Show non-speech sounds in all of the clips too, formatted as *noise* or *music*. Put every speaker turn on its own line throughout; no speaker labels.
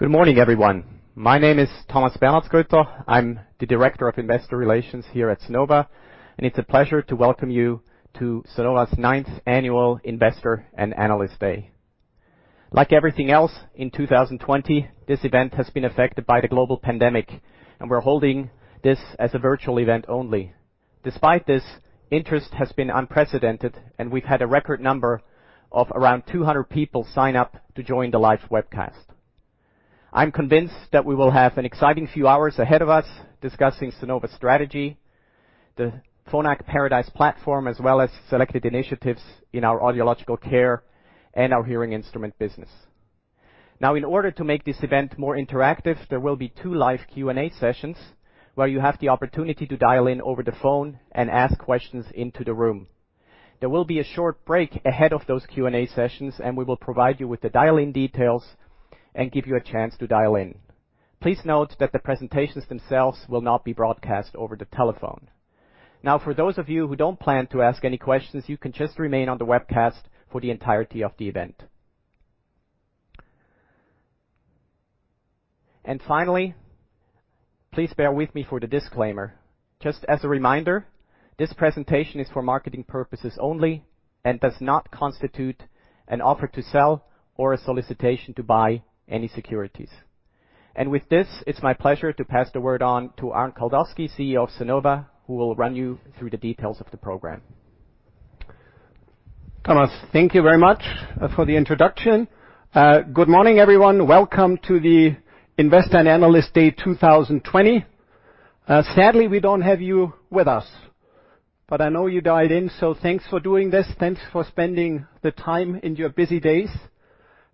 Good morning, everyone. My name is Thomas Bernhardsgrütter. I'm the Director of Investor Relations here at Sonova, and it's a pleasure to welcome you to Sonova's ninth annual Investor & Analyst Day. Like everything else in 2020, this event has been affected by the global pandemic, and we're holding this as a virtual event only. Despite this, interest has been unprecedented, and we've had a record number of around 200 people sign up to join the live webcast. I'm convinced that we will have an exciting few hours ahead of us discussing Sonova strategy, the Phonak Paradise platform, as well as selected initiatives in our audiological care and our hearing instrument business. Now, in order to make this event more interactive, there will be two live Q&A sessions where you have the opportunity to dial in over the phone and ask questions into the room. There will be a short break ahead of those Q&A sessions, and we will provide you with the dial-in details and give you a chance to dial in. Please note that the presentations themselves will not be broadcast over the telephone. Now, for those of you who don't plan to ask any questions, you can just remain on the webcast for the entirety of the event. Finally, please bear with me for the disclaimer. Just as a reminder, this presentation is for marketing purposes only and does not constitute an offer to sell or a solicitation to buy any securities. With this, it's my pleasure to pass the word on to Arnd Kaldowski, CEO of Sonova, who will run you through the details of the program.
Thomas, thank you very much for the introduction. Good morning, everyone. Welcome to the Investor and Analyst Day 2020. Sadly, we don't have you with us, but I know you dialed in, so thanks for doing this. Thanks for spending the time in your busy days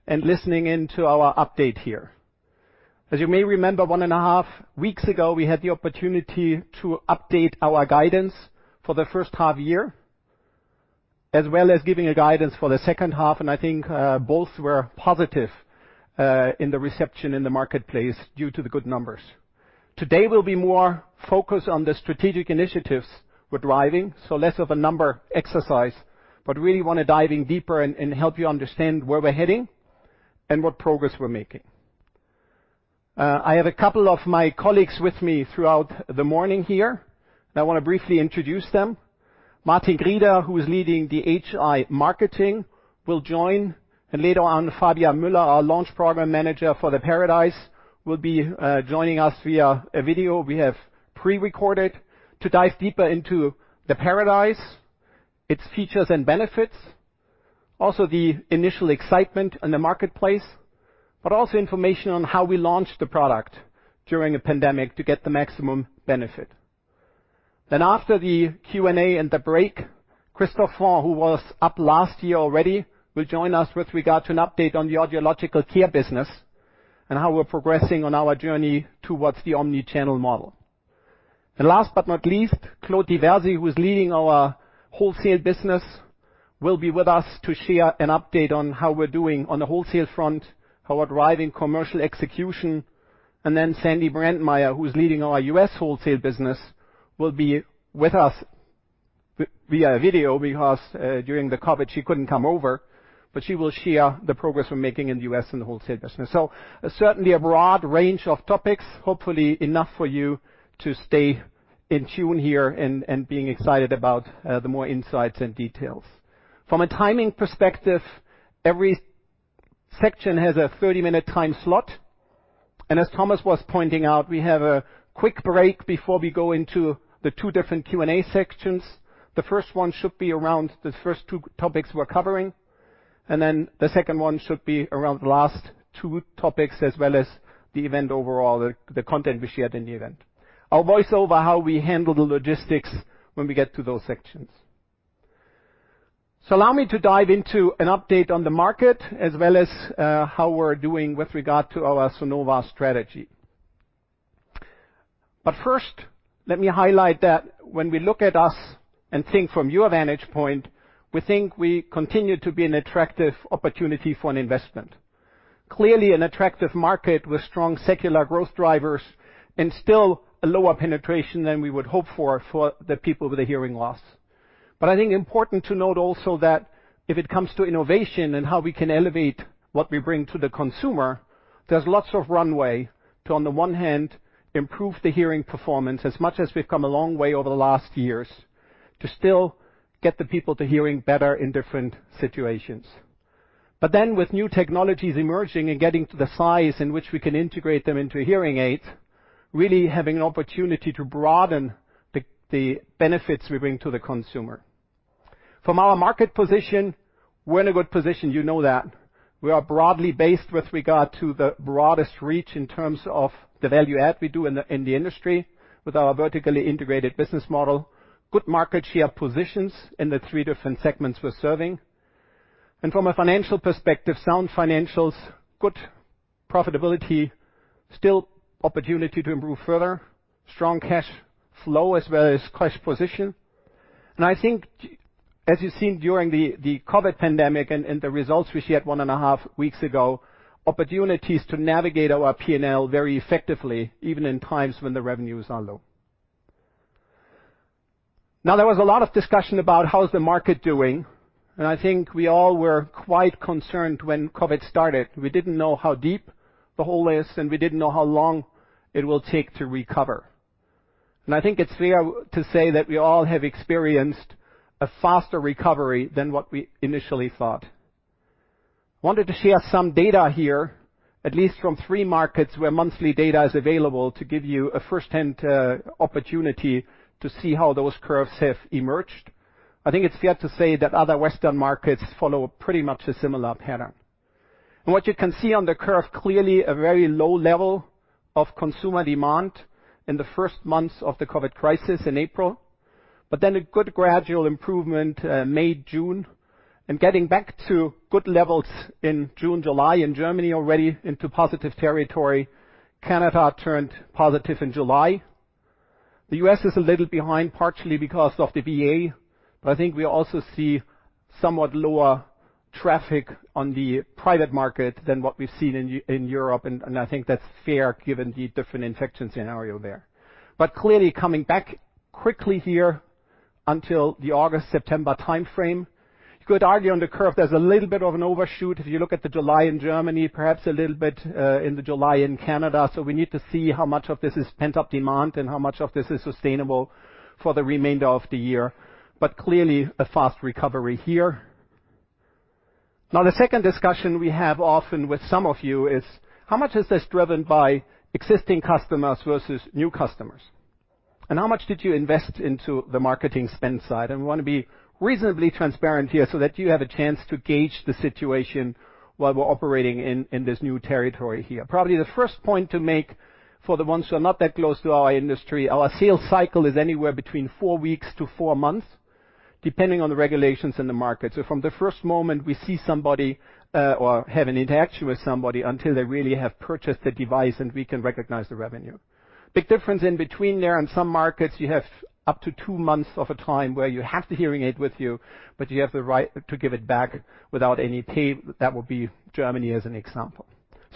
and listening into our update here. As you may remember, one and a half weeks ago, we had the opportunity to update our guidance for the first half year, as well as giving a guidance for the second half, and I think both were positive in the reception in the marketplace due to the good numbers. Today will be more focused on the strategic initiatives we're driving, so less of a number exercise. But really want to dive in deeper and help you understand where we're heading and what progress we're making. I have a couple of my colleagues with me throughout the morning here, and I want to briefly introduce them. Martin Grieder, who is leading the HI marketing, will join. Later on, Fabia Müller, our launch program manager for the Paradise, will be joining us via a video we have pre-recorded to dive deeper into the Paradise, its features and benefits, also the initial excitement in the marketplace, but also information on how we launched the product during a pandemic to get the maximum benefit. After the Q&A and the break, Christophe, who was up last year already, will join us with regard to an update on the Audiological Care business and how we're progressing on our journey towards the omni-channel model. Last but not least, Claude Diversi, who's leading our wholesale business, will be with us to share an update on how we're doing on the wholesale front, how we're driving commercial execution. Then Sandy Brandmeier, who's leading our US wholesale business, will be with us via video because during the COVID, she couldn't come over. She will share the progress we're making in the US in the wholesale business. Certainly a broad range of topics, hopefully enough for you to stay in tune here and being excited about the more insights and details. From a timing perspective, every section has a 30 minutes time slot. As Thomas was pointing out, we have a quick break before we go into the two different Q&A sections. The first one should be around the first two topics we're covering, then the second one should be around the last two topics, as well as the event overall, the content we shared in the event. I'll voice over how we handle the logistics when we get to those sections. Allow me to dive into an update on the market as well as how we're doing with regard to our Sonova strategy. First, let me highlight that when we look at us and think from your vantage point, we think we continue to be an attractive opportunity for an investment. Clearly an attractive market with strong secular growth drivers and still a lower penetration than we would hope for the people with a hearing loss. I think important to note also that if it comes to innovation and how we can elevate what we bring to the consumer, there's lots of runway to, on the one hand, improve the hearing performance as much as we've come a long way over the last years to still get the people to hearing better in different situations. With new technologies emerging and getting to the size in which we can integrate them into hearing aids, really having an opportunity to broaden the benefits we bring to the consumer. From our market position, we're in a good position, you know that. We are broadly based with regard to the broadest reach in terms of the value add we do in the industry with our vertically integrated business model. Good market share positions in the three different segments we're serving. From a financial perspective, sound financials, good profitability, still opportunity to improve further, strong cash flow as well as cash position. I think as you've seen during the COVID pandemic and the results we shared one and a half weeks ago, opportunities to navigate our P&L very effectively, even in times when the revenues are low. There was a lot of discussion about how is the market doing, and I think we all were quite concerned when COVID started. We didn't know how deep the hole is, and we didn't know how long it will take to recover. I think it's fair to say that we all have experienced a faster recovery than what we initially thought. We wanted to share some data here, at least from three markets where monthly data is available, to give you a first-hand opportunity to see how those curves have emerged. I think it's fair to say that other Western markets follow a pretty much similar pattern. What you can see on the curve, clearly a very low level of consumer demand in the first months of the COVID-19 crisis in April, but then a good gradual improvement May, June, and getting back to good levels in June, July in Germany, already into positive territory. Canada turned positive in July. The U.S. is a little behind, partially because of the VA, but I think we also see somewhat lower traffic on the private market than what we've seen in Europe, and I think that's fair given the different infection scenario there. Clearly coming back quickly here until the August, September timeframe. You could argue on the curve there's a little bit of an overshoot if you look at the July in Germany, perhaps a little bit in the July in Canada. We need to see how much of this is pent-up demand and how much of this is sustainable for the remainder of the year. Clearly, a fast recovery here. Now, the second discussion we have often with some of you is, how much is this driven by existing customers versus new customers? How much did you invest into the marketing spend side? We want to be reasonably transparent here so that you have a chance to gauge the situation while we're operating in this new territory here. Probably the first point to make for the ones who are not that close to our industry, our sales cycle is anywhere between four weeks to four months, depending on the regulations in the market. From the first moment we see somebody, or have an interaction with somebody, until they really have purchased the device and we can recognize the revenue. Big difference in between there. In some markets, you have up to two months of a time where you have the hearing aid with you, but you have the right to give it back without any pay. That would be Germany as an example.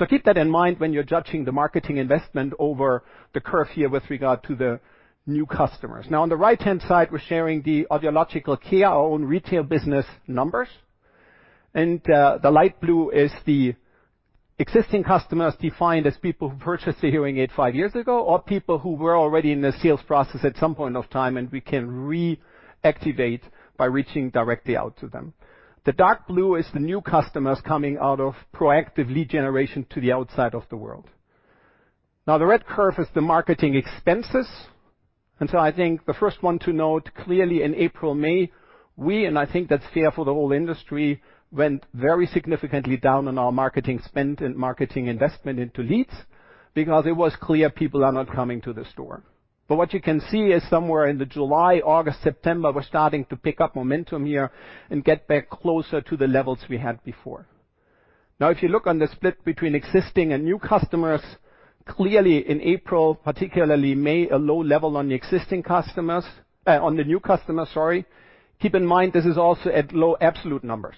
Keep that in mind when you're judging the marketing investment over the curve here with regard to the new customers. Now, on the right-hand side, we're sharing the Audiological Care, our own retail business numbers. The light blue is the existing customers defined as people who purchased the hearing aid five years ago or people who were already in the sales process at some point of time, and we can reactivate by reaching directly out to them. The dark blue is the new customers coming out of proactive lead generation to the outside of the world. Now, the red curve is the marketing expenses. I think the first one to note, clearly in April, May, we, and I think that's fair for the whole industry, went very significantly down on our marketing spend and marketing investment into leads because it was clear people are not coming to the store. What you can see is somewhere in the July, August, September, we're starting to pick up momentum here and get back closer to the levels we had before. If you look on the split between existing and new customers, clearly in April, particularly May, a low level on the new customers, sorry. Keep in mind, this is also at low absolute numbers.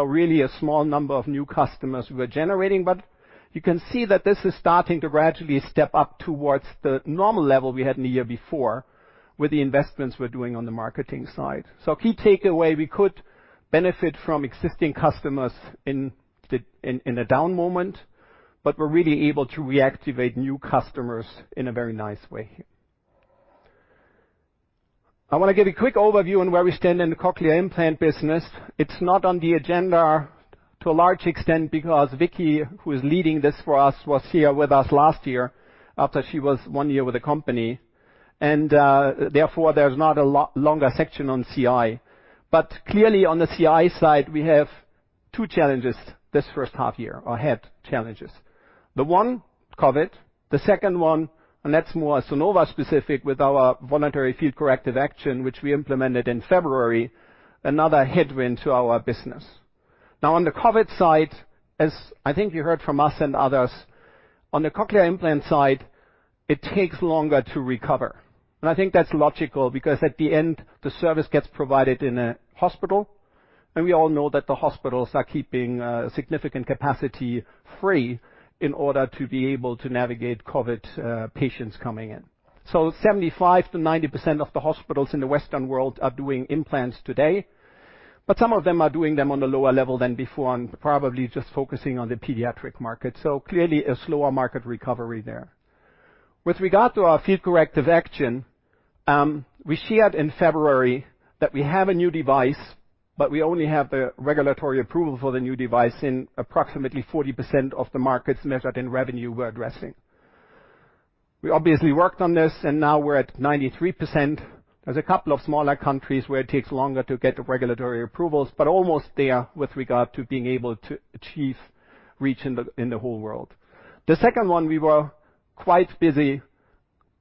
Really a small number of new customers we're generating, but you can see that this is starting to gradually step up towards the normal level we had in the year before with the investments we're doing on the marketing side. Key takeaway, we could benefit from existing customers in the down moment, but we're really able to reactivate new customers in a very nice way. I want to give a quick overview on where we stand in the Cochlear Implants business. It is not on the agenda to a large extent because Vicky, who is leading this for us, was here with us last year after she was one year with the company. Therefore, there is not a longer section on CI. Clearly, on the CI side, we have two challenges this first half-year, or ahead challenges. The one, COVID. The second one, and that is more Sonova specific with our voluntary field corrective action which we implemented in February, another headwind to our business. Now, on the COVID side, as I think you heard from us and others, on the cochlear implant side, it takes longer to recover. I think that is logical because at the end, the service gets provided in a hospital, and we all know that the hospitals are keeping significant capacity free in order to be able to navigate COVID patients coming in. 75%-90% of the hospitals in the Western world are doing implants today, but some of them are doing them on a lower level than before and probably just focusing on the pediatric market. Clearly a slower market recovery there. With regard to our field corrective action, we shared in February that we have a new device, but we only have the regulatory approval for the new device in approximately 40% of the markets measured in revenue we are addressing. We obviously worked on this, and now we are at 93%. There is a couple of smaller countries where it takes longer to get the regulatory approvals, but almost there with regard to being able to achieve reach in the whole world. The second one, we were quite busy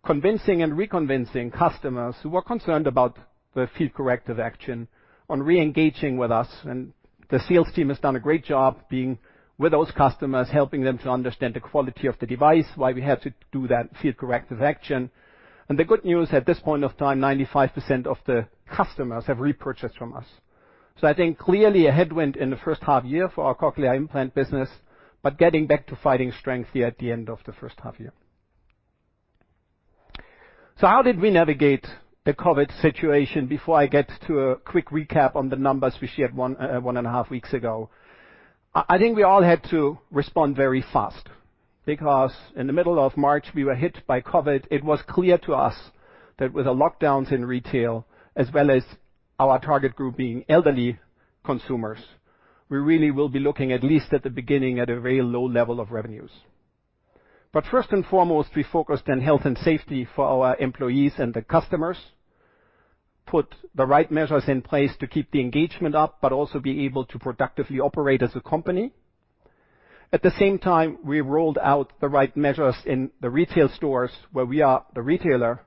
convincing and re-convincing customers who were concerned about the field corrective action on re-engaging with us, and the sales team has done a great job being with those customers, helping them to understand the quality of the device, why we had to do that field corrective action. The good news, at this point of time, 95% of the customers have repurchased from us. I think clearly a headwind in the first half year for our cochlear implant business, but getting back to fighting strength here at the end of the first half year. How did we navigate the COVID situation? Before I get to a quick recap on the numbers we shared one and a half weeks ago. I think we all had to respond very fast because in the middle of March we were hit by COVID. It was clear to us that with the lockdowns in retail, as well as our target group being elderly consumers, we really will be looking at least at the beginning at a very low level of revenues. First and foremost, we focused on health and safety for our employees and the customers, put the right measures in place to keep the engagement up, but also be able to productively operate as a company. At the same time, we rolled out the right measures in the retail stores where we are the retailer.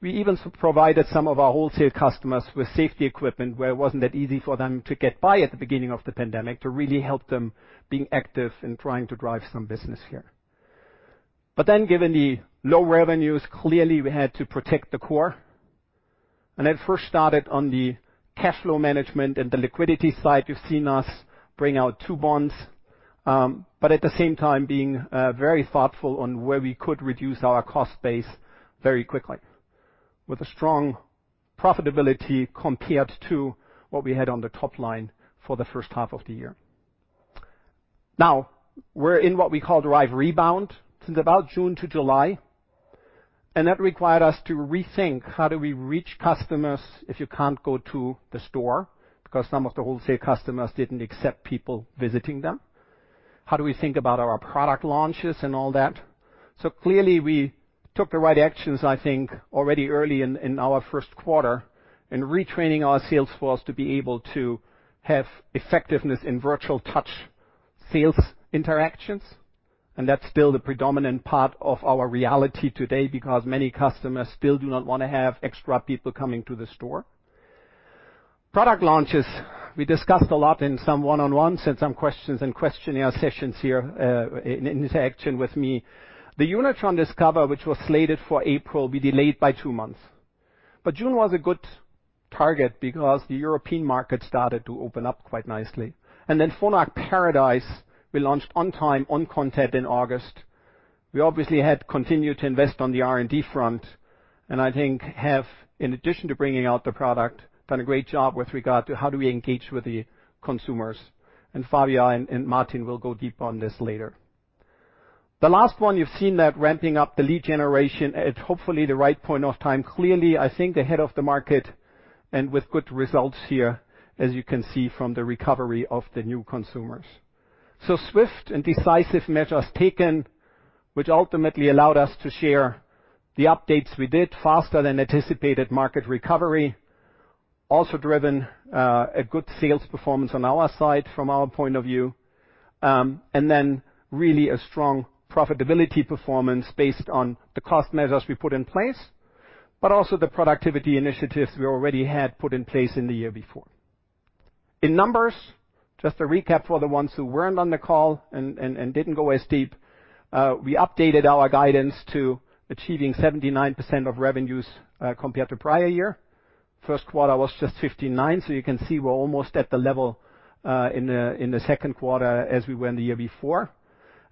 We even provided some of our wholesale customers with safety equipment where it wasn't that easy for them to get by at the beginning of the pandemic to really help them being active in trying to drive some business here. Given the low revenues, clearly we had to protect the core. That first started on the cash flow management and the liquidity side. You've seen us bring out two bonds, but at the same time being very thoughtful on where we could reduce our cost base very quickly with a strong profitability compared to what we had on the top line for the first half of the year. Now we're in what we call drive rebound since about June to July, and that required us to rethink how do we reach customers if you can't go to the store, because some of the wholesale customers didn't accept people visiting them. How do we think about our product launches and all that? Clearly we took the right actions, I think, already early in our first quarter in retraining our sales force to be able to have effectiveness in virtual touch sales interactions. That's still the predominant part of our reality today because many customers still do not want to have extra people coming to the store. Product launches, we discussed a lot in some one-on-ones and some questions in questionnaire sessions here in interaction with me. The Unitron Discover, which was slated for April, we delayed by two months, but June was a good target because the European market started to open up quite nicely. Phonak Paradise we launched on time on content in August. We obviously had continued to invest on the R&D front and I think have, in addition to bringing out the product, done a great job with regard to how do we engage with the consumers. Fabia and Martin will go deep on this later. The last one you've seen that ramping up the lead generation at hopefully the right point of time. I think ahead of the market and with good results here as you can see from the recovery of the new consumers. Swift and decisive measures taken, which ultimately allowed us to share the updates we did faster than anticipated market recovery. Also driven a good sales performance on our side from our point of view. Really a strong profitability performance based on the cost measures we put in place, but also the productivity initiatives we already had put in place in the year before. In numbers, just a recap for the ones who weren't on the call and didn't go as deep. We updated our guidance to achieving 79% of revenues compared to prior year. First quarter was just 59%, so you can see we're almost at the level in the second quarter as we were in the year before.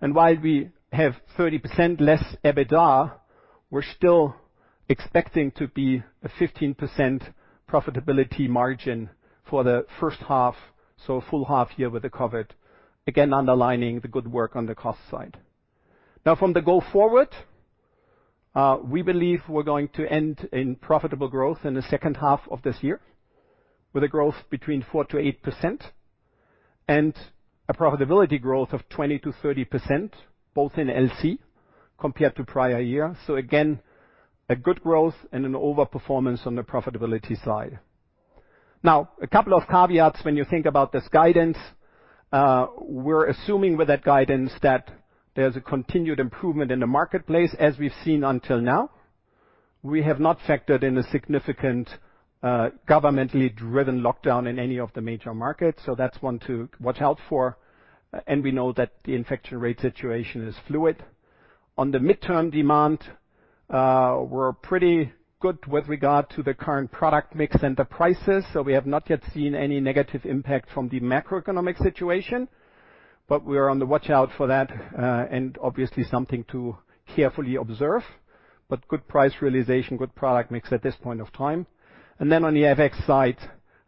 While we have 30% less EBITDA, we're still expecting to be a 15% profitability margin for the first half, so a full half year with the COVID-19, again underlining the good work on the cost side. From the go forward, we believe we're going to end in profitable growth in the second half of this year with a growth between 4%-8% and a profitability growth of 20%-30%, both in LC compared to prior year. Again, a good growth and an overperformance on the profitability side. A couple of caveats when you think about this guidance. We're assuming with that guidance that there's a continued improvement in the marketplace as we've seen until now. We have not factored in a significant governmentally driven lockdown in any of the major markets. That's one to watch out for. We know that the infection rate situation is fluid. On the midterm demand, we're pretty good with regard to the current product mix and the prices. We have not yet seen any negative impact from the macroeconomic situation. We are on the watch out for that, and obviously something to carefully observe. Good price realization, good product mix at this point of time. On the FX side,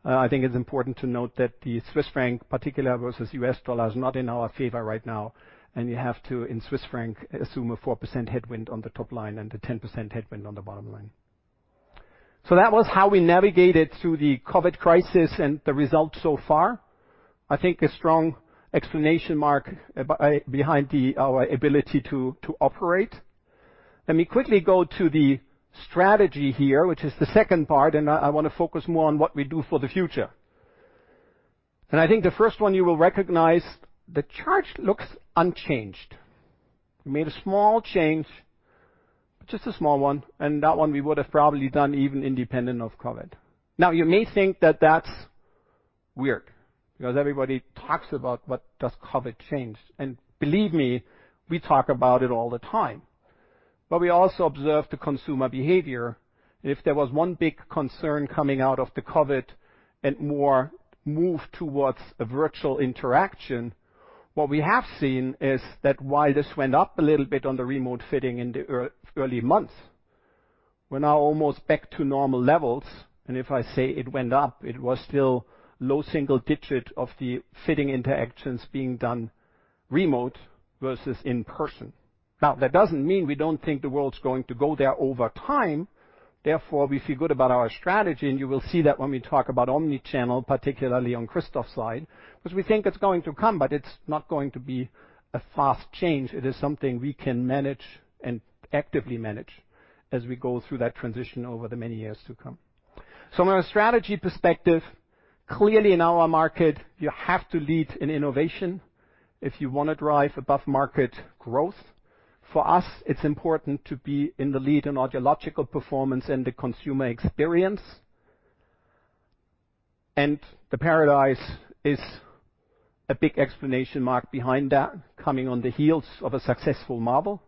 I think it's important to note that the Swiss franc particular versus U.S. dollar is not in our favor right now. You have to, in CHF, assume a 4% headwind on the top line and a 10% headwind on the bottom line. That was how we navigated through the COVID crisis and the results so far. I think a strong exclamation mark behind our ability to operate. Let me quickly go to the strategy here, which is the second part. I want to focus more on what we do for the future. I think the first one you will recognize, the chart looks unchanged. We made a small change, just a small one. That one we would have probably done even independent of COVID. Now you may think that that's weird because everybody talks about what does COVID change. Believe me, we talk about it all the time. We also observed the consumer behavior. If there was one big concern coming out of the COVID and more move towards a virtual interaction, what we have seen is that while this went up a little bit on the remote fitting in the early months, we're now almost back to normal levels, and if I say it went up, it was still low single digit of the fitting interactions being done remote versus in person. That doesn't mean we don't think the world's going to go there over time, therefore, we feel good about our strategy, and you will see that when we talk about omni-channel, particularly on Christophe side, because we think it's going to come, but it's not going to be a fast change. It is something we can manage and actively manage as we go through that transition over the many years to come. From a strategy perspective, clearly in our market, you have to lead in innovation if you want to drive above-market growth. For us, it's important to be in the lead in audiological performance and the consumer experience. The Paradise is a big exclamation mark behind that, coming on the heels of a successful Marvel.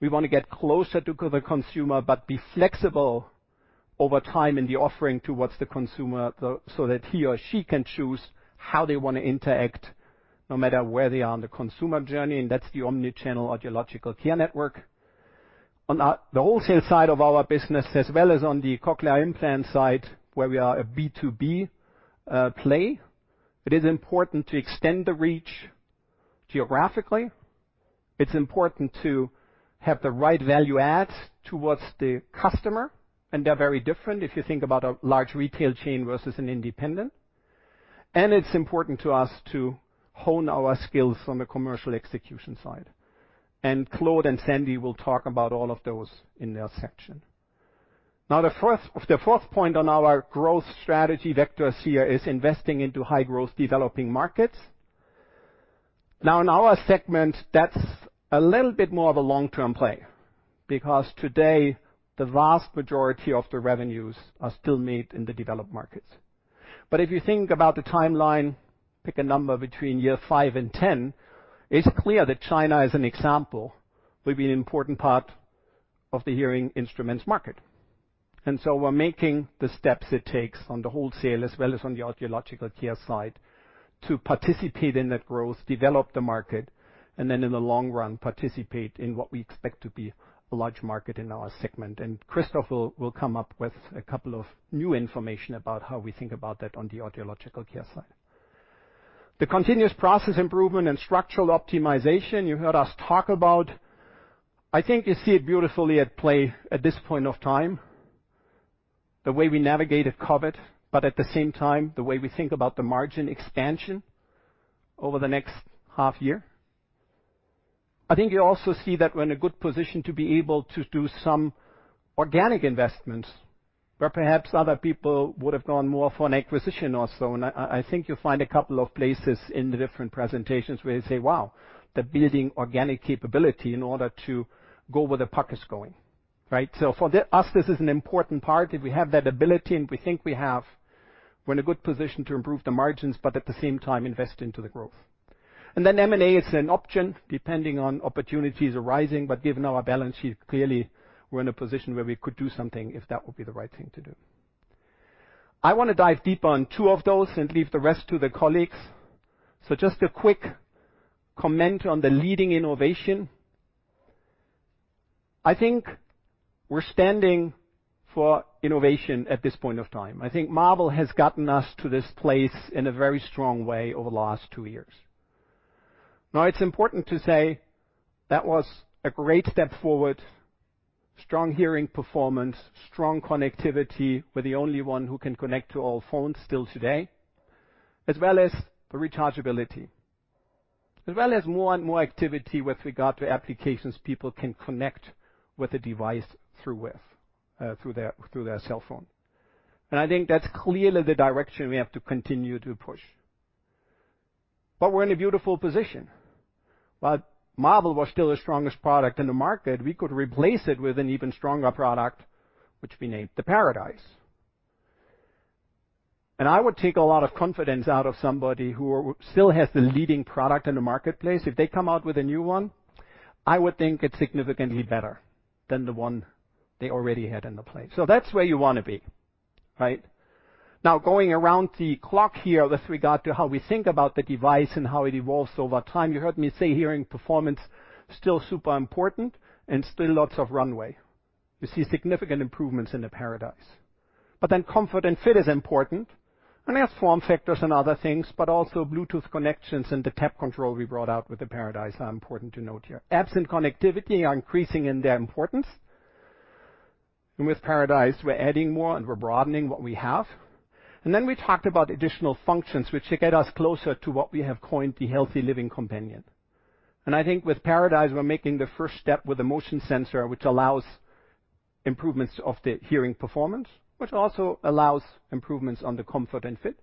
We want to get closer to the consumer, but be flexible over time in the offering towards the consumer, so that he or she can choose how they want to interact, no matter where they are on the consumer journey, and that's the omni-channel audiological care network. On the wholesale side of our business, as well as on the cochlear implant side, where we are a B2B play, it is important to extend the reach geographically. It's important to have the right value adds towards the customer, and they're very different if you think about a large retail chain versus an independent. It's important to us to hone our skills from a commercial execution side. Claude and Sandy will talk about all of those in their section. The fourth point on our growth strategy vectors here is investing into high-growth developing markets. In our segment, that's a little bit more of a long-term play, because today, the vast majority of the revenues are still made in the developed markets. If you think about the timeline, pick a number between year five and 10, it's clear that China, as an example, will be an important part of the hearing instruments market. We're making the steps it takes on the wholesale, as well as on the audiological care side to participate in that growth, develop the market, then in the long run, participate in what we expect to be a large market in our segment. Christophe will come up with a couple of new information about how we think about that on the audiological care side. The continuous process improvement and structural optimization you heard us talk about, I think you see it beautifully at play at this point of time, the way we navigated COVID, but at the same time, the way we think about the margin expansion over the next half year. I think you also see that we're in a good position to be able to do some organic investments, where perhaps other people would have gone more for an acquisition or so. I think you'll find a couple of places in the different presentations where you say, "Wow, they're building organic capability in order to go where the puck is going." Right? For us, this is an important part. If we have that ability, and we think we have, we're in a good position to improve the margins, but at the same time invest into the growth. M&A is an option depending on opportunities arising, but given our balance sheet, clearly we're in a position where we could do something if that would be the right thing to do. I want to dive deeper on two of those and leave the rest to the colleagues. Just a quick comment on the leading innovation. I think we're standing for innovation at this point of time. I think Marvel has gotten us to this place in a very strong way over the last two years. It's important to say that was a great step forward, strong hearing performance, strong connectivity. We're the only one who can connect to all phones still today, as well as the rechargeability. More and more activity with regard to applications people can connect with the device through their cellphone. I think that's clearly the direction we have to continue to push. We're in a beautiful position. Marvel was still the strongest product in the market. We could replace it with an even stronger product, which we named the Paradise. I would take a lot of confidence out of somebody who still has the leading product in the marketplace. If they come out with a new one, I would think it's significantly better than the one they already had in the place. That's where you want to be. Right? Now, going around the clock here with regard to how we think about the device and how it evolves over time, you heard me say hearing performance, still super important and still lots of runway. You see significant improvements in the Paradise. Comfort and fit is important, and there's form factors and other things, but also Bluetooth connections and the tap control we brought out with the Paradise are important to note here. App and connectivity are increasing in their importance. With Paradise, we're adding more and we're broadening what we have. We talked about additional functions, which get us closer to what we have coined the healthy living companion. I think with Phonak Paradise, we're making the first step with a motion sensor, which allows improvements of the hearing performance, which also allows improvements on the comfort and fit.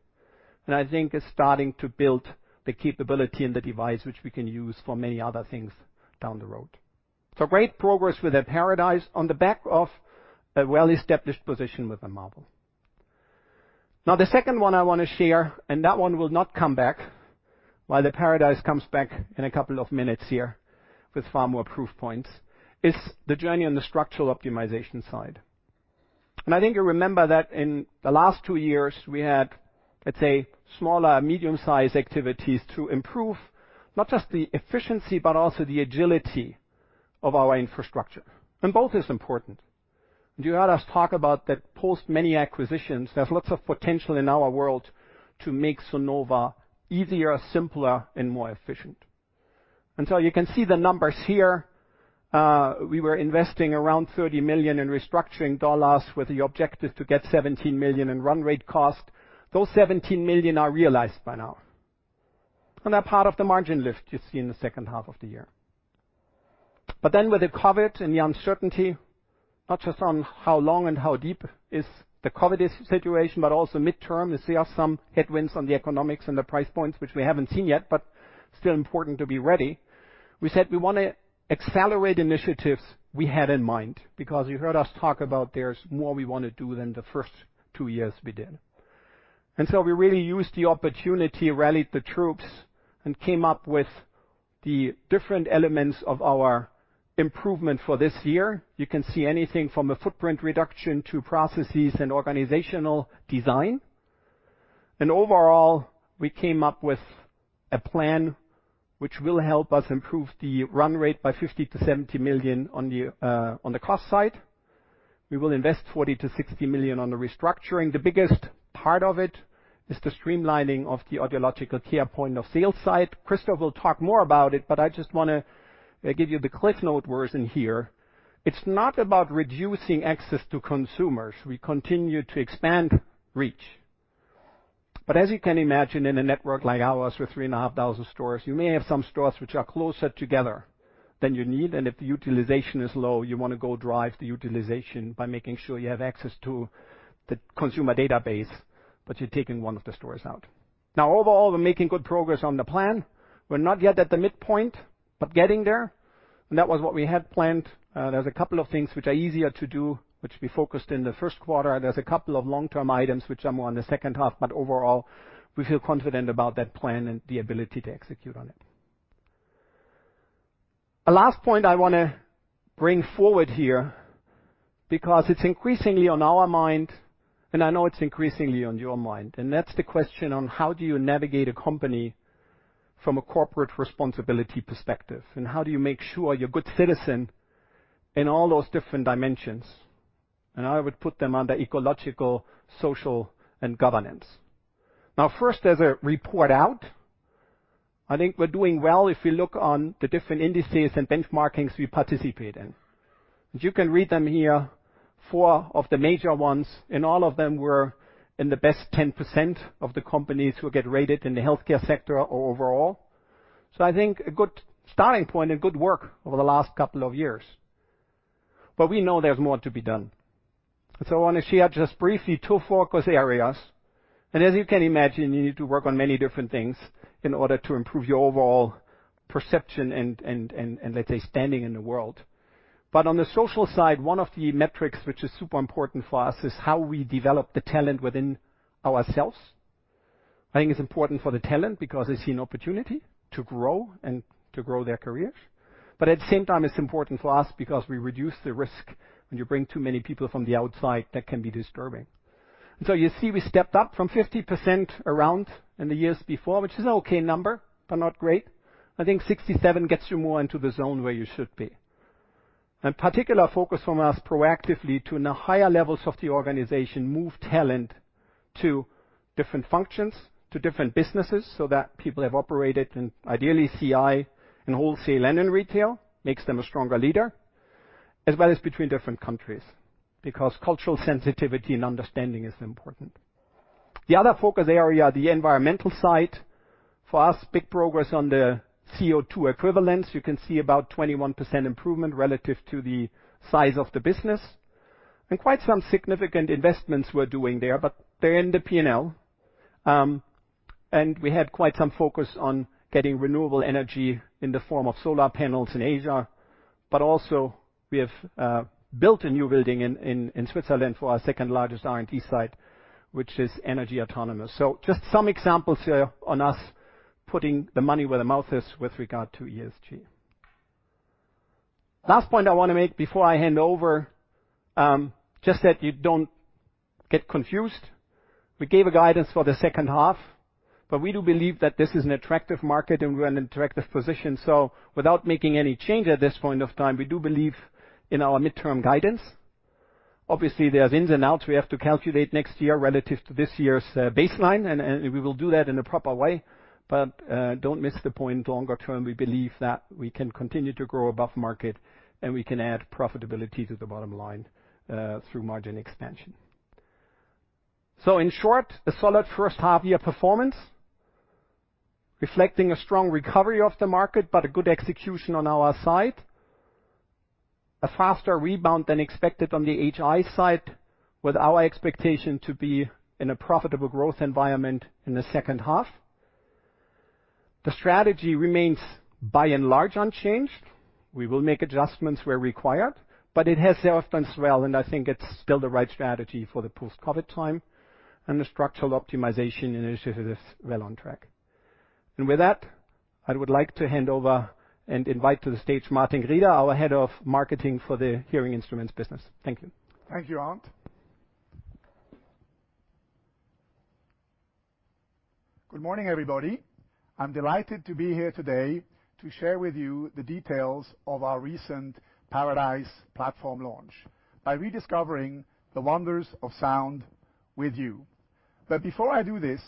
I think it's starting to build the capability in the device, which we can use for many other things down the road. Great progress with the Phonak Paradise on the back of a well-established position with the Phonak Audéo Marvel. The second one I want to share, and that one will not come back, while the Phonak Paradise comes back in a couple of minutes here with far more proof points, is the journey on the structural optimization side. I think you remember that in the last two years, we had, let's say, smaller, medium-size activities to improve not just the efficiency, but also the agility of our infrastructure. Both is important. You heard us talk about that post many acquisitions, there's lots of potential in our world to make Sonova easier, simpler, and more efficient. You can see the numbers here. We were investing around 30 million in restructuring dollars with the objective to get 17 million in run rate cost. Those 17 million are realized by now and are part of the margin lift you see in the second half of the year. With the COVID and the uncertainty, not just on how long and how deep is the COVID situation, but also midterm, you see are some headwinds on the economics and the price points, which we haven't seen yet, but still important to be ready. We said we want to accelerate initiatives we had in mind because you heard us talk about there is more we want to do than the first two years we did. We really used the opportunity, rallied the troops, and came up with the different elements of our improvement for this year. You can see anything from a footprint reduction to processes and organizational design. Overall, we came up with a plan which will help us improve the run rate by 50 million-70 million on the cost side. We will invest 40 million-60 million on the restructuring. The biggest part of it is the streamlining of the audiological care point of sale side. Christophe will talk more about it, but I just want to give you the cliff note version here. It is not about reducing access to consumers. We continue to expand reach. As you can imagine, in a network like ours with 3,500 stores, you may have some stores which are closer together than you need. If the utilization is low, you want to go drive the utilization by making sure you have access to the consumer database, but you're taking one of the stores out. Overall, we're making good progress on the plan. We're not yet at the midpoint, but getting there. That was what we had planned. There's a couple of things which are easier to do, which we focused on in the first quarter. There's a couple of long-term items which are more in the second half, but overall, we feel confident about that plan and the ability to execute on it. A last point I want to bring forward here because it's increasingly on our mind, and I know it's increasingly on your mind, and that's the question on how do you navigate a company from a corporate responsibility perspective, and how do you make sure you're a good citizen in all those different dimensions? I would put them under ecological, social, and governance. First, as a report out, I think we're doing well if we look on the different indices and benchmarkings we participate in. You can read them here, four of the major ones, and all of them were in the best 10% of the companies who get rated in the healthcare sector overall. I think a good starting point and good work over the last couple of years. We know there's more to be done. I want to share just briefly two focus areas. As you can imagine, you need to work on many different things in order to improve your overall perception and, let's say, standing in the world. On the social side, one of the metrics which is super important for us is how we develop the talent within ourselves. I think it's important for the talent because they see an opportunity to grow and to grow their careers. At the same time, it's important for us because we reduce the risk. When you bring too many people from the outside, that can be disturbing. You see we stepped up from 50% around in the years before, which is an okay number, but not great. I think 67 gets you more into the zone where you should be. Particular focus from us proactively to in the higher levels of the organization, move talent to different functions, to different businesses, so that people have operated in ideally CI and wholesale and in retail, makes them a stronger leader, as well as between different countries, because cultural sensitivity and understanding is important. The other focus area, the environmental side. For us, big progress on the CO₂ equivalence. You can see about 21% improvement relative to the size of the business. Quite some significant investments we're doing there, but they're in the P&L. We had quite some focus on getting renewable energy in the form of solar panels in Asia. Also we have built a new building in Switzerland for our second largest R&D site, which is energy autonomous. Just some examples here on us putting the money where the mouth is with regard to ESG. Last point I want to make before I hand over, just that you don't get confused. We gave a guidance for the second half, but we do believe that this is an attractive market and we're in an attractive position. Without making any change at this point of time, we do believe in our midterm guidance. There's ins and outs we have to calculate next year relative to this year's baseline, and we will do that in a proper way. Don't miss the point. Longer term, we believe that we can continue to grow above market and we can add profitability to the bottom line through margin expansion. In short, a solid first half year performance reflecting a strong recovery of the market, but a good execution on our side, a faster rebound than expected on the HI side with our expectation to be in a profitable growth environment in the second half. The strategy remains by and large unchanged. We will make adjustments where required, but it has served us well, and I think it's still the right strategy for the post-COVID time, and the structural optimization initiative is well on track. With that, I would like to hand over and invite to the stage Martin Grieder, our Head of Marketing for the hearing instruments business. Thank you.
Thank you, Arnd. Good morning, everybody. I'm delighted to be here today to share with you the details of our recent Paradise platform launch by rediscovering the wonders of sound with you. Before I do this,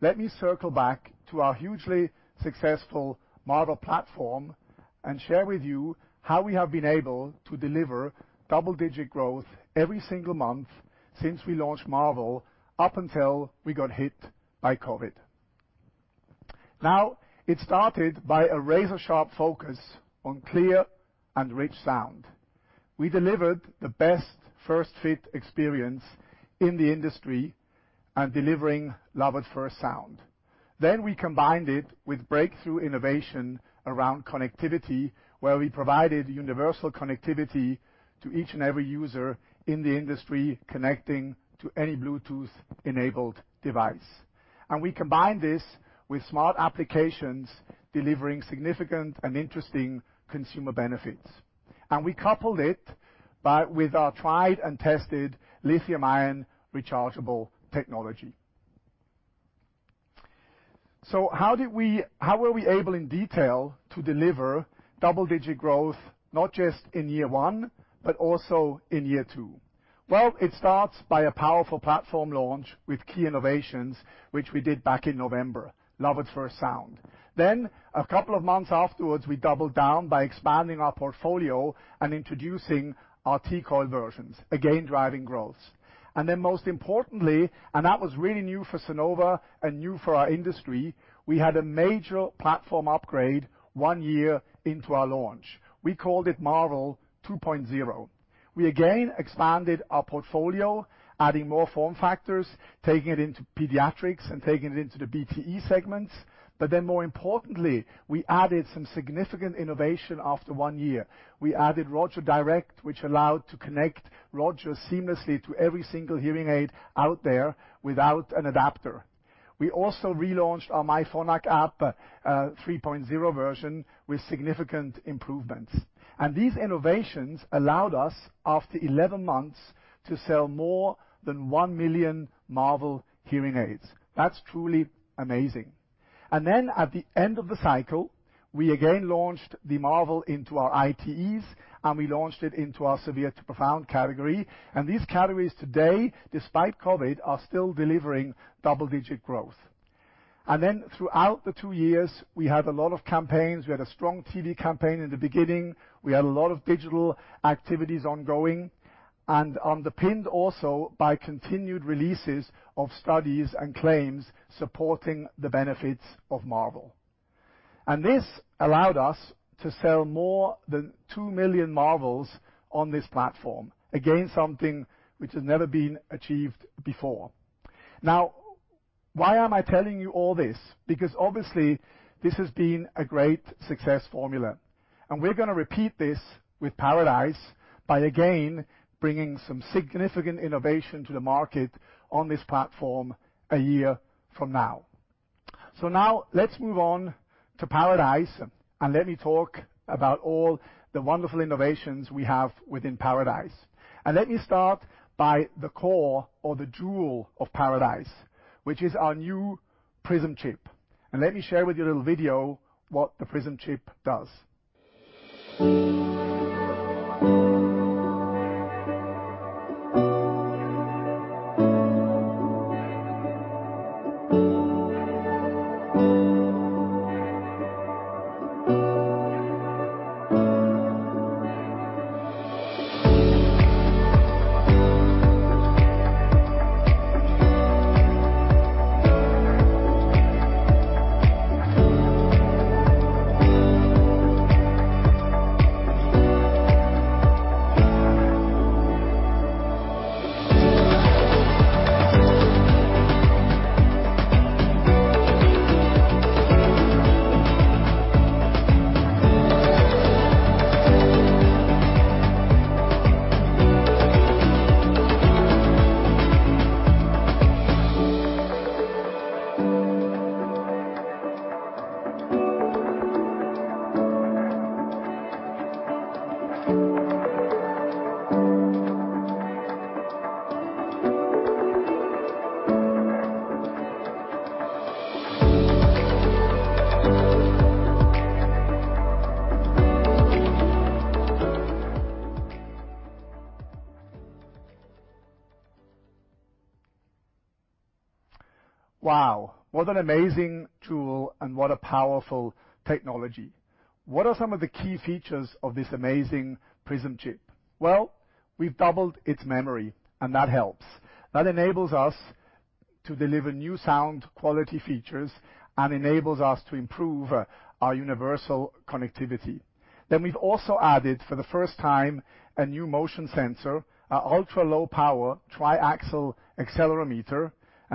let me circle back to our hugely successful Marvel platform and share with you how we have been able to deliver double-digit growth every single month since we launched Marvel, up until we got hit by COVID. It started by a razor-sharp focus on clear and rich sound. We delivered the best first-fit experience in the industry and delivering Love At First Sound. We combined it with breakthrough innovation around connectivity, where we provided universal connectivity to each and every user in the industry connecting to any Bluetooth-enabled device. We combined this with smart applications delivering significant and interesting consumer benefits. We coupled it with our tried and tested lithium-ion rechargeable technology. How were we able, in detail, to deliver double-digit growth not just in year one, but also in year two? Well, it starts by a powerful platform launch with key innovations, which we did back in November, Love At First Sound. A couple of months afterwards, we doubled down by expanding our portfolio and introducing our T-coil versions, again driving growth. Most importantly, and that was really new for Sonova and new for our industry, we had a major platform upgrade one year into our launch. We called it Marvel 2.0. We again expanded our portfolio, adding more form factors, taking it into pediatrics and taking it into the BTE segments. More importantly, we added some significant innovation after one year. We added RogerDirect, which allowed to connect Rogers seamlessly to every single hearing aid out there without an adapter. We also relaunched our myPhonak app, 3.0 version, with significant improvements. These innovations allowed us, after 11 months, to sell more than 1 million Marvel hearing aids. That's truly amazing. At the end of the cycle, we again launched the Marvel into our ITEs, and we launched it into our severe to profound category. These categories today, despite COVID, are still delivering double-digit growth. Throughout the two years, we had a lot of campaigns. We had a strong TV campaign in the beginning. We had a lot of digital activities ongoing, and underpinned also by continued releases of studies and claims supporting the benefits of Marvel. This allowed us to sell more than 2 million Marvels on this platform. Something which has never been achieved before. Why am I telling you all this? Obviously, this has been a great success formula. We're going to repeat this with Paradise by again bringing some significant innovation to the market on this platform a year from now. Let's move on to Paradise, and let me talk about all the wonderful innovations we have within Paradise. Let me start by the core or the jewel of Paradise, which is our new PRISM chip. Let me share with you a little video what the PRISM chip does. Wow, what an amazing tool and what a powerful technology. What are some of the key features of this amazing PRISM chip? Well, we've doubled its memory, and that helps. That enables us to deliver new sound quality features and enables us to improve our universal connectivity. We've also added, for the first time, a new motion sensor, an ultra-low power tri-axial accelerometer.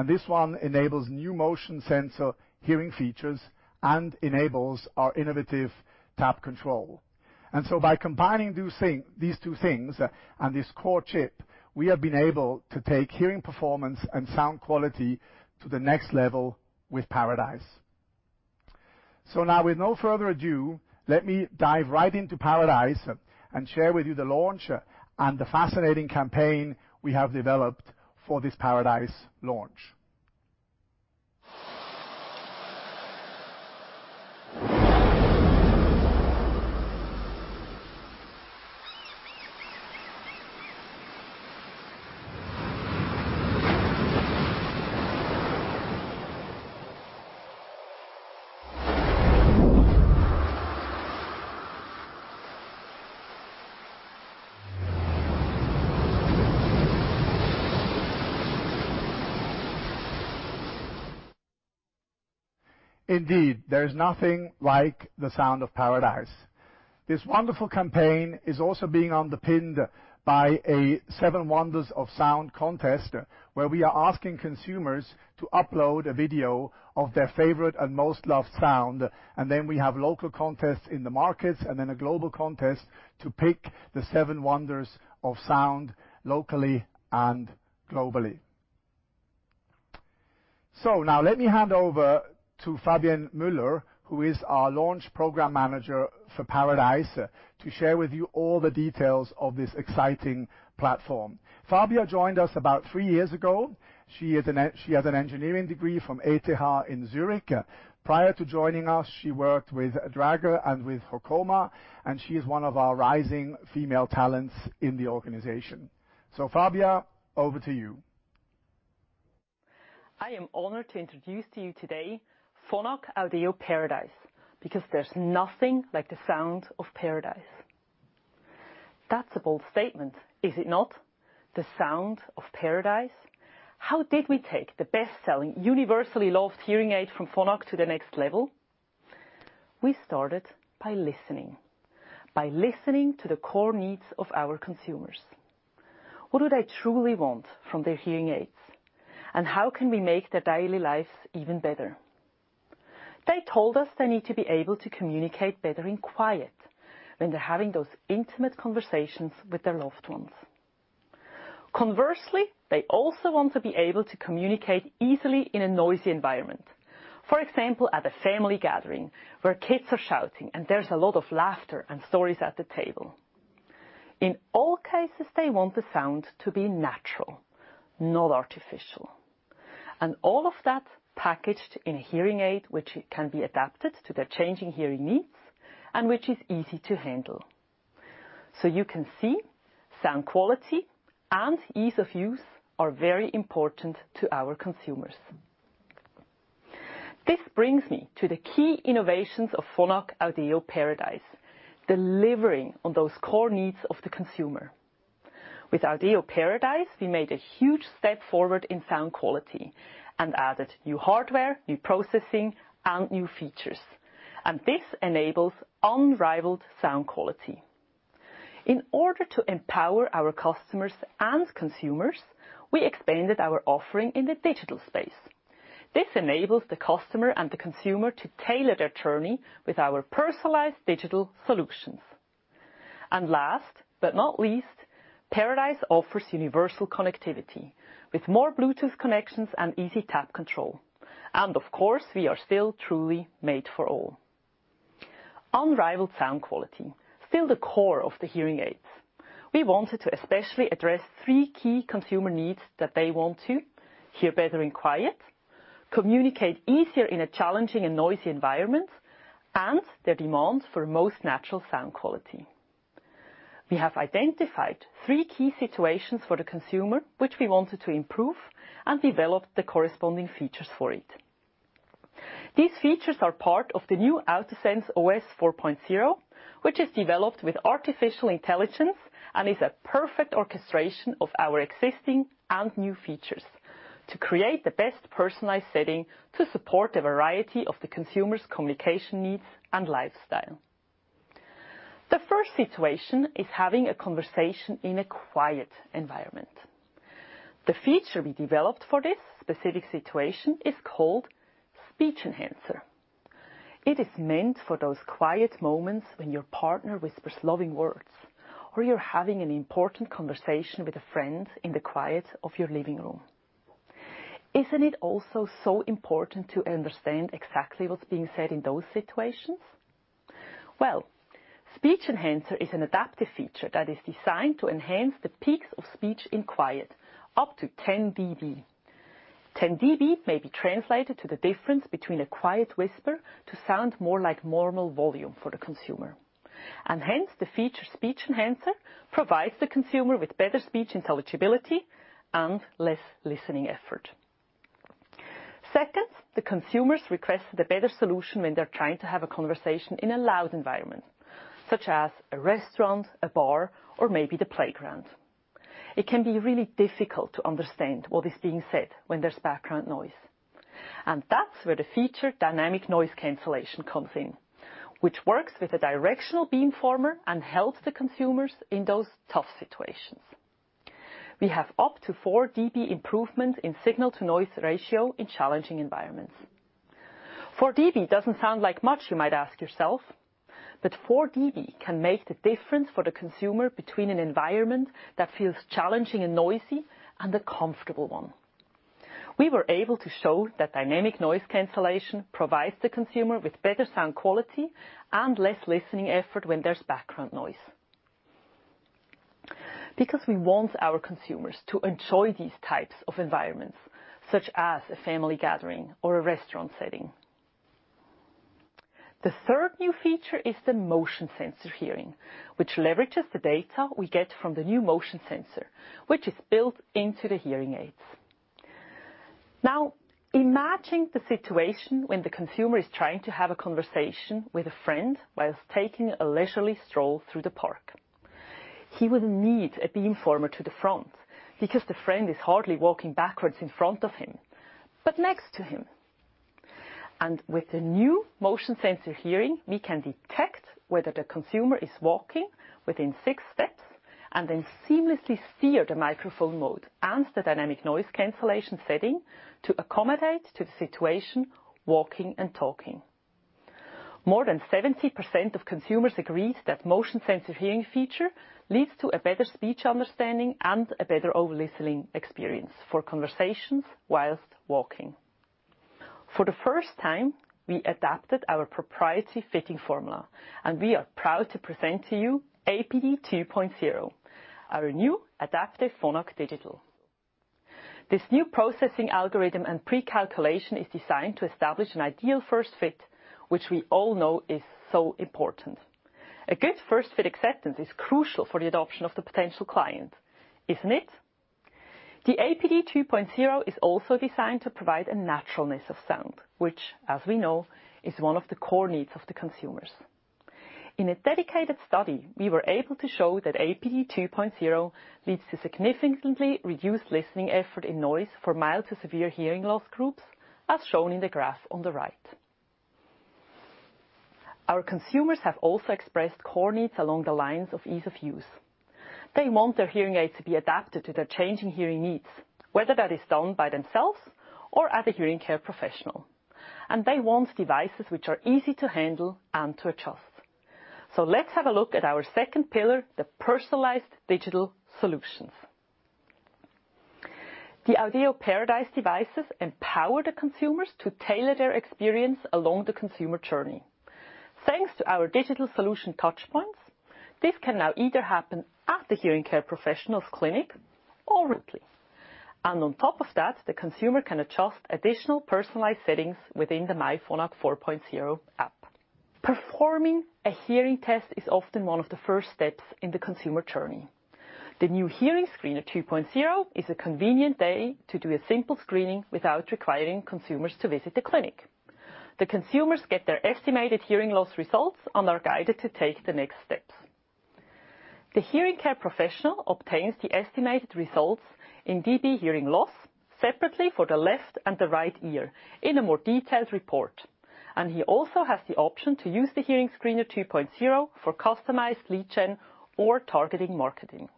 This one enables new Motion Sensor Hearing features and enables our innovative tap control. By combining these two things and this core chip, we have been able to take hearing performance and sound quality to the next level with Paradise. With no further ado, let me dive right into Paradise and share with you the launch and the fascinating campaign we have developed for this Paradise launch. Indeed, there is nothing like the sound of Paradise. This wonderful campaign is also being underpinned by a Seven Wonders of Sound contest, where we are asking consumers to upload a video of their favorite and most loved sound. Then we have local contests in the markets. Then a global contest to pick the Seven Wonders of Sound locally and globally. Now let me hand over to Fabia Müller, who is our launch program manager for Paradise, to share with you all the details of this exciting platform. Fabia joined us about three years ago. She has an engineering degree from ETH Zurich. Prior to joining us, she worked with Dräger and with Hocoma. She is one of our rising female talents in the organization. Fabia, over to you.
I am honored to introduce to you today Phonak Audéo Paradise. There's nothing like the sound of paradise. That's a bold statement, is it not? The sound of paradise. How did we take the best-selling, universally loved hearing aid from Phonak to the next level? We started by listening. By listening to the core needs of our consumers. What do they truly want from their hearing aids? How can we make their daily lives even better? They told us they need to be able to communicate better in quiet when they're having those intimate conversations with their loved ones. Conversely, they also want to be able to communicate easily in a noisy environment. For example, at a family gathering where kids are shouting and there's a lot of laughter and stories at the table. In all cases, they want the sound to be natural, not artificial. All of that packaged in a hearing aid which can be adapted to their changing hearing needs and which is easy to handle. You can see sound quality and ease of use are very important to our consumers. This brings me to the key innovations of Phonak Audéo Paradise, delivering on those core needs of the consumer. With Audéo Paradise, we made a huge step forward in sound quality and added new hardware, new processing, and new features. This enables unrivaled sound quality. In order to empower our customers and consumers, we expanded our offering in the digital space. This enables the customer and the consumer to tailor their journey with our personalized digital solutions. Last but not least, Paradise offers universal connectivity with more Bluetooth connections and easy tap control. Of course, we are still truly made for all. Unrivaled sound quality, still the core of the hearing aids. We wanted to especially address three key consumer needs that they want to hear better in quiet, communicate easier in a challenging and noisy environment, and their demands for most natural sound quality. We have identified three key situations for the consumer which we wanted to improve and developed the corresponding features for it. These features are part of the new AutoSense OS 4.0, which is developed with artificial intelligence and is a perfect orchestration of our existing and new features to create the best personalized setting to support a variety of the consumer's communication needs and lifestyle. The first situation is having a conversation in a quiet environment. The feature we developed for this specific situation is called Speech Enhancer. It is meant for those quiet moments when your partner whispers loving words, or you're having an important conversation with a friend in the quiet of your living room. Isn't it also so important to understand exactly what's being said in those situations? Well, Speech Enhancer is an adaptive feature that is designed to enhance the peaks of speech in quiet up to 10dB. 10dB may be translated to the difference between a quiet whisper to sound more like normal volume for the consumer. Hence, the feature Speech Enhancer provides the consumer with better speech intelligibility and less listening effort. Second, the consumers requested a better solution when they're trying to have a conversation in a loud environment, such as a restaurant, a bar, or maybe the playground. It can be really difficult to understand what is being said when there's background noise. That's where the feature Dynamic Noise Cancellation comes in, which works with a directional beamformer and helps the consumers in those tough situations. We have up to 4 dB improvement in signal-to-noise ratio in challenging environments. 4 dB doesn't sound like much, you might ask yourself, but 4 dB can make the difference for the consumer between an environment that feels challenging and noisy, and a comfortable one. We were able to show that Dynamic Noise Cancellation provides the consumer with better sound quality and less listening effort when there's background noise. We want our consumers to enjoy these types of environments, such as a family gathering or a restaurant setting. The third new feature is the Motion Sensor Hearing, which leverages the data we get from the new motion sensor, which is built into the hearing aids. Imagine the situation when the consumer is trying to have a conversation with a friend whilst taking a leisurely stroll through the park. He would need a beamformer to the front because the friend is hardly walking backwards in front of him, but next to him. With the new Motion Sensor Hearing, we can detect whether the consumer is walking within six steps, and then seamlessly steer the microphone mode and the Dynamic Noise Cancellation setting to accommodate to the situation, walking and talking. More than 70% of consumers agreed that Motion Sensor Hearing feature leads to a better speech understanding and a better overall listening experience for conversations whilst walking. For the first time, we adapted our proprietary fitting formula, and we are proud to present to you APD 2.0, our new Adaptive Phonak Digital. This new processing algorithm and precalculation is designed to establish an Audéo first fit, which we all know is so important. A good first fit acceptance is crucial for the adoption of the potential client, isn't it? The APD 2.0 is also designed to provide a naturalness of sound, which, as we know, is one of the core needs of the consumers. In a dedicated study, we were able to show that APD 2.0 leads to significantly reduced listening effort in noise for mild to severe hearing loss groups, as shown in the graph on the right. Our consumers have also expressed core needs along the lines of ease of use. They want their hearing aid to be adapted to their changing hearing needs, whether that is done by themselves or at a hearing care professional. They want devices which are easy to handle and to adjust. Let's have a look at our second pillar, the personalized digital solutions. The Audéo Paradise devices empower the consumers to tailor their experience along the consumer journey. Thanks to our digital solution touchpoints, this can now either happen at the hearing care professional's clinic or remotely. On top of that, the consumer can adjust additional personalized settings within the myPhonak 4.0 app. Performing a hearing test is often one of the first steps in the consumer journey. The new Hearing Screener 2.0 is a convenient way to do a simple screening without requiring consumers to visit the clinic. The consumers get their estimated hearing loss results and are guided to take the next steps. The hearing care professional obtains the estimated results in dB hearing loss separately for the left and the right ear in a more detailed report. He also has the option to use the Hearing Screener 2.0 for customized lead gen or targeting marketing.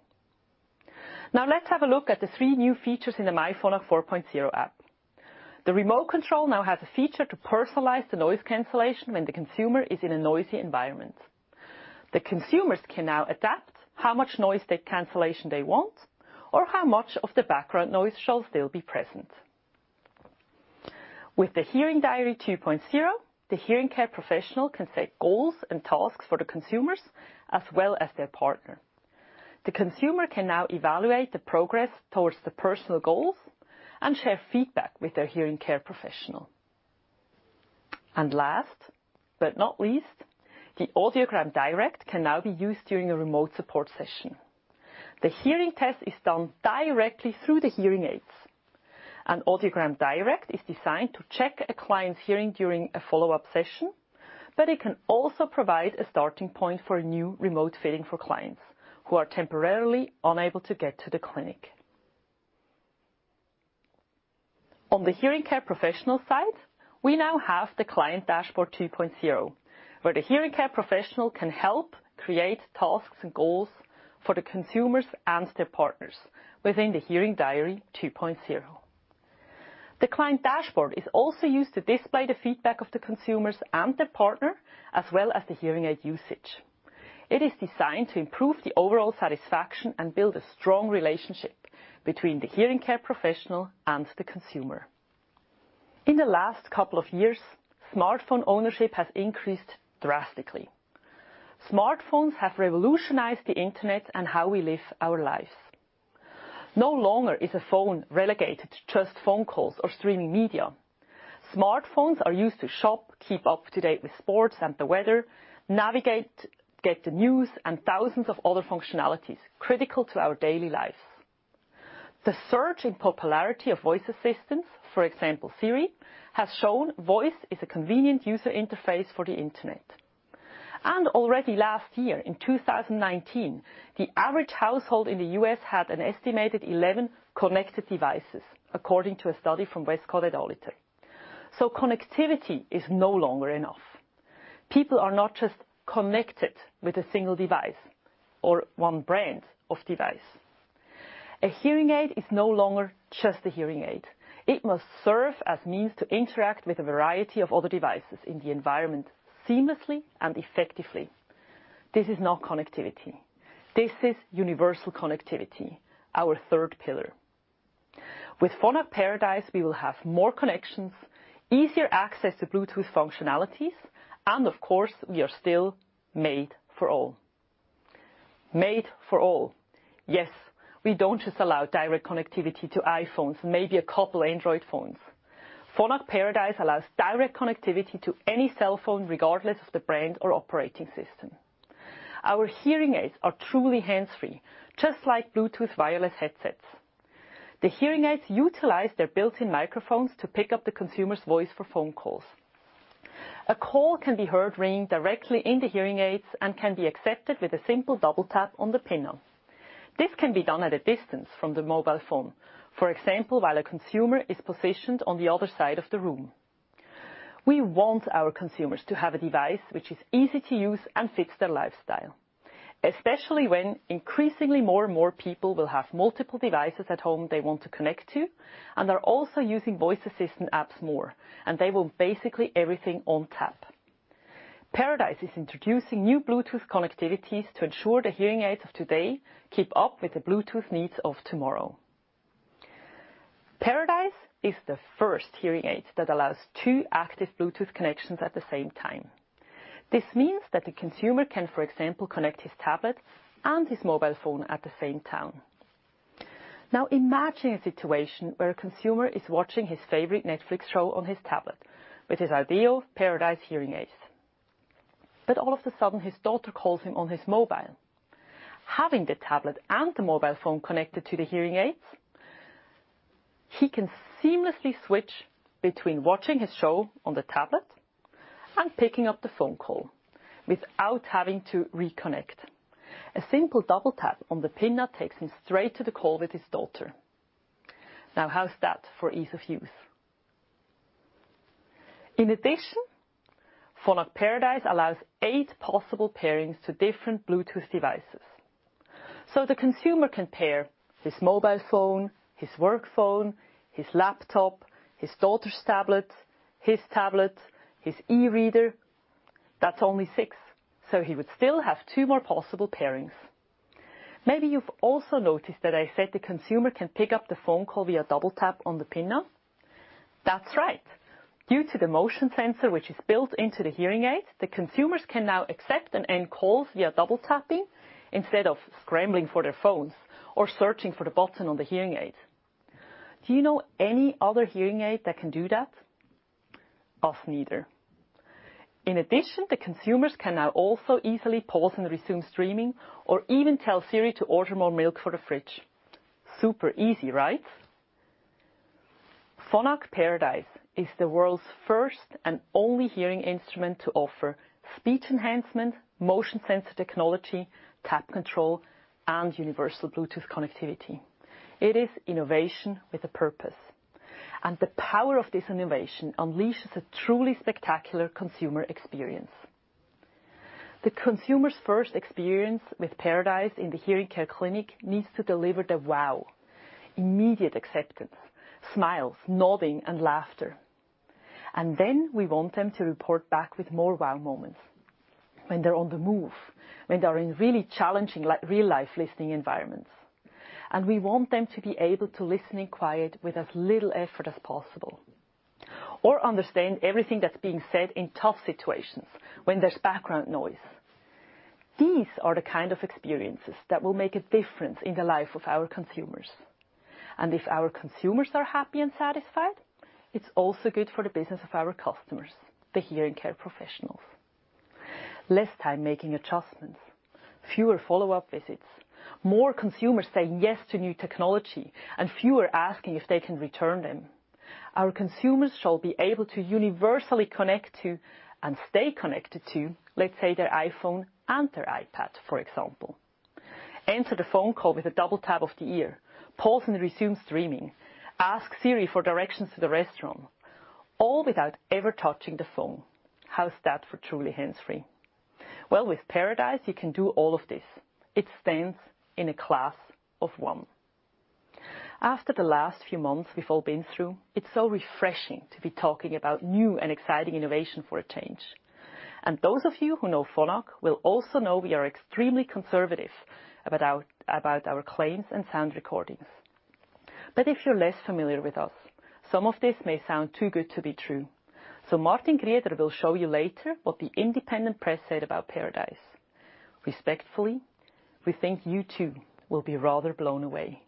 Now let's have a look at the three new features in the myPhonak 4.0 app. The remote control now has a feature to personalize the noise cancellation when the consumer is in a noisy environment. The consumers can now adapt how much noise cancellation they want or how much of the background noise shall still be present. With the Hearing Diary 2.0, the hearing care professional can set goals and tasks for the consumers as well as their partner. The consumer can now evaluate the progress towards the personal goals and share feedback with their hearing care professional. Last but not least, the AudiogramDirect can now be used during a remote support session. The hearing test is done directly through the hearing aids. AudiogramDirect is designed to check a client's hearing during a follow-up session, but it can also provide a starting point for a new remote fitting for clients who are temporarily unable to get to the clinic. On the hearing care professional side, we now have the Client Dashboard 2.0, where the hearing care professional can help create tasks and goals for the consumers and their partners within the Hearing Diary 2.0. The Client Dashboard is also used to display the feedback of the consumers and their partner, as well as the hearing aid usage. It is designed to improve the overall satisfaction and build a strong relationship between the hearing care professional and the consumer. In the last couple of years, smartphone ownership has increased drastically. Smartphones have revolutionized the Internet and how we live our lives. No longer is a phone relegated to just phone calls or streaming media. Smartphones are used to shop, keep up to date with sports and the weather, navigate, get the news, and thousands of other functionalities critical to our daily lives. The surge in popularity of voice assistants, for example, Siri, has shown voice is a convenient user interface for the Internet. Already last year, in 2019, the average household in the U.S. had an estimated 11 connected devices, according to a study from Westcott Analytics. Connectivity is no longer enough. People are not just connected with a single device or one brand of device. A hearing aid is no longer just a hearing aid. It must serve as means to interact with a variety of other devices in the environment seamlessly and effectively. This is not connectivity. This is universal connectivity, our third pillar. With Phonak Paradise, we will have more connections, easier access to Bluetooth functionalities, and of course, we are still made for all. Made for all. Yes, we don't just allow direct connectivity to iPhones, maybe a couple Android phones. Phonak Paradise allows direct connectivity to any cell phone, regardless of the brand or operating system. Our hearing aids are truly hands-free, just like Bluetooth wireless headsets. The hearing aids utilize their built-in microphones to pick up the consumer's voice for phone calls. A call can be heard ringing directly in the hearing aids and can be accepted with a simple double-tap on the pinna. This can be done at a distance from the mobile phone. For example, while a consumer is positioned on the other side of the room. We want our consumers to have a device which is easy to use and fits their lifestyle, especially when increasingly more and more people will have multiple devices at home they want to connect to and are also using voice assistant apps more, and they want basically everything on tap. Paradise is introducing new Bluetooth connectivities to ensure the hearing aids of today keep up with the Bluetooth needs of tomorrow. Paradise is the first hearing aid that allows two active Bluetooth connections at the same time. This means that the consumer can, for example, connect his tablet and his mobile phone at the same time. Imagine a situation where a consumer is watching his favorite Netflix show on his tablet with his ideal Paradise hearing aids. All of a sudden, his daughter calls him on his mobile. Having the tablet and the mobile phone connected to the hearing aids, he can seamlessly switch between watching his show on the tablet and picking up the phone call without having to reconnect. A simple double-tap on the pinna takes him straight to the call with his daughter. How's that for ease of use? In addition, Phonak Paradise allows eight possible pairings to different Bluetooth devices. The consumer can pair his mobile phone, his work phone, his laptop, his daughter's tablet, his tablet, his e-reader. That's only six, he would still have two more possible pairings. Maybe you've also noticed that I said the consumer can pick up the phone call via double-tap on the pinna. That's right. Due to the motion sensor, which is built into the hearing aid, the consumers can now accept and end calls via double-tapping instead of scrambling for their phones or searching for the button on the hearing aid. Do you know any other hearing aid that can do that? Us neither. In addition, the consumers can now also easily pause and resume streaming or even tell Siri to order more milk for the fridge. Super easy, right. Phonak Paradise is the world's first and only hearing instrument to offer speech enhancement, motion sensor technology, tap control, and universal Bluetooth connectivity. It is innovation with a purpose. The power of this innovation unleashes a truly spectacular consumer experience. The consumer's first experience with Paradise in the hearing care clinic needs to deliver the wow, immediate acceptance, smiles, nodding, and laughter. We want them to report back with more wow moments when they're on the move, when they're in really challenging real-life listening environments. We want them to be able to listen in quiet with as little effort as possible or understand everything that's being said in tough situations when there's background noise. These are the kind of experiences that will make a difference in the life of our consumers. If our consumers are happy and satisfied, it's also good for the business of our customers, the hearing care professionals. Less time making adjustments, fewer follow-up visits, more consumers saying yes to new technology, and fewer asking if they can return them. Our consumers shall be able to universally connect to and stay connected to, let's say, their iPhone and their iPad, for example. Answer the phone call with a double tap of the ear, pause and resume streaming, ask Siri for directions to the restaurant, all without ever touching the phone. How's that for truly hands-free? Well, with Paradise, you can do all of this. It stands in a class of one. After the last few months we've all been through, it's so refreshing to be talking about new and exciting innovation for a change. Those of you who know Phonak will also know we are extremely conservative about our claims and sound recordings. If you're less familiar with us, some of this may sound too good to be true. Martin Grieder will show you later what the independent press said about Paradise. Respectfully, we think you too will be rather blown away.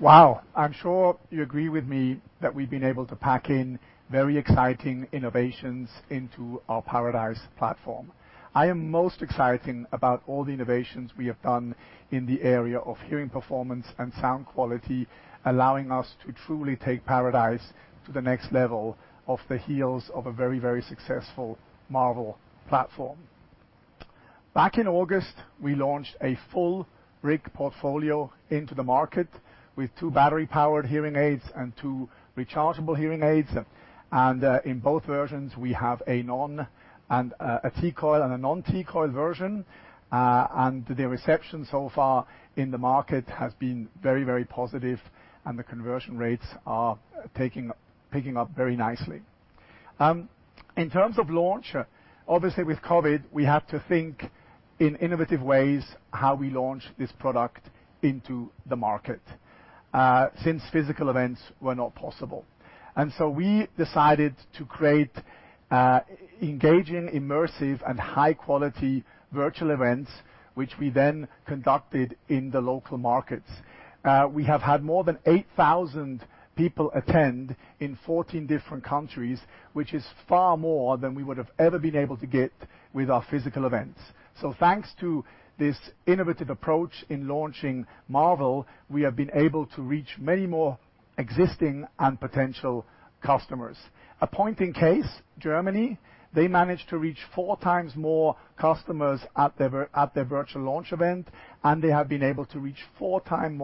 Wow. I'm sure you agree with me that we've been able to pack in very exciting innovations into our Paradise platform. I am most excited about all the innovations we have done in the area of hearing performance and sound quality, allowing us to truly take Paradise to the next level off the heels of a very, very successful Marvel platform. Back in August, we launched a full RIC portfolio into the market with two battery-powered hearing aids and two rechargeable hearing aids. In both versions, we have a T-coil and a non-T-coil version. The reception so far in the market has been very positive, and the conversion rates are picking up very nicely. In terms of launch, obviously with COVID-19, we have to think in innovative ways how we launch this product into the market since physical events were not possible. We decided to create engaging, immersive, and high-quality virtual events, which we then conducted in the local markets. We have had more than 8,000 people attend in 14 different countries, which is far more than we would have ever been able to get with our physical events. Thanks to this innovative approach in launching Marvel, we have been able to reach many more existing and potential customers. A point in case, Germany, they managed to reach four times more customers at their virtual launch event, and they have been able to reach four times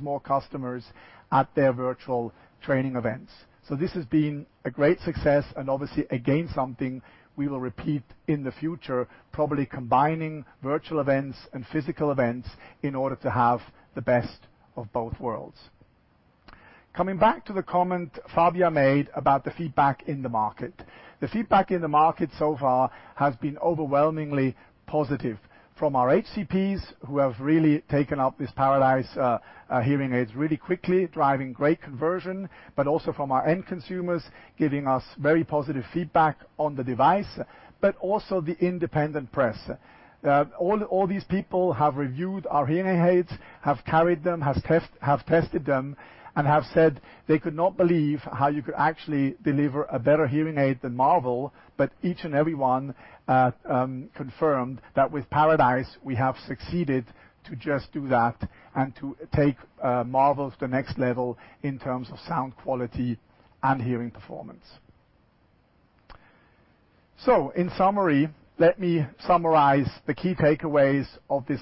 more customers at their virtual training events. This has been a great success and obviously, again, something we will repeat in the future, probably combining virtual events and physical events in order to have the best of both worlds. Coming back to the comment Fabia made about the feedback in the market. The feedback in the market so far has been overwhelmingly positive from our HCPs, who have really taken up these Paradise hearing aids really quickly, driving great conversion, but also from our end consumers, giving us very positive feedback on the device, but also the independent press. All these people have reviewed our hearing aids, have carried them, have tested them, and have said they could not believe how you could actually deliver a better hearing aid than Marvel, but each and every one confirmed that with Paradise, we have succeeded to just do that and to take Marvel to the next level in terms of sound quality and hearing performance. In summary, let me summarize the key takeaways of this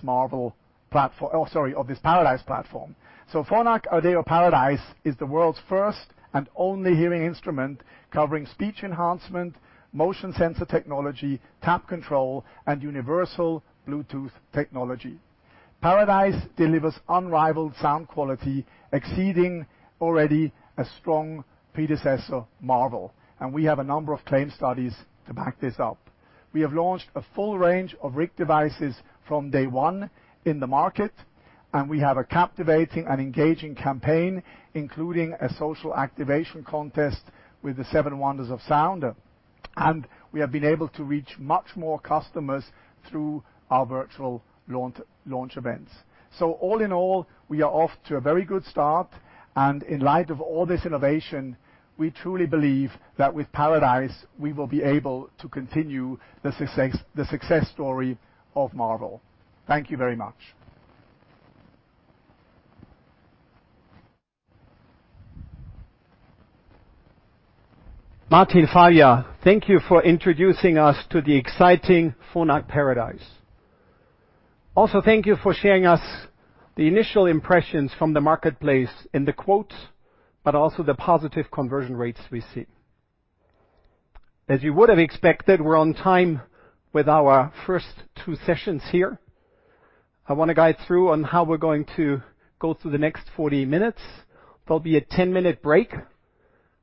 Paradise platform. Phonak Audéo Paradise is the world's first and only hearing instrument covering speech enhancement, motion sensor technology, tap control, and universal Bluetooth technology. Paradise delivers unrivaled sound quality, exceeding already a strong predecessor, Marvel, and we have a number of claim studies to back this up. We have launched a full range of RIC devices from day one in the market, and we have a captivating and engaging campaign, including a social activation contest with the Seven Wonders of Sound. We have been able to reach many more customers through our virtual launch events. All in all, we are off to a very good start, and in light of all this innovation, we truly believe that with Paradise, we will be able to continue the success story of Marvel. Thank you very much.
Martin, Fabia, thank you for introducing us to the exciting Phonak Paradise. Also, thank you for sharing with us the initial impressions from the marketplace in the quotes, but also the positive conversion rates we see. As you would have expected, we're on time with our first two sessions here. I want to guide through on how we're going to go through the next 40 minutes. There'll be a 10 minute break,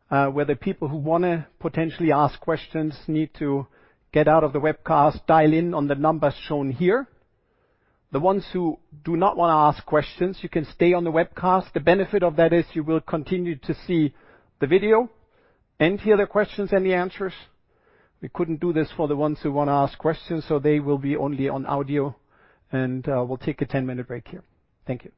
where the people who want to potentially ask questions need to get out of the webcast, dial in on the numbers shown here. The ones who do not want to ask questions, you can stay on the webcast. The benefit of that is you will continue to see the video and hear the questions and the answers. We couldn't do this for the ones who want to ask questions, so they will be only on audio, and we'll take a 10-minute break here. Thank you.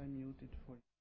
I mute it for you.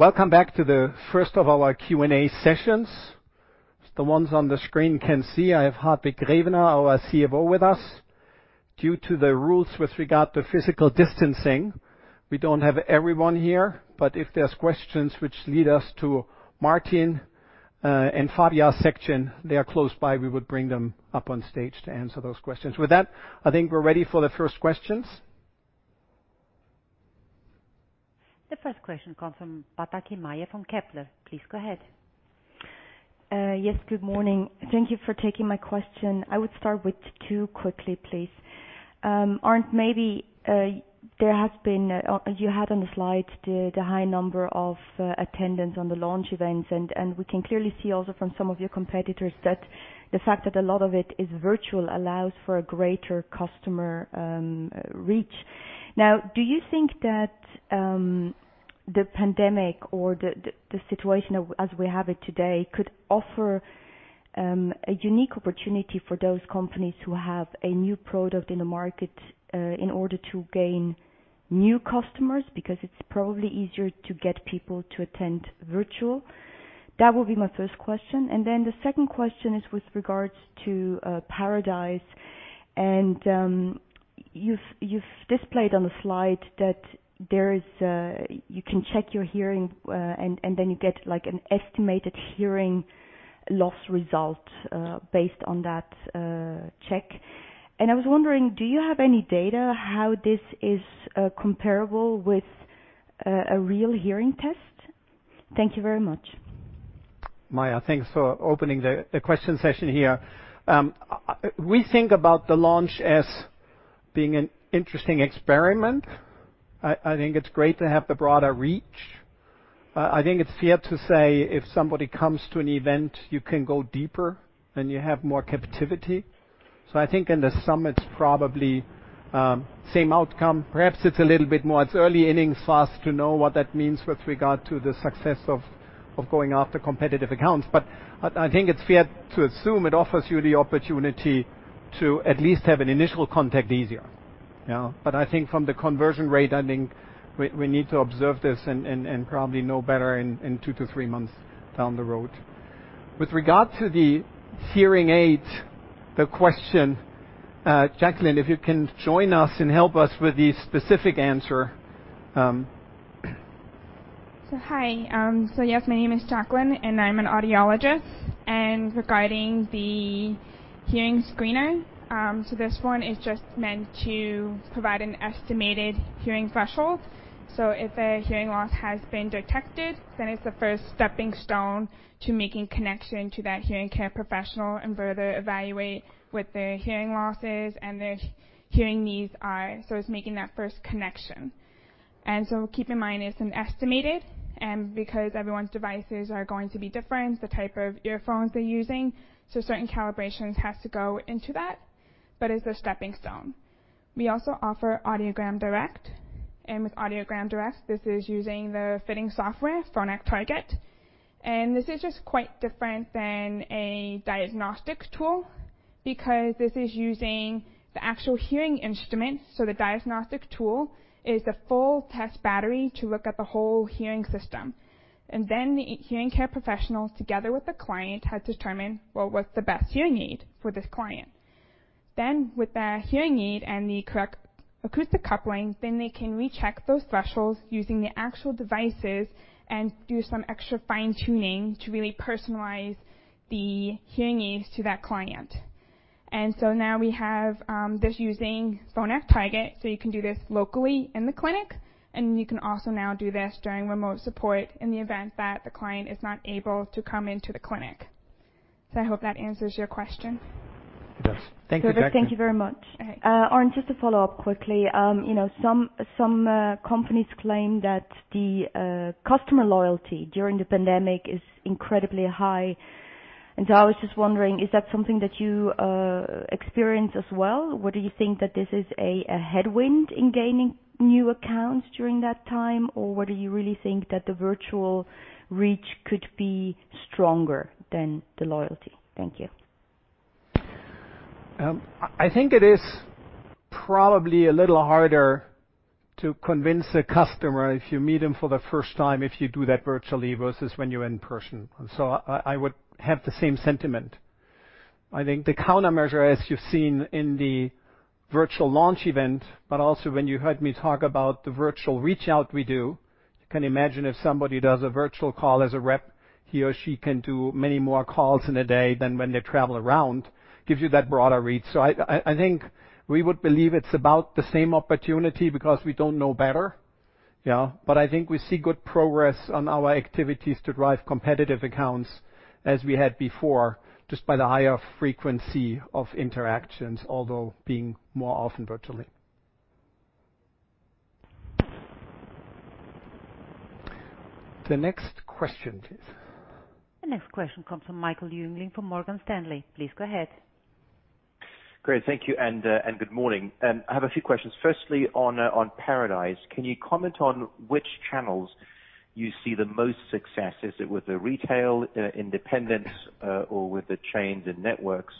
Welcome back to the first of our Q&A sessions. As the ones on the screen can see, I have Hartwig Grevener our CFO with us. Due to the rules with regard to physical distancing, we don't have everyone here, but if there's questions which lead us to Martin, and Fabia's section, they are close by, we would bring them up on stage to answer those questions. With that, I think we're ready for the first questions.
The first question comes from Maja Pataki from Kepler. Please go ahead.
Yes, good morning. Thank you for taking my question. I would start with two quickly, please. Arnd, maybe, you had on the slide the high number of attendance on the launch events, and we can clearly see also from some of your competitors that the fact that a lot of it is virtual allows for a greater customer reach. Do you think that the pandemic or the situation as we have it today could offer a unique opportunity for those companies who have a new product in the market, in order to gain new customers because it's probably easier to get people to attend virtual? That would be my first question. The second question is with regards to Paradise, and you've displayed on the slide that you can check your hearing, and then you get an estimated hearing loss result based on that check. I was wondering, do you have any data how this is comparable with a real hearing test? Thank you very much.
Maja, thanks for opening the question session here. We think about the launch as being an interesting experiment. I think it's great to have the broader reach. I think it's fair to say if somebody comes to an event, you can go deeper and you have more captivity. I think in the summit's probably same outcome. Perhaps it's a little bit more it's early innings for us to know what that means with regard to the success of going after competitive accounts. I think it's fair to assume it offers you the opportunity to at least have an initial contact easier. Yeah. I think from the conversion rate, I think we need to observe this and probably know better in two to three months down the road. With regard to the hearing aid, the question, Jacqueline, if you can join us and help us with the specific answer.
Hi. Yes, my name is Jacqueline, and I'm an audiologist. Regarding the hearing screener, this one is just meant to provide an estimated hearing threshold. If a hearing loss has been detected, it's the first stepping stone to making connection to that hearing care professional and further evaluate what their hearing loss is and their hearing needs are. It's making that first connection. Keep in mind, it's an estimated, because everyone's devices are going to be different, the type of earphones they're using, certain calibrations has to go into that, but it's a stepping stone. We also offer AudiogramDirect. With AudiogramDirect, this is using the fitting software, Phonak Target. This is just quite different than a diagnostic tool because this is using the actual hearing instrument. The diagnostic tool is the full test battery to look at the whole hearing system. The hearing care professional, together with the client, has determined, well, what's the best hearing aid for this client. With the hearing aid and the correct acoustic coupling, then they can recheck those thresholds using the actual devices and do some extra fine-tuning to really personalize the hearing aids to that client. Now we have this using Phonak Target. You can do this locally in the clinic, and you can also now do this during remote support in the event that the client is not able to come into the clinic. I hope that answers your question.
It does. Thank you, Jacqueline.
Thank you very much.
Arnd, just to follow up quickly. Some companies claim that the customer loyalty during the pandemic is incredibly high. I was just wondering, is that something that you experience as well? Whether you think that this is a headwind in gaining new accounts during that time, or whether you really think that the virtual reach could be stronger than the loyalty. Thank you.
I think it is probably a little harder to convince a customer if you meet them for the first time, if you do that virtually versus when you're in person. I would have the same sentiment. I think the countermeasure, as you've seen in the virtual launch event, but also when you heard me talk about the virtual reach-out we do, you can imagine if somebody does a virtual call as a rep, he or she can do many more calls in a day than when they travel around, gives you that broader reach. I think we would believe it's about the same opportunity because we don't know better. Yeah. I think we see good progress on our activities to drive competitive accounts as we had before, just by the higher frequency of interactions, although being more often virtually. The next question, please.
The next question comes from Michael Jüngling from Morgan Stanley. Please go ahead.
Great. Thank you, good morning. I have a few questions. Firstly, on Paradise, can you comment on which channels you see the most success? Is it with the retail independents or with the chains and networks?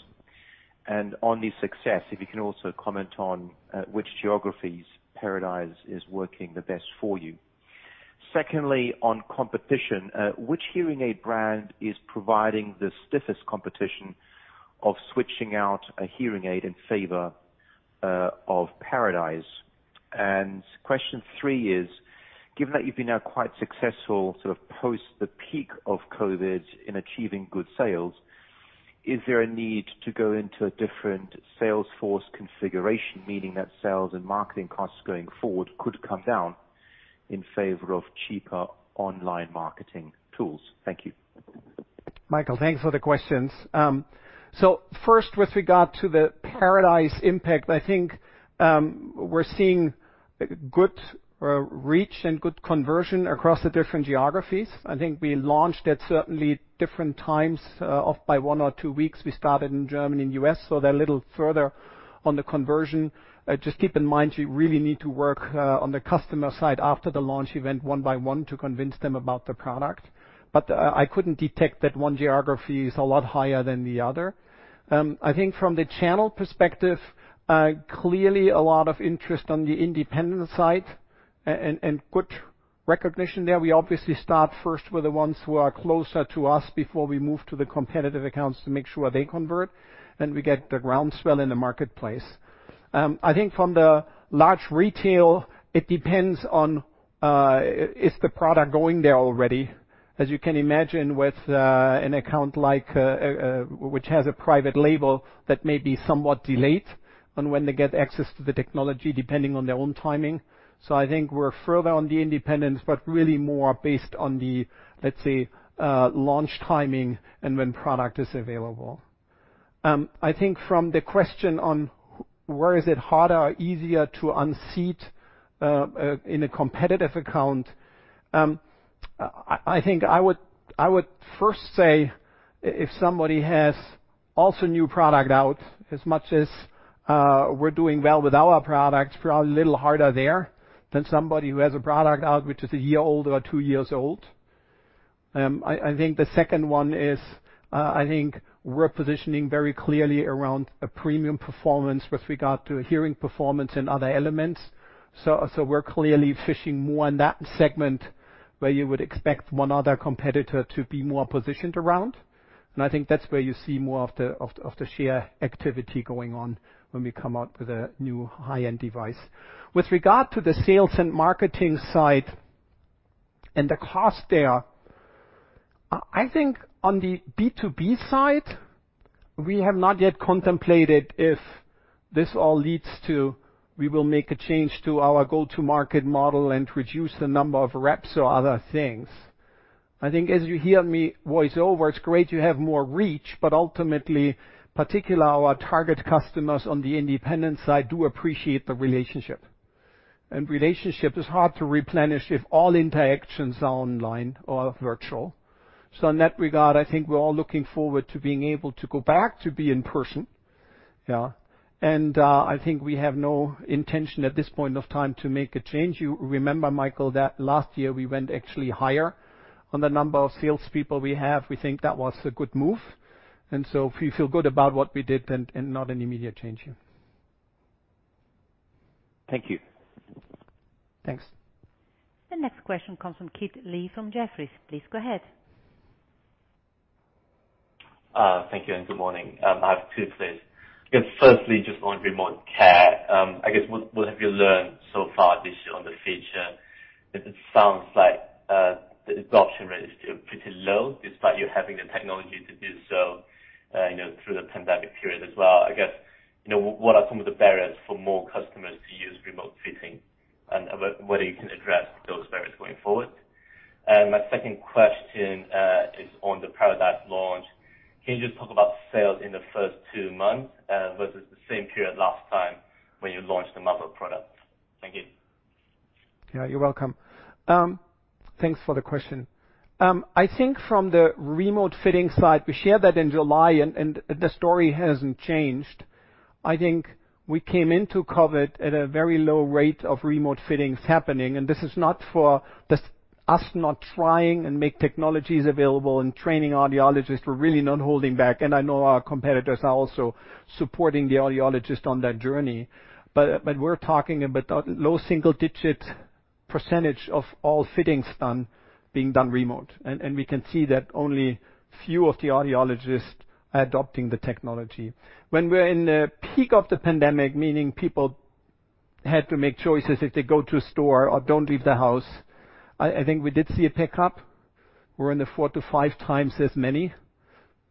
On the success, if you can also comment on which geographies Paradise is working the best for you. Secondly, on competition, which hearing aid brand is providing the stiffest competition of switching out a hearing aid in favor of Paradise? Question three is, given that you've been now quite successful post the peak of COVID in achieving good sales, is there a need to go into a different sales force configuration, meaning that sales and marketing costs going forward could come down in favor of cheaper online marketing tools? Thank you.
Michael, thanks for the questions. First, with regard to the Paradise impact, I think we're seeing good reach and good conversion across the different geographies. I think we launched at certainly different times off by one or two weeks. We started in Germany and U.S., so they're a little further on the conversion. Just keep in mind, you really need to work on the customer side after the launch event one by one to convince them about the product. I couldn't detect that one geography is a lot higher than the other. I think from the channel perspective, clearly a lot of interest on the independent side and good recognition there. We obviously start first with the ones who are closer to us before we move to the competitive accounts to make sure they convert, then we get the groundswell in the marketplace. I think from the large retail, it depends on is the product going there already. As you can imagine with an account which has a private label that may be somewhat delayed on when they get access to the technology, depending on their own timing. I think we're further on the independence, but really more based on the, let's say, launch timing and when product is available. I think from the question on where is it harder or easier to unseat in a competitive account, I think I would first say if somebody has also new product out, as much as we're doing well with our product, we are a little harder there than somebody who has a product out, which is a year old or two years old. I think the second one is, I think we're positioning very clearly around a premium performance with regard to hearing performance and other elements. We're clearly fishing more in that segment where you would expect one other competitor to be more positioned around. I think that's where you see more of the sheer activity going on when we come out with a new high-end device. With regard to the sales and marketing side and the cost there, I think on the B2B side, we have not yet contemplated if this all leads to we will make a change to our go-to-market model and reduce the number of reps or other things. I think as you hear me voice over, it's great you have more reach, but ultimately, particularly our target customers on the independent side do appreciate the relationship. Relationship is hard to replenish if all interactions are online or virtual. In that regard, I think we're all looking forward to being able to go back to be in person. I think we have no intention at this point of time to make a change. You remember, Michael, that last year we went actually higher on the number of salespeople we have. We think that was a good move. We feel good about what we did, and not an immediate change here.
Thank you.
Thanks.
The next question comes from Kit Lee from Jefferies. Please go ahead.
Thank you, good morning. I have two, please. Firstly, just on remote care, what have you learned so far this year on the feature? It sounds like the adoption rate is still pretty low, despite you having the technology to do so through the pandemic period as well. What are some of the barriers for more customers to use remote fitting? Whether you can address those barriers going forward. My second question is on the Paradise launch. Can you just talk about sales in the first two months versus the same period last time when you launched the Marvel product? Thank you.
Yeah, you're welcome. Thanks for the question. I think from the remote fitting side, we shared that in July, and the story hasn't changed. I think we came into COVID at a very low rate of remote fittings happening, and this is not for us not trying and make technologies available and training audiologists. We're really not holding back, and I know our competitors are also supporting the audiologists on that journey. We're talking about low single-digit % of all fittings done being done remote. We can see that only few of the audiologists are adopting the technology. When we're in the peak of the pandemic, meaning people had to make choices if they go to a store or don't leave the house, I think we did see a pickup. We're in the four to five times as many,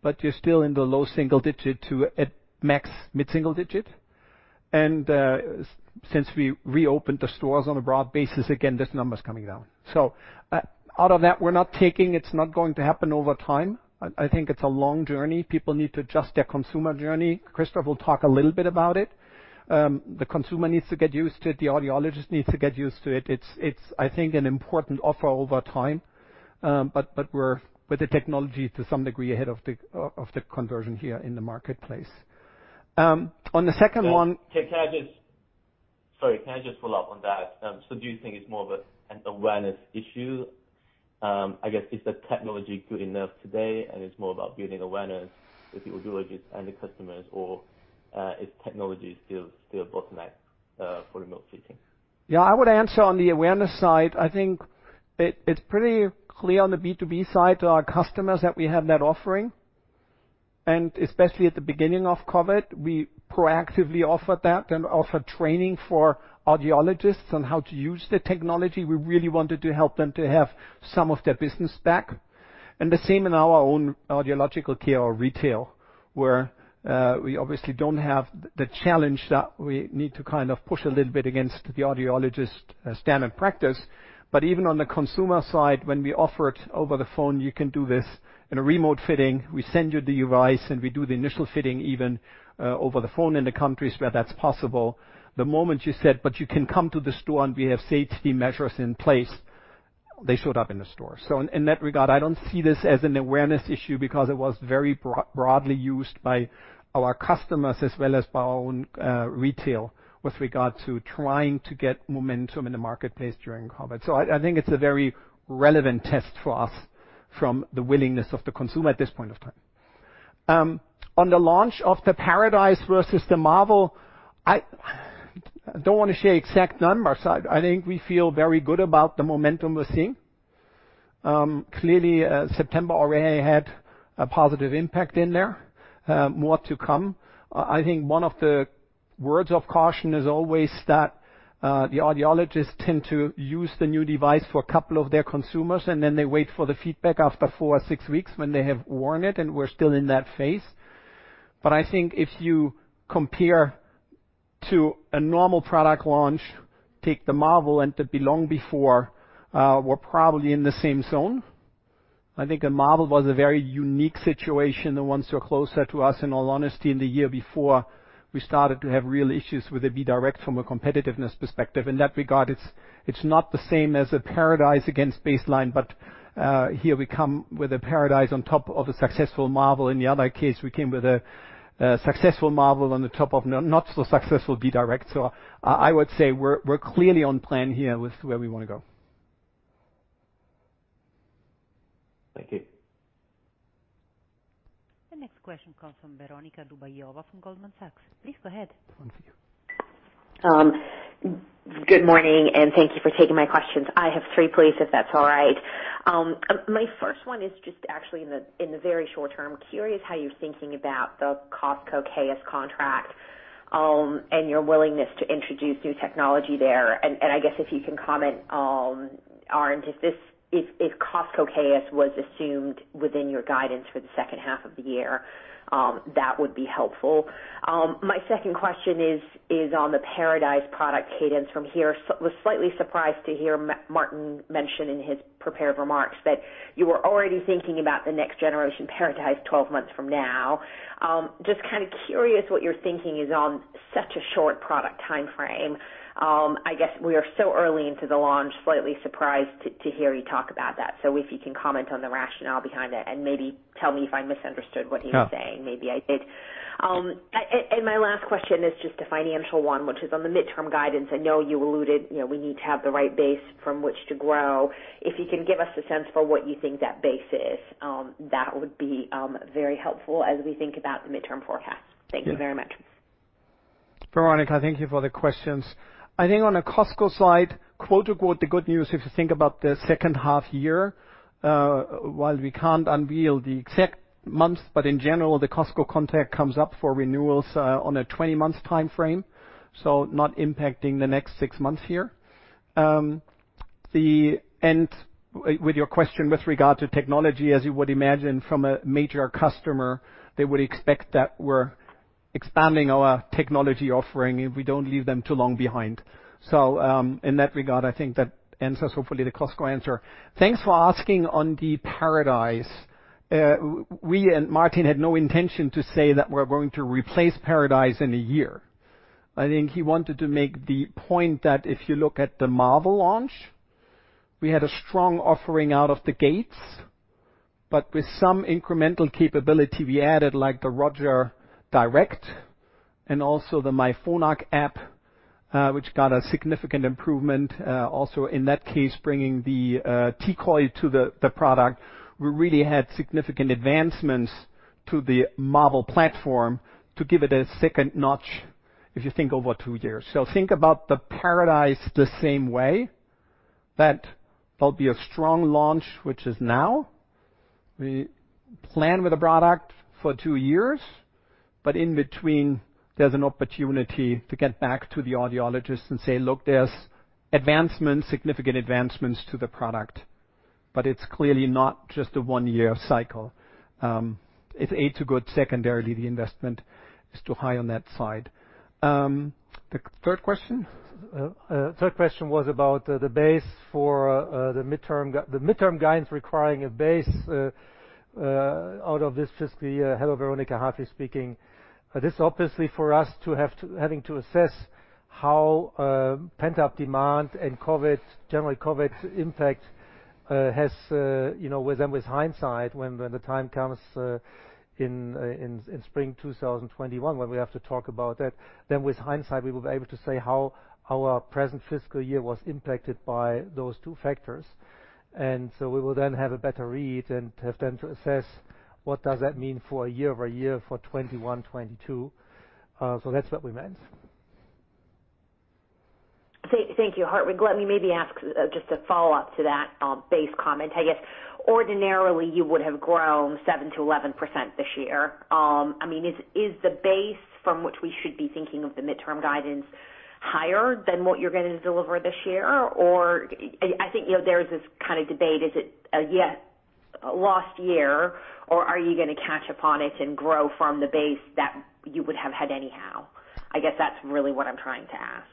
but you're still in the low single digit to at max mid-single digit. Since we reopened the stores on a broad basis again, this number's coming down. Out of that, we're not taking, it's not going to happen over time. I think it's a long journey. People need to adjust their consumer journey. Christophe will talk a little bit about it. The consumer needs to get used to it. The audiologist needs to get used to it. It's I think an important offer over time. We're with the technology to some degree ahead of the conversion here in the marketplace. On the second one.
Sorry, can I just follow up on that? Do you think it's more of an awareness issue? I guess is the technology good enough today and it's more about building awareness with the audiologists and the customers, or is technology still a bottleneck for remote fitting?
Yeah, I would answer on the awareness side. I think it's pretty clear on the B2B side to our customers that we have that offering. Especially at the beginning of COVID-19, we proactively offered that and offered training for audiologists on how to use the technology. We really wanted to help them to have some of their business back. The same in our own audiological care or retail, where we obviously don't have the challenge that we need to kind of push a little bit against the audiologist standard practice. Even on the consumer side, when we offer it over the phone, you can do this in a remote fitting. We send you the device, and we do the initial fitting even over the phone in the countries where that's possible. The moment you said, "But you can come to the store and we have safety measures in place," they showed up in the store. In that regard, I don't see this as an awareness issue because it was very broadly used by our customers as well as by our own retail with regard to trying to get momentum in the marketplace during COVID. I think it's a very relevant test for us from the willingness of the consumer at this point of time. On the launch of the Paradise versus the Marvel, I don't want to share exact numbers. I think we feel very good about the momentum we're seeing. Clearly, September already had a positive impact in there. More to come. I think one of the words of caution is always that the audiologists tend to use the new device for a couple of their consumers, and then they wait for the feedback after four or six weeks when they have worn it, and we're still in that phase. I think if you compare to a normal product launch, take the Marvel and the Belong before, we're probably in the same zone. I think the Marvel was a very unique situation, the ones who are closer to us, in all honesty, in the year before we started to have real issues with the Beyond from a competitiveness perspective. In that regard, it's not the same as a Paradise against Baseline, but here we come with a Paradise on top of a successful Marvel. In the other case, we came with a successful Marvel on the top of not so successful B-Direct. I would say we're clearly on plan here with where we want to go.
Thank you.
The next question comes from Veronika Dubajova from Goldman Sachs. Please go ahead.
One for you.
Good morning. Thank you for taking my questions. I have three, please, if that's all right. My first one is just actually in the very short term. Curious how you're thinking about the Costco KS contract and your willingness to introduce new technology there. I guess if you can comment on if Costco KS was assumed within your guidance for the second half of the year. That would be helpful. My second question is on the Phonak Paradise product cadence from here. Was slightly surprised to hear Martin mention in his prepared remarks that you were already thinking about the next generation Phonak Paradise 12 months from now. Just kind of curious what your thinking is on such a short product timeframe. I guess we are so early into the launch, slightly surprised to hear you talk about that. If you can comment on the rationale behind that and maybe tell me if I misunderstood what he was saying. Maybe I did. My last question is just a financial one, which is on the midterm guidance. I know you alluded, we need to have the right base from which to grow. If you can give us a sense for what you think that base is, that would be very helpful as we think about the midterm forecast. Thank you very much.
Veronika, thank you for the questions. I think on the Costco side, quote unquote, the "good news," if you think about the second half year, while we can't unveil the exact months, but in general, the Costco contract comes up for renewals on a 20-month timeframe, so not impacting the next six months here. With your question with regard to technology, as you would imagine from a major customer, they would expect that we're expanding our technology offering, and we don't leave them too long behind. In that regard, I think that answers, hopefully, the Costco answer. Thanks for asking on the Paradise. We and Martin had no intention to say that we're going to replace Paradise in a year. I think he wanted to make the point that if you look at the Marvel launch, we had a strong offering out of the gates. With some incremental capability we added, like the RogerDirect and also the myPhonak app, which got a significant improvement, also in that case, bringing the T-coil to the product. We really had significant advancements to the Marvel platform to give it a second notch, if you think over two years. Think about the Paradise the same way, that there will be a strong launch, which is now. We plan with a product for two years, but in between, there is an opportunity to get back to the audiologist and say, "Look, there is significant advancements to the product." It is clearly not just a one-year cycle. It is A to good. Secondarily, the investment is too high on that side. The third question?
Third question was about the midterm guidance requiring a base out of this fiscal year. Hello, Veronika. Hartwig speaking. This, obviously, for us having to assess how pent-up demand and general COVID impact has, with hindsight, when the time comes in spring 2021, when we have to talk about that, then with hindsight, we will be able to say how our present fiscal year was impacted by those two factors. We will then have a better read and have then to assess what does that mean for a year-over-year for 2021, 2022. That's what we meant.
Thank you, Hartwig. Let me maybe ask just a follow-up to that base comment. I guess ordinarily you would have grown 7%-11% this year. Is the base from which we should be thinking of the midterm guidance higher than what you're going to deliver this year? I think there is this kind of debate, is it a lost year, or are you going to catch up on it and grow from the base that you would have had anyhow? I guess that's really what I'm trying to ask.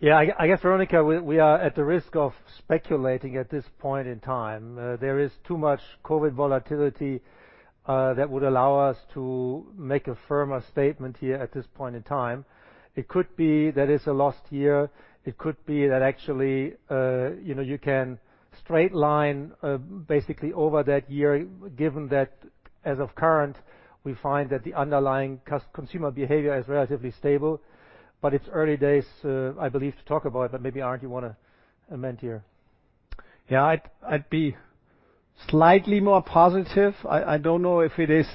Yeah. I guess, Veronika, we are at the risk of speculating at this point in time. There is too much COVID volatility that would allow us to make a firmer statement here at this point in time. It could be that it's a lost year. It could be that actually you can straight line basically over that year, given that as of current, we find that the underlying consumer behavior is relatively stable. It's early days, I believe, to talk about it, but maybe, Arnd, you want to amend here?
Yeah. I'd be slightly more positive. I don't know if it is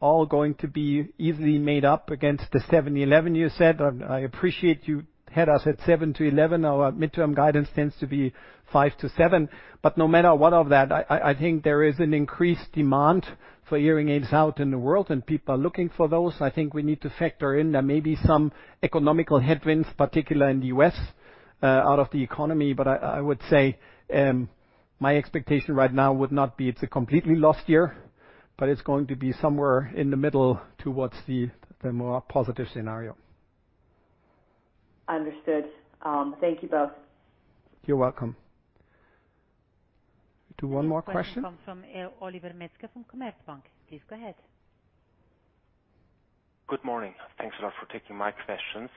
all going to be easily made up against the seven to 11 you said. I appreciate you had us at seven to 11. Our midterm guidance tends to be five to seven. No matter what of that, I think there is an increased demand for hearing aids out in the world, and people are looking for those. I think we need to factor in there may be some economical headwinds, particularly in the U.S., out of the economy. I would say my expectation right now would not be it's a completely lost year, but it's going to be somewhere in the middle towards the more positive scenario.
Understood. Thank you both.
You're welcome. Do one more question?
Next question comes from Oliver Metzger from Commerzbank. Please go ahead.
Good morning. Thanks a lot for taking my questions.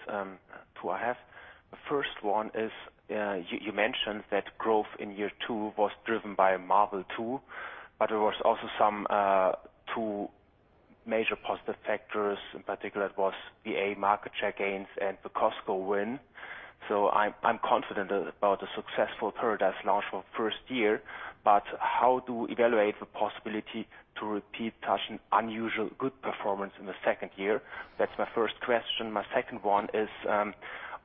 Two I have. The first one is, you mentioned that growth in year two was driven by Marvel 2.0. There was also some two major positive factors. In particular, it was the VA market share gains and the Costco win. I'm confident about the successful Paradise launch for first year. How to evaluate the possibility to repeat such an unusual good performance in the second year? That's my first question. My second one is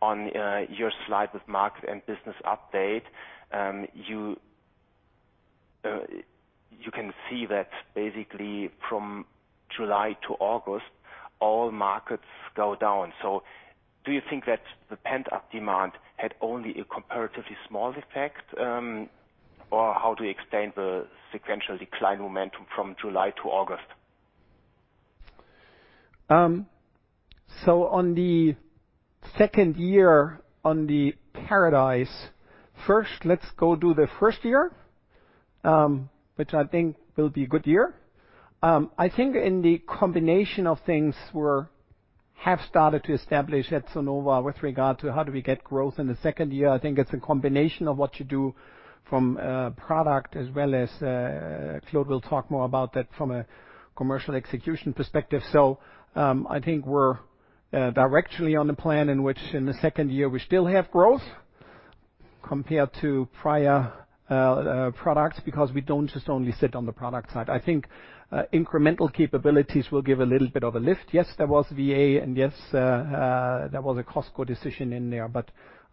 on your slide with market and business update. You can see that basically from July to August, all markets go down. Do you think that the pent-up demand had only a comparatively small effect? How do you explain the sequential decline momentum from July to August?
On the second year on the Paradise, first let's go do the first year, which I think will be a good year. I think in the combination of things we're. Have started to establish at Sonova with regard to how do we get growth in the second year. I think it's a combination of what you do from a product as well as Claude will talk more about that from a commercial execution perspective. I think we're directly on the plan in which in the second year we still have growth compared to prior products, because we don't just only sit on the product side. I think incremental capabilities will give a little bit of a lift. Yes, there was VA, and yes, there was a Costco decision in there.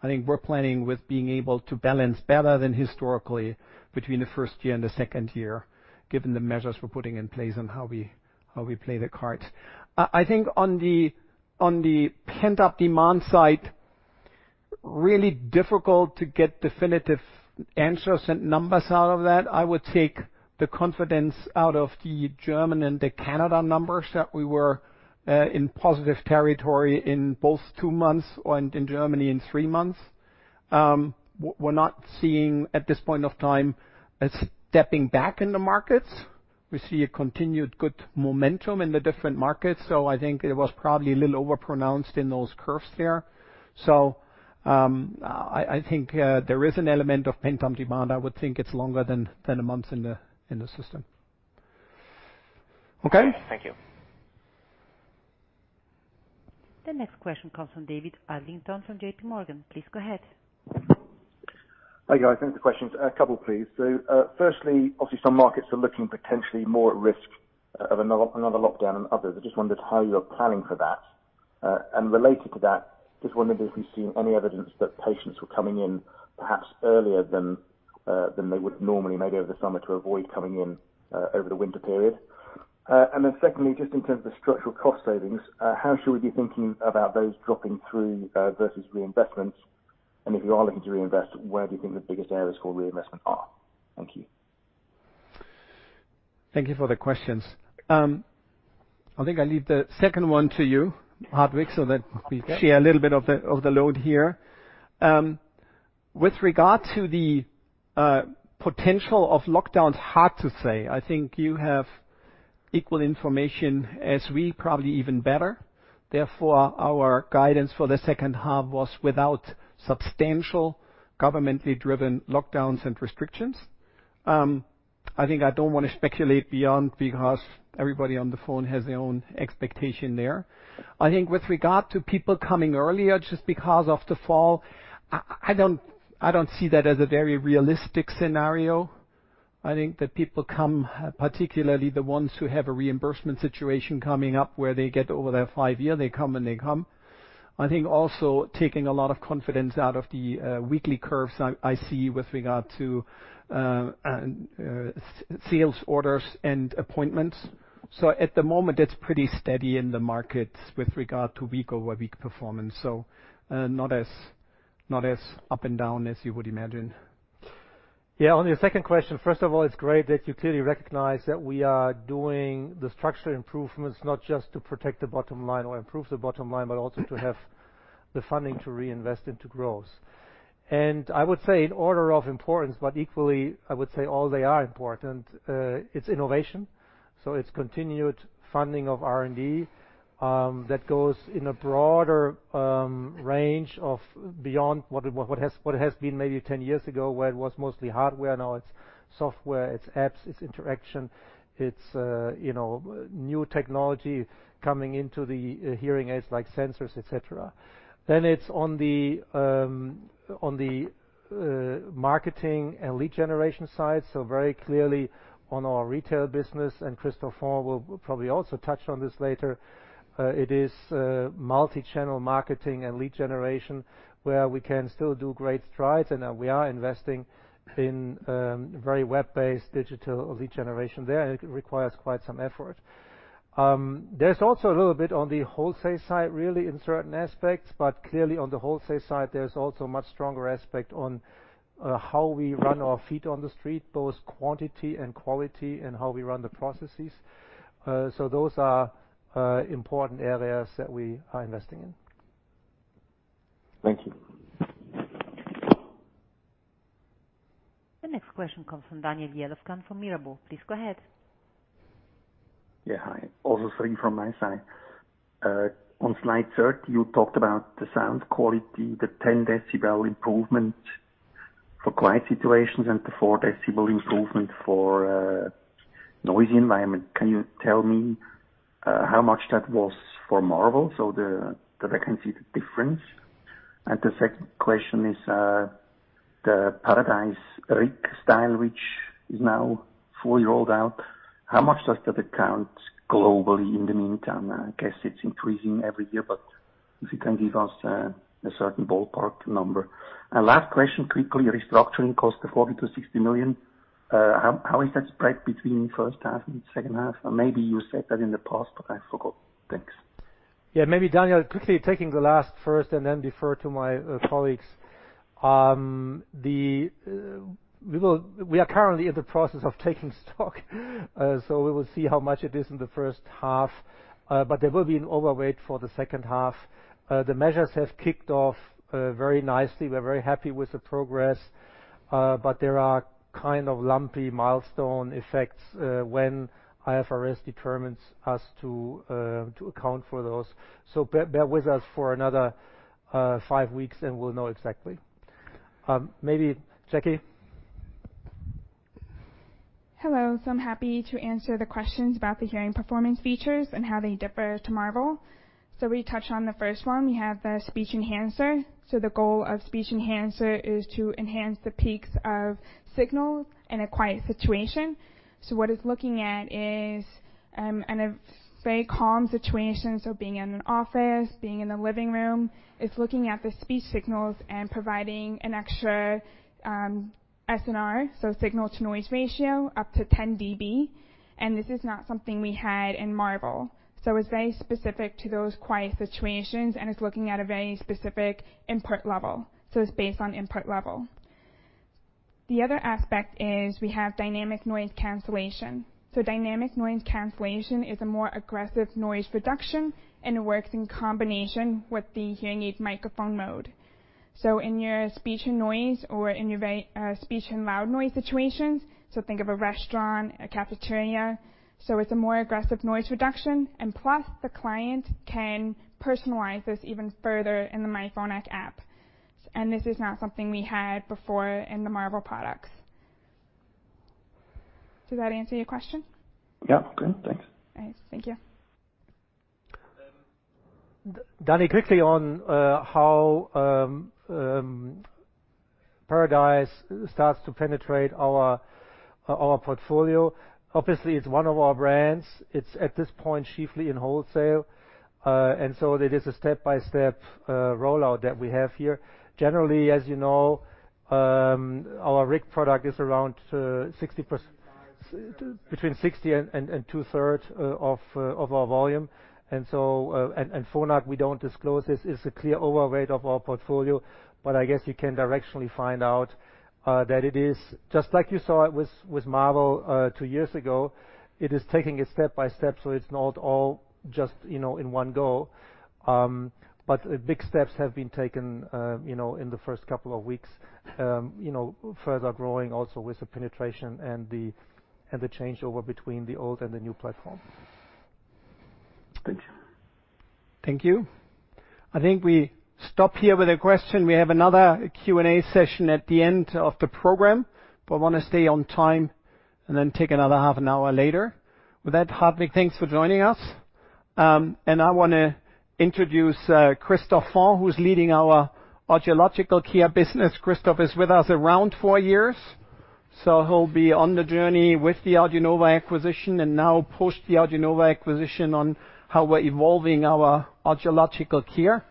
I think we're planning with being able to balance better than historically between the first year and the second year, given the measures we're putting in place and how we play the cards. I think on the pent-up demand side, really difficult to get definitive answers and numbers out of that. I would take the confidence out of the Germany and the Canada numbers that we were in positive territory in both two months and in Germany in three months. We are not seeing, at this point of time, a stepping back in the markets. We see a continued good momentum in the different markets. I think it was probably a little overpronounced in those curves there. I think there is an element of pent-up demand. I would think it is longer than 10 months in the system. Okay.
Thank you.
The next question comes from David Adlington from JPMorgan. Please go ahead.
Hi, guys. Thanks for the questions. A couple, please. Firstly, obviously, some markets are looking potentially more at risk of another lockdown than others. I just wondered how you're planning for that. Related to that, just wondering if you've seen any evidence that patients were coming in perhaps earlier than they would normally, maybe over the summer to avoid coming in over the winter period. Secondly, just in terms of the structural cost savings, how should we be thinking about those dropping through, versus reinvestments? If you are looking to reinvest, where do you think the biggest areas for reinvestment are? Thank you.
Thank you for the questions. I think I'll leave the second one to you, Hartwig, so that we share a little bit of the load here. With regard to the potential of lockdowns, hard to say. I think you have equal information as we, probably even better. Our guidance for the second half was without substantial governmentally driven lockdowns and restrictions. I think I don't want to speculate beyond, because everybody on the phone has their own expectation there. I think with regard to people coming earlier, just because of the fall, I don't see that as a very realistic scenario. I think that people come, particularly the ones who have a reimbursement situation coming up where they get over their five year, they come and they come. I think also taking a lot of confidence out of the weekly curves I see with regard to sales orders and appointments. At the moment, it's pretty steady in the markets with regard to week-over-week performance. Not as up and down as you would imagine.
Yeah. On your second question, first of all, it's great that you clearly recognize that we are doing the structural improvements not just to protect the bottom line or improve the bottom line, but also to have the funding to reinvest into growth. I would say in order of importance, but equally, I would say all they are important, it's innovation. It's continued funding of R&D that goes in a broader range of beyond what has been maybe 10 years ago, where it was mostly hardware. Now it's software, it's apps, it's interaction, it's new technology coming into the hearing aids like sensors, et cetera. It's on the marketing and lead generation side, so very clearly on our retail business. Christophe will probably also touch on this later. It is multi-channel marketing and lead generation where we can still do great strides. We are investing in very web-based digital lead generation there. It requires quite some effort. There's also a little bit on the wholesale side, really, in certain aspects. Clearly on the wholesale side, there's also a much stronger aspect on how we run our feet on the street, both quantity and quality, and how we run the processes. Those are important areas that we are investing in.
Thank you.
The next question comes from Daniel Jelovcan from Mirabaud. Please go ahead.
Yeah. Hi. Also sorry from my side. On slide 30, you talked about the sound quality, the 10dB improvement for quiet situations and the 4 dB improvement for noisy environment. Can you tell me how much that was for Marvel? That I can see the difference. The second question is, the Paradise RIC style, which is now fully rolled out, how much does that account globally in the meantime? I guess it's increasing every year, but if you can give us a certain ballpark number. Last question, quickly, restructuring cost of 40 million-60 million. How is that spread between first half and second half? Or maybe you said that in the past, but I forgot. Thanks.
Yeah. Maybe Daniel, quickly taking the last first and then defer to my colleagues. We are currently in the process of taking stock so we will see how much it is in the first half. There will be an overweight for the second half. The measures have kicked off very nicely. We're very happy with the progress, but there are kind of lumpy milestone effects when IFRS determines us to account for those. Bear with us for another five weeks, and we'll know exactly. Maybe Jacqueline?
Hello. I'm happy to answer the questions about the hearing performance features and how they differ to Marvel. We touched on the first one. We have the Speech Enhancer. The goal of Speech Enhancer is to enhance the peaks of signals in a quiet situation. What it's looking at is in a very calm situation, so being in an office, being in the living room, it's looking at the speech signals and providing an extra SNR, signal-to-noise ratio, up to 10dB, and this is not something we had in Marvel. It's very specific to those quiet situations, and it's looking at a very specific input level. It's based on input level. The other aspect is we have Dynamic Noise Cancellation. Dynamic Noise Cancellation is a more aggressive noise reduction, and it works in combination with the hearing aid microphone mode. In your speech and noise or in your very speech and loud noise situations, think of a restaurant, a cafeteria, it's a more aggressive noise reduction, plus the client can personalize this even further in the myPhonak app. This is not something we had before in the Marvel products. Does that answer your question?
Yeah. Good. Thanks.
All right. Thank you.
Danny, quickly on how Paradise starts to penetrate our portfolio. Obviously, it's one of our brands. It's at this point chiefly in wholesale. It is a step-by-step rollout that we have here. Generally, as you know, our RIC product is between 60 and two-third of our volume. Phonak, we don't disclose this, is a clear overweight of our portfolio, but I guess you can directionally find out that it is just like you saw it with Marvel two years ago. It is taking it step by step. It's not all just in one go. Big steps have been taken in the first couple of weeks, further growing also with the penetration and the changeover between the old and the new platform.
Thank you.
Thank you. I think we stop here with the question. We have another Q&A session at the end of the program, but want to stay on time and then take another half an hour later. With that, Hartwig, thanks for joining us. I want to introduce Christophe Fourré, who's leading our audiological care business. Christophe is with us around four years. He'll be on the journey with the AudioNova acquisition and now post the AudioNova acquisition on how we're evolving our audiological care,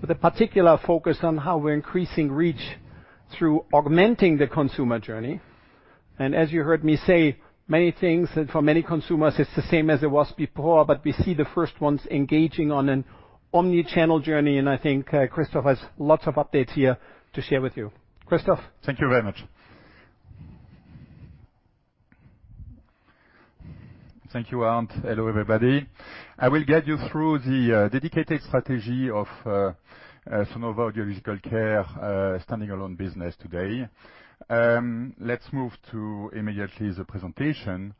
with a particular focus on how we're increasing reach through augmenting the consumer journey. As you heard me say many things, and for many consumers, it's the same as it was before, but we see the first ones engaging on an omni-channel journey, and I think Christophe has lots of updates here to share with you. Christophe?
Thank you very much. Thank you, Arnd. Hello, everybody. I will get you through the dedicated strategy of Sonova Audiological Care standing alone business today. Let's move to immediately the presentation.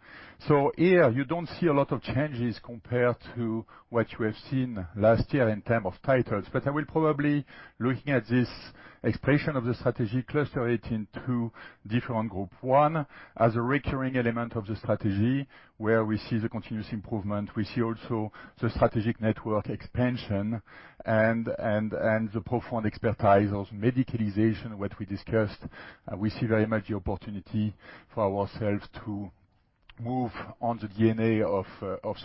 Here you don't see a lot of changes compared to what you have seen last year in term of titles, but I will probably, looking at this expression of the strategy, cluster it into different group. One, as a recurring element of the strategy, where we see the continuous improvement. We see also the strategic network expansion and the profound expertise of medicalization, what we discussed. We see very much the opportunity for ourselves to move on the DNA of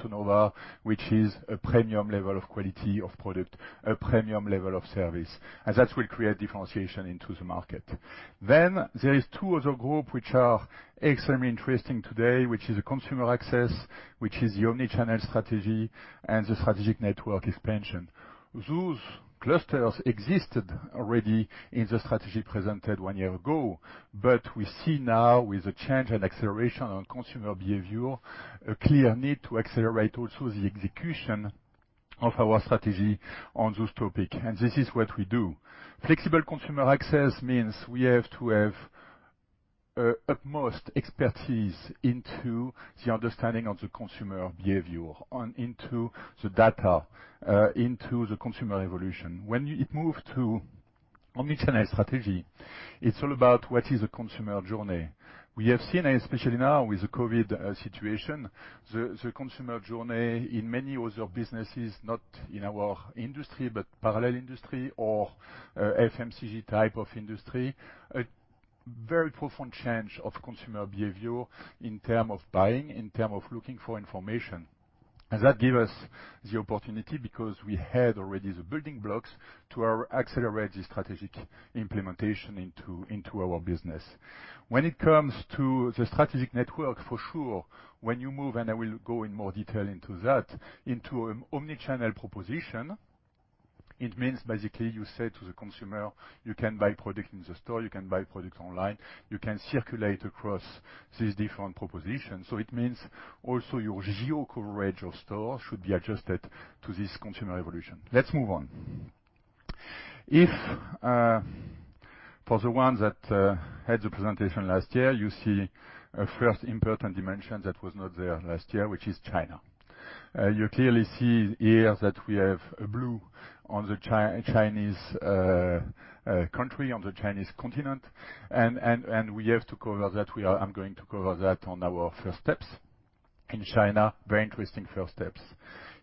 Sonova, which is a premium level of quality of product, a premium level of service, and that will create differentiation into the market. There is two other group which are extremely interesting today, which is the consumer access, which is the omni-channel strategy and the strategic network expansion. Those clusters existed already in the strategy presented one year ago, but we see now with the change and acceleration on consumer behavior, a clear need to accelerate also the execution of our strategy on those topic. This is what we do. Flexible consumer access means we have to have utmost expertise into the understanding of the consumer behavior on into the data, into the consumer evolution. It move to omni-channel strategy, it's all about what is a consumer journey. We have seen, especially now with the COVID situation, the consumer journey in many other businesses, not in our industry, but parallel industry or FMCG type of industry, a very profound change of consumer behavior in term of buying, in term of looking for information. That give us the opportunity because we had already the building blocks to our accelerated strategic implementation into our business. When it comes to the strategic network, for sure, when you move, and I will go in more detail into that, into an omni-channel proposition, it means basically you say to the consumer, "You can buy product in the store, you can buy product online, you can circulate across these different propositions." It means also your geo coverage of store should be adjusted to this consumer evolution. Let's move on. If for the ones that had the presentation last year, you see a first important dimension that was not there last year, which is China. You clearly see here that we have blue on the Chinese country, on the Chinese continent, and we have to cover that. I'm going to cover that on our first steps in China. Very interesting first steps.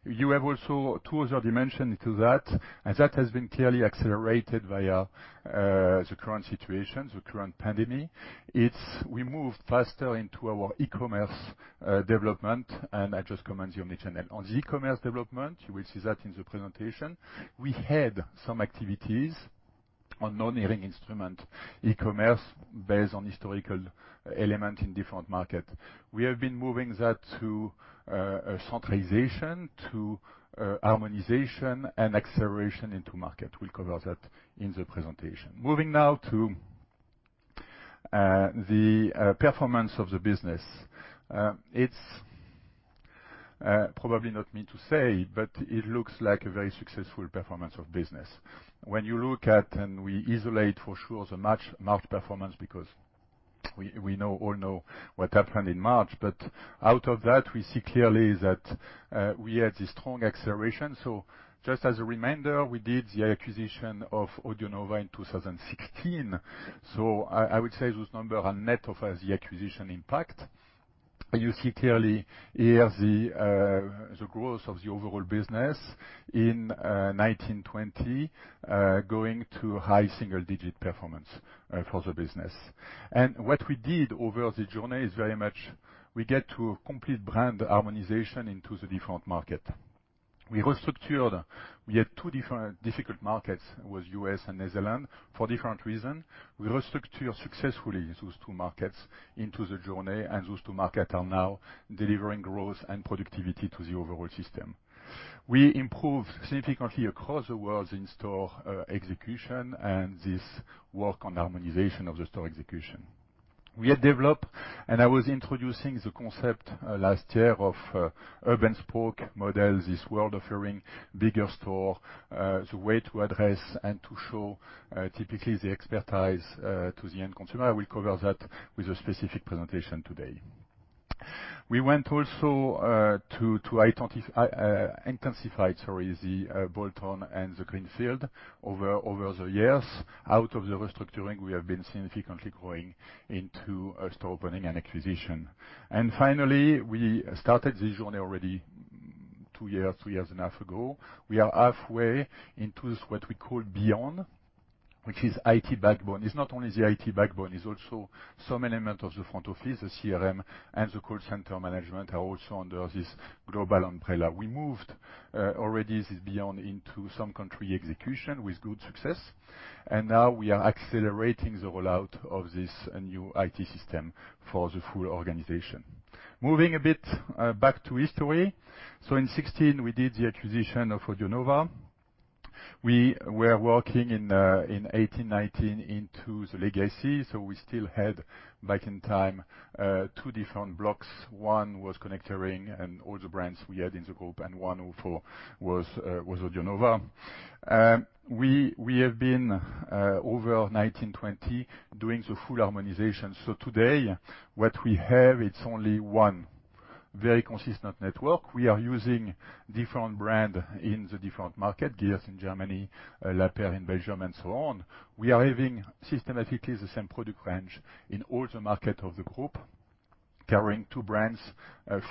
You have also two other dimensions to that, and that has been clearly accelerated via the current situation, the current pandemic. We moved faster into our e-commerce development, and I just commented on omni-channel. On the e-commerce development, you will see that in the presentation, we had some activities on non-hearing instrument e-commerce based on historical element in different market. We have been moving that to centralization, to harmonization, and acceleration into market. We'll cover that in the presentation. Moving now to the performance of the business. It is probably not me to say, it looks like a very successful performance of business. When you look at, we isolate for sure the March performance because we all know what happened in March. Out of that, we see clearly that we had this strong acceleration. Just as a reminder, we did the acquisition of AudioNova in 2016. I would say those numbers are net of the acquisition impact. You see clearly here the growth of the overall business in 2019, 2020, going to high single-digit performance for the business. What we did over the journey is very much we get to a complete brand harmonization into the different market. We restructured. We had two different difficult markets. It was U.S. and Netherlands for different reason. We restructured successfully those two markets into the journey, and those two markets are now delivering growth and productivity to the overall system. We improved significantly across the world in store execution and this work on harmonization of the store execution. We had developed, and I was introducing the concept last year of urban spoke model, this World of Hearing, bigger store, the way to address and to show typically the expertise to the end consumer. I will cover that with a specific presentation today. We went also to intensify, sorry, the bolt-on and the greenfield over the years. Out of the restructuring, we have been significantly growing into store opening and acquisition. Finally, we started this journey already two years, two years and a half ago. We are halfway into what we call Beyond, which is IT backbone. It's not only the IT backbone, it's also some element of the front office. The CRM and the call center management are also under this global umbrella. We moved already this is Beyond into some country execution with good success, now we are accelerating the rollout of this new IT system for the full organization. Moving a bit back to history. In 2016, we did the acquisition of AudioNova. We were working in 2018, 2019, into the legacy. We still had, back in time, two different blocks. One was Connect Hearing and all the brands we had in the group, and one also was AudioNova. We have been, over 2019, 2020, doing the full harmonization. Today, what we have, it's only one very consistent network. We are using different brand in the different market, Geers in Germany, Lapperre in Belgium, and so on. We are having systematically the same product range in all the market of the group, carrying two brands,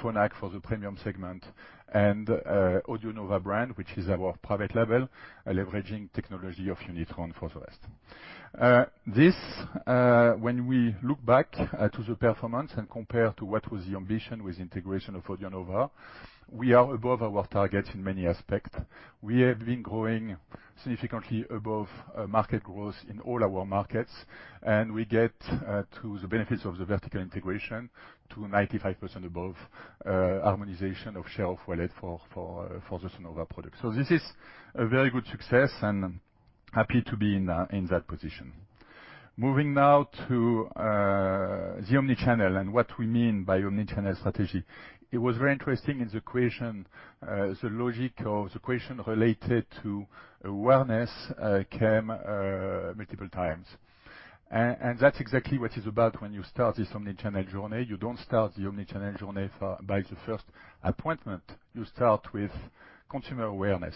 Phonak for the premium segment and AudioNova brand, which is our private label, leveraging technology of Unitron for the rest. This, when we look back to the performance and compare to what was the ambition with integration of AudioNova, we are above our target in many aspects. We have been growing significantly above market growth in all our markets, we get to the benefits of the vertical integration to 95% above harmonization of share of wallet for the Sonova product. This is a very good success, and happy to be in that position. Moving now to the omnichannel and what we mean by omnichannel strategy. It was very interesting in the question, the logic of the question related to awareness came multiple times. That's exactly what it's about when you start this omnichannel journey. You don't start the omnichannel journey by the first appointment. You start with consumer awareness.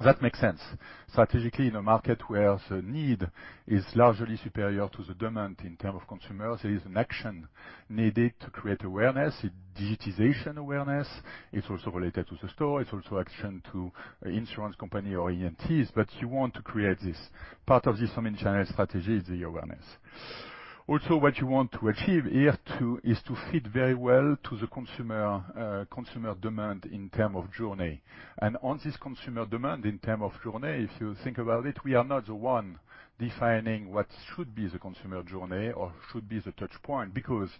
That makes sense. Strategically, in a market where the need is largely superior to the demand in terms of consumers, there is an action needed to create awareness, digitization awareness. It's also related to the store. It's also action to insurance company or ENTs, but you want to create this. Part of this omnichannel strategy is the awareness. What you want to achieve here too is to fit very well to the consumer demand in terms of journey. On this consumer demand in terms of journey, if you think about it, we are not the one defining what should be the consumer journey or should be the touch point, because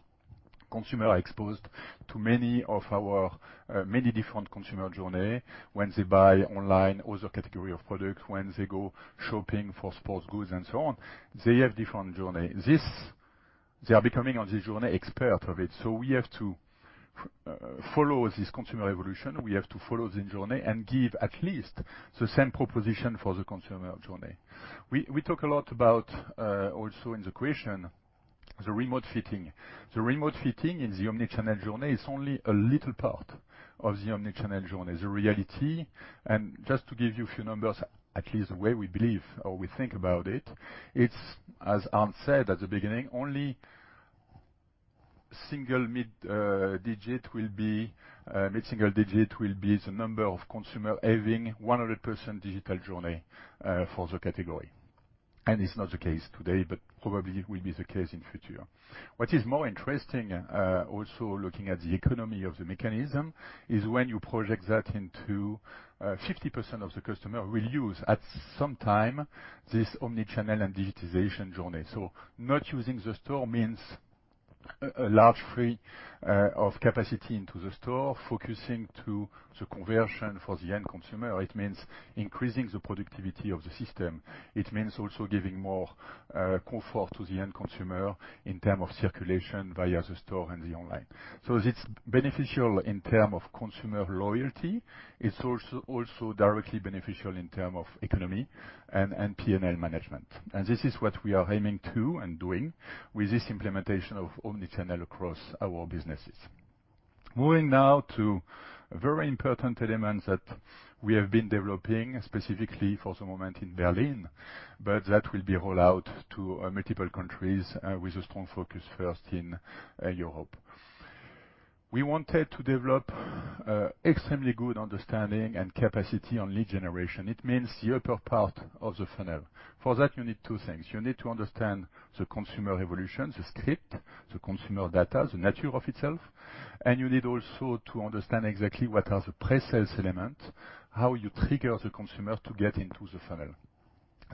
consumers are exposed to many different consumer journey when they buy online other category of products, when they go shopping for sports goods and so on. They have different journey. They are becoming, on this journey, experts of it. We have to follow this consumer evolution. We have to follow the journey and give at least the same proposition for the consumer journey. We talk a lot about, also in the question, the remote fitting. The remote fitting in the omni-channel journey is only a little part of the omni-channel journey, the reality. Just to give you a few numbers, at least the way we believe or we think about it's as Arnd said at the beginning, only mid-single digit will be the number of consumer having 100% digital journey for the category. It's not the case today, but probably will be the case in future. What is more interesting, also looking at the economy of the mechanism, is when you project that into 50% of the customer will use, at some time, this omni-channel and digitization journey. Not using the store means a large free of capacity into the store, focusing to the conversion for the end consumer. It means increasing the productivity of the system. It means also giving more comfort to the end consumer in term of circulation via the store and the online. It's beneficial in term of consumer loyalty. It's also directly beneficial in terms of economy and P&L management. This is what we are aiming to and doing with this implementation of omni-channel across our businesses. Moving now to very important elements that we have been developing specifically for the moment in Berlin, but that will be rolled out to multiple countries with a strong focus first in Europe. We wanted to develop extremely good understanding and capacity on lead generation. It means the upper part of the funnel. For that, you need two things. You need to understand the consumer evolution, the script, the consumer data, the nature of itself, and you need also to understand exactly what are the pre-sales elements, how you trigger the consumer to get into the funnel.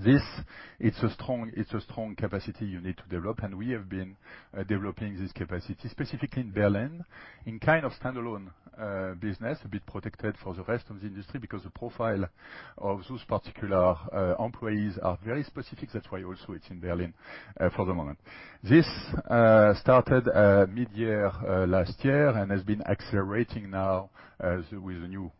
It's a strong capacity you need to develop. We have been developing this capacity specifically in Berlin in kind of standalone business, a bit protected for the rest of the industry because the profile of those particular employees are very specific. That's why also it's in Berlin for the moment. This started mid-year last year. It has been accelerating now with the new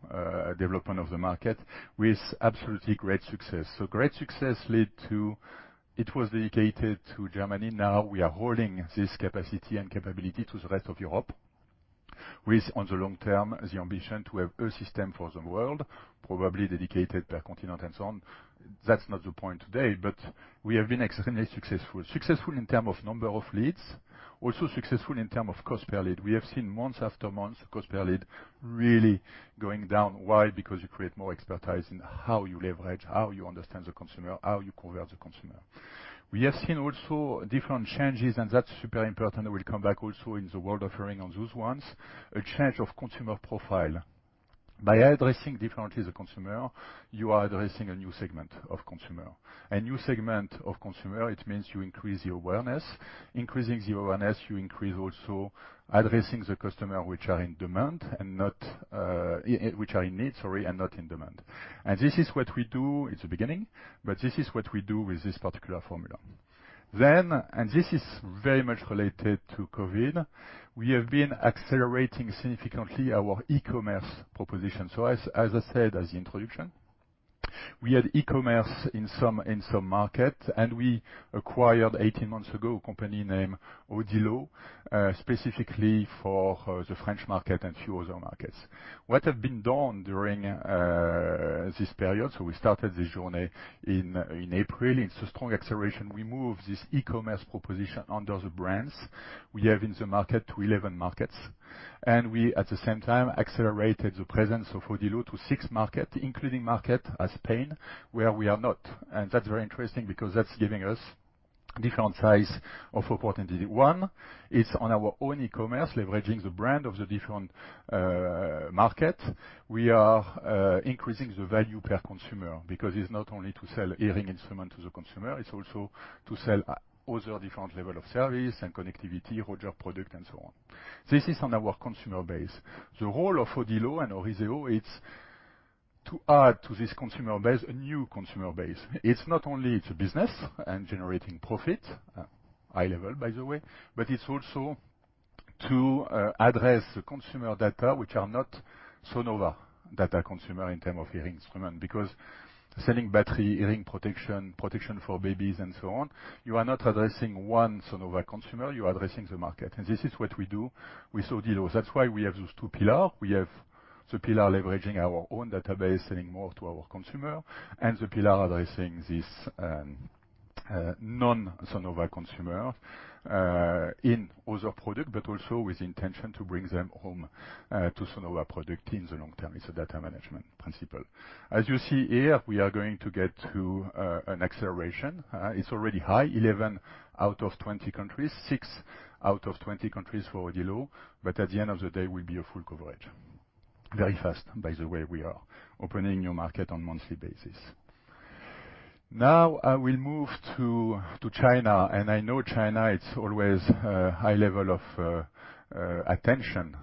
development of the market with absolutely great success. Great success led to it was dedicated to Germany. We are holding this capacity and capability to the rest of Europe with, on the long term, the ambition to have a system for the world, probably dedicated per continent and so on. That's not the point today. We have been extremely successful. Successful in terms of number of leads, also successful in terms of cost per lead. We have seen month after month cost per lead really going down. Why? Because you create more expertise in how you leverage, how you understand the consumer, how you convert the consumer. We have seen also different changes. That's super important. We'll come back also in the World of Hearing on those ones, a change of consumer profile. By addressing differently the consumer, you are addressing a new segment of consumer. A new segment of consumer, it means you increase the awareness. Increasing the awareness, you increase also addressing the customer which are in need, and not in demand. This is what we do. It's a beginning. This is what we do with this particular formula. This is very much related to COVID, we have been accelerating significantly our e-commerce proposition. As I said as the introduction, we had e-commerce in some market, and we acquired 18 months ago a company named Audilo, specifically for the French market and few other markets. What have been done during this period, so we started this journey in April. It's a strong acceleration. We moved this e-commerce proposition under the brands we have in the market to 11 markets, and we, at the same time, accelerated the presence of Audilo to six markets, including market as Spain, where we are not. That's very interesting because that's giving us different size of opportunity. One, it's on our own e-commerce, leveraging the brand of the different market. We are increasing the value per consumer because it's not only to sell hearing instrument to the consumer, it's also to sell other different level of service and connectivity, Roger product and so on. This is on our consumer base. The role of Audilo and, *inaudible* it's to add to this consumer base a new consumer base. It's not only a business and generating profit, high level, by the way, but it's also to address the consumer data which are not Sonova data consumer in terms of hearing instrument. Selling battery, hearing protection for babies and so on, you are not addressing one Sonova consumer, you are addressing the market. This is what we do with Audilo. That's why we have those two pillar. We have the pillar leveraging our own database, selling more to our consumer, and the pillar addressing this non-Sonova consumer in other product, but also with intention to bring them home to Sonova product in the long term. It's a data management principle. As you see here, we are going to get to an acceleration. It's already high, 11 out of 20 countries, six out of 20 countries for Audilo, but at the end of the day will be a full coverage. Very fast, by the way, we are opening new market on monthly basis. Now I will move to China, and I know China, it's always a high level of attention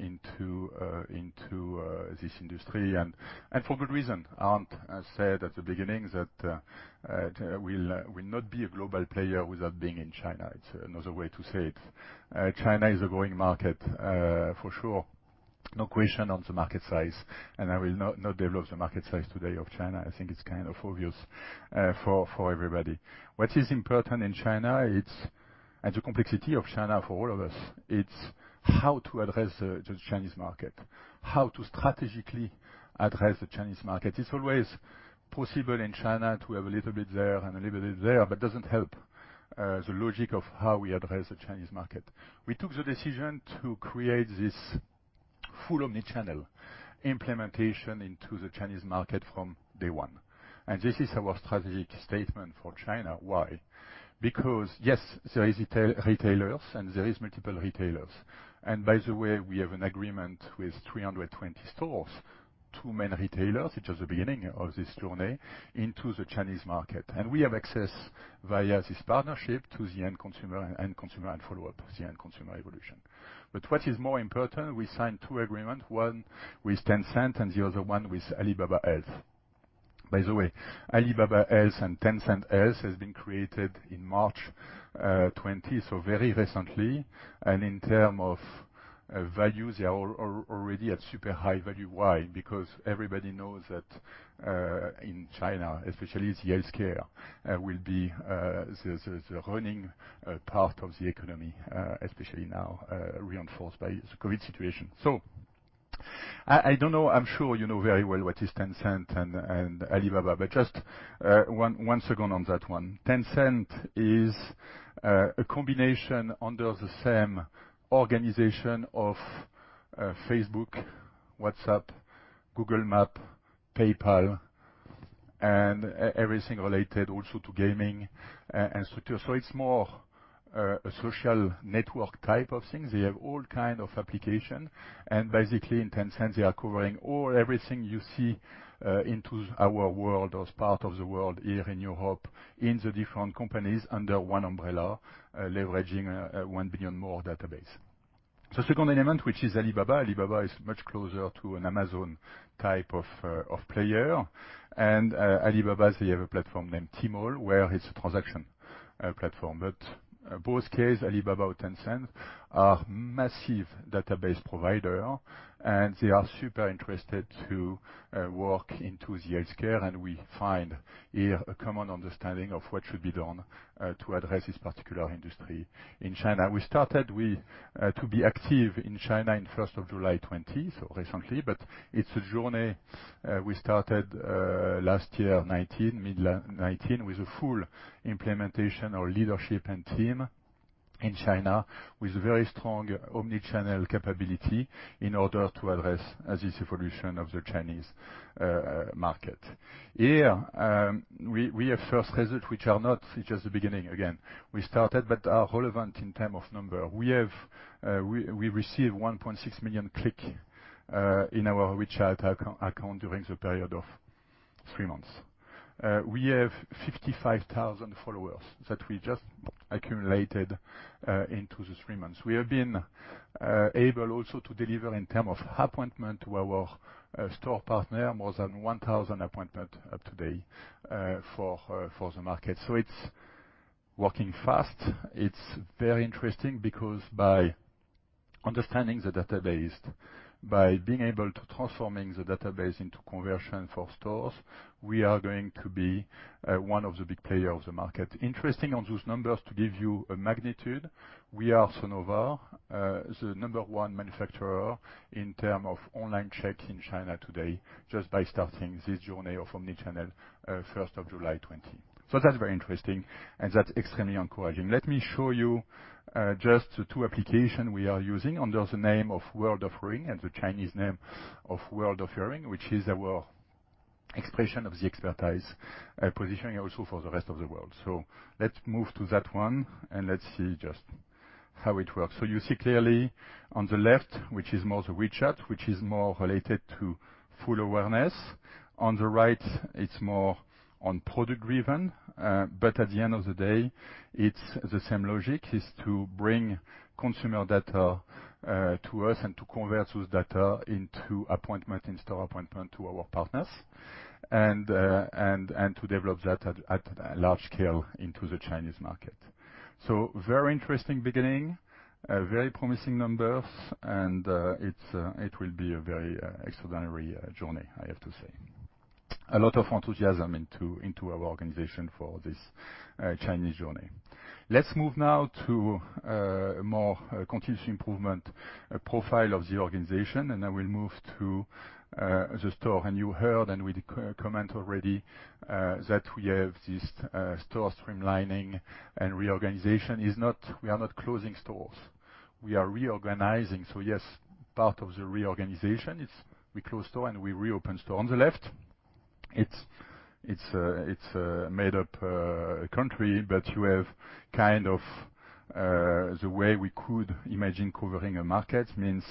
into this industry, and for good reason. Arnd said at the beginning that we'll not be a global player without being in China. It's another way to say it. China is a growing market for sure. No question on the market size, and I will not develop the market size today of China. I think it's kind of obvious for everybody. What is important in China, and the complexity of China for all of us, it's how to address the Chinese market, how to strategically address the Chinese market. It's always possible in China to have a little bit there and a little bit there, but it doesn't help the logic of how we address the Chinese market. We took the decision to create this full omni-channel implementation into the Chinese market from day one. This is our strategic statement for China. Why? Because yes, there is retailers, and there is multiple retailers. By the way, we have an agreement with 320 stores, two main retailers, which is the beginning of this journey into the Chinese market. We have access via this partnership to the end consumer and follow up the end consumer evolution. What is more important, we signed two agreement, one with Tencent and the other one with Alibaba Health. By the way, Alibaba Health and Tencent Health has been created in March 2020, so very recently. In terms of value, they are already at super high value. Why? Because everybody knows that in China, especially the healthcare, will be the running part of the economy, especially now, reinforced by the COVID situation. I don't know. I'm sure you know very well what is Tencent and Alibaba, but just one second on that one. Tencent is a combination under the same organization of Facebook, WhatsApp, Google Maps, PayPal, and everything related also to gaming and structure. It's more a social network type of thing. They have all kind of application, and basically in Tencent, they are covering all, everything you see into our world as part of the world here in Europe, in the different companies under one umbrella, leveraging a 1 billion more database. The second element, which is Alibaba. Alibaba is much closer to an Amazon type of player. Alibaba, they have a platform named Tmall, where it's a transaction platform. Both case, Alibaba or Tencent, are massive database provider, and they are super interested to work into the healthcare, and we find here a common understanding of what should be done to address this particular industry in China. We started to be active in China in 1st of July 2020, so recently, but it's a journey we started last year 2019, mid 2019, with a full implementation of leadership and team in China with very strong omni-channel capability in order to address this evolution of the Chinese market. Here, we have first result. It's just the beginning again. We started but are relevant in term of number. We received 1.6 million click in our WeChat account during the period of three months. We have 55,000 followers that we just accumulated into the three months. We have been able also to deliver in term of appointment to our store partner, more than 1,000 appointment up to date for the market. It's working fast. It's very interesting because by understanding the database, by being able to transforming the database into conversion for stores, we are going to be one of the big player of the market. Interesting on those numbers, to give you a magnitude, we are, Sonova, the number one manufacturer in term of online checks in China today just by starting this journey of omni-channel 1st of July 2020. That's very interesting, and that's extremely encouraging. Let me show you just the two application we are using under the name of World of Hearing and the Chinese name of World of Hearing, which is our expression of the expertise, positioning also for the rest of the world. Let's move to that one, and let's see just how it works. You see clearly on the left, which is more the WeChat, which is more related to full awareness. On the right, it's more on product driven. At the end of the day, it's the same logic, is to bring consumer data to us and to convert those data into appointment, in-store appointment to our partners and to develop that at a large scale into the Chinese market. Very interesting beginning, very promising numbers, and it will be a very extraordinary journey, I have to say. A lot of enthusiasm into our organization for this Chinese journey. Let's move now to a more continuous improvement profile of the organization, I will move to the store. You heard, and we comment already, that we have this store streamlining and reorganization. We are not closing stores. We are reorganizing. Yes, part of the reorganization, we close store, and we reopen store. On the left, it's a made-up country, but you have kind of the way we could imagine covering a market, means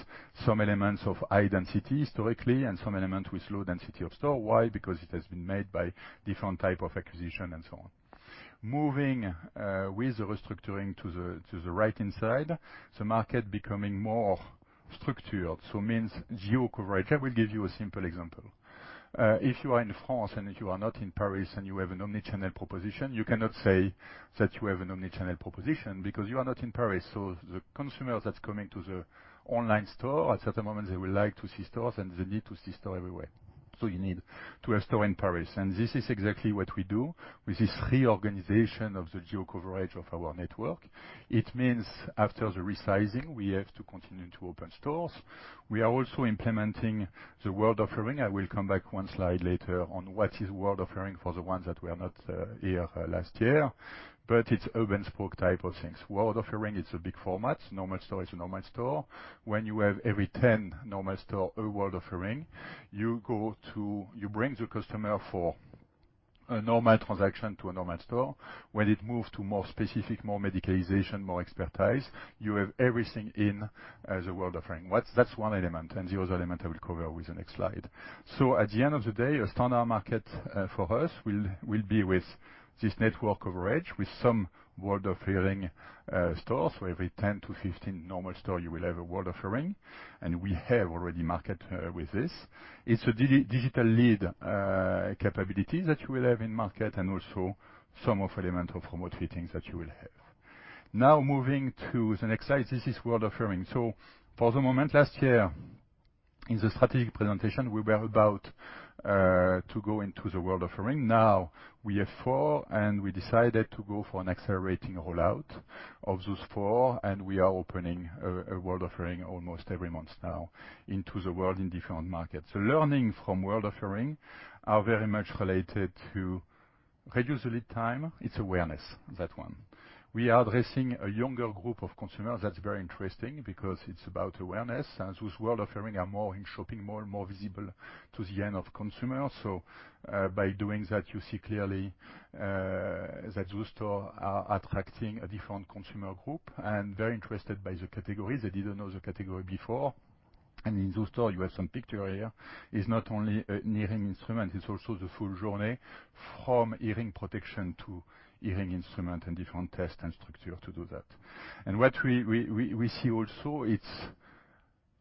some elements of high density historically and some element with low density of store. Why? Because it has been made by different type of acquisition and so on. Moving with the restructuring to the right-hand side, the market becoming more structured, means geo coverage. I will give you a simple example. If you are in France and if you are not in Paris and you have an omni-channel proposition, you cannot say that you have an omni-channel proposition because you are not in Paris. The consumer that's coming to the online store, at a certain moment they will like to see stores, and they need to see store everywhere. You need to have store in Paris. This is exactly what we do with this reorganization of the geo coverage of our network. It means after the resizing, we have to continue to open stores. We are also implementing the World of Hearing. I will come back one slide later on what is World of Hearing for the ones that were not here last year. It's hub-and-spoke type of things. World of Hearing, it's a big format. Normal store is a normal store. When you have every 10 normal store, a World of Hearing, you bring the customer for a normal transaction to a normal store. When it moves to more specific, more medicalization, more expertise, you have everything in the World of Hearing. That's one element. The other element I will cover with the next slide. At the end of the day, a standard market for us will be with this network coverage with some World of Hearing stores, where every 10 to 15 normal store, you will have a World of Hearing. We have already market with this. It's a digital lead capabilities that you will have in market, and also some of element of promote fittings that you will have. Now moving to the next slide. This is World of Hearing. For the moment, last year in the strategic presentation, we were about to go into the World of Hearing. Now we have four, and we decided to go for an accelerating rollout of those four, and we are opening a World of Hearing almost every month now into the world in different markets. Learning from World of Hearing are very much related to reduce the lead time. It's awareness, that one. We are addressing a younger group of consumers. That's very interesting because it's about awareness, and those World of Hearing are more in shopping, more and more visible to the end of consumer. By doing that, you see clearly that those store are attracting a different consumer group and very interested by the categories. They didn't know the category before. In those store, you have some picture here, is not only an hearing instrument, it's also the full journey from hearing protection to hearing instrument and different test and structure to do that. What we see also, it's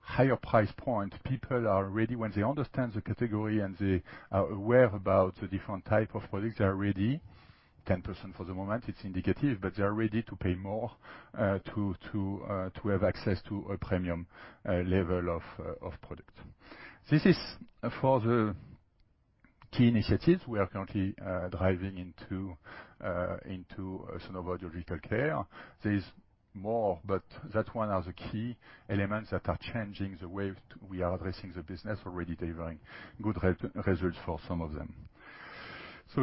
higher price point. People are ready when they understand the category and they are aware about the different type of products, they are ready. 10% for the moment, it's indicative, but they are ready to pay more, to have access to a premium level of product. This is for the key initiatives we are currently driving into Sonova Audiological Care. There is more, but that one are the key elements that are changing the way we are addressing the business, already delivering good results for some of them.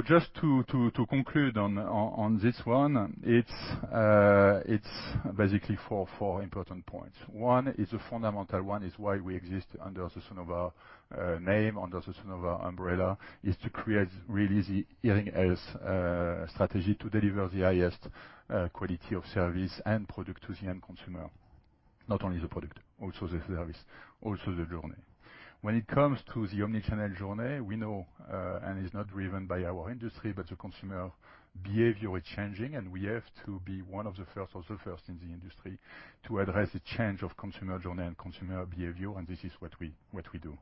Just to conclude on this one, it's basically four important points. One is a fundamental one, is why we exist under the Sonova name, under the Sonova umbrella, is to create really the hearing health strategy to deliver the highest quality of service and product to the end consumer. Not only the product, also the service, also the journey. When it comes to the omni-channel journey, we know, and is not driven by our industry, but the consumer behavior is changing, and we have to be one of the first or the first in the industry to address the change of consumer journey and consumer behavior, and this is what we do.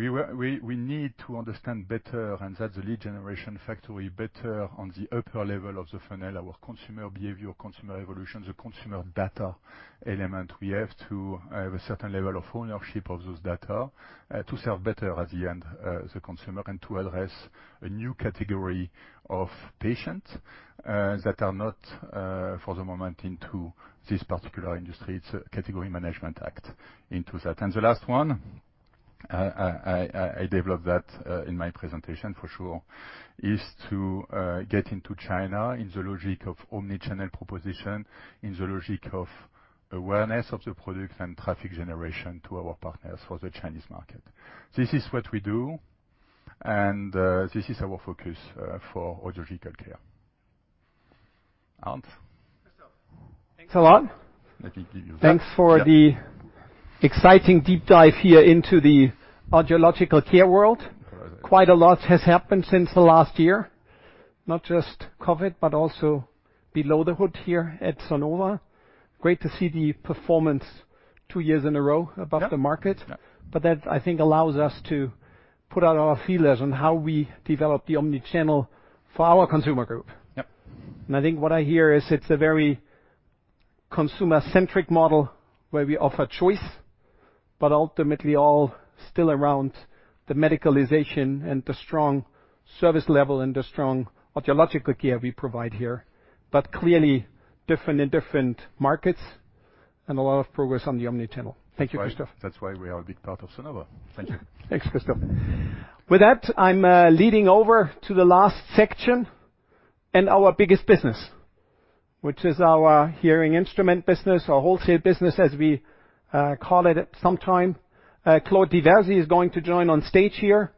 We need to understand better, and that's the lead generation factory better on the upper level of the funnel, our consumer behavior, consumer evolution, the consumer data element. We have to have a certain level of ownership of those data to serve better at the end the consumer, and to address a new category of patients that are not, for the moment, into this particular industry. It's a category management act into that. The last one, I developed that in my presentation for sure, is to get into China in the logic of omni-channel proposition, in the logic of awareness of the product, and traffic generation to our partners for the Chinese market. This is what we do, and this is our focus for Audiological Care. Arnd?
Christophe. Thanks a lot.
Let me give you that. Yep.
Thanks for the exciting deep dive here into the audiological care world. Quite a lot has happened since the last year, not just COVID, but also below the hood here at Sonova. Great to see the performance two years in a row above the market. That, I think, allows us to put out our feelers on how we develop the omni-channel for our consumer group.
Yep.
I think what I hear is it's a very consumer-centric model where we offer choice, but ultimately all still around the medicalization and the strong service level and the strong audiological care we provide here, but clearly different in different markets, and a lot of progress on the omni-channel. Thank you, Christophe.
That's why we are a big part of Sonova. Thank you.
Thanks, Christophe. With that, I am leading over to the last section and our biggest business, which is our hearing instrument business, our wholesale business, as we call it sometime. Claude Diversi is going to join on stage here.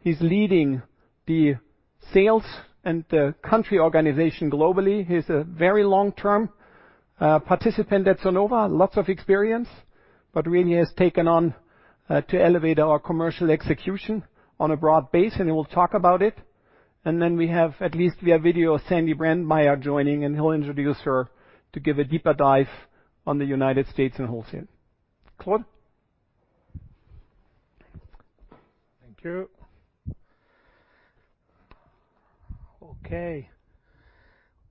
He is leading the sales and the country organization globally. He is a very long-term participant at Sonova. Lots of experience, but really has taken on to elevate our commercial execution on a broad base, and he will talk about it. We have video of Sandy Brandmeier joining, and he will introduce her to give a deeper dive on the U.S. and wholesale. Claude?
Thank you. Okay.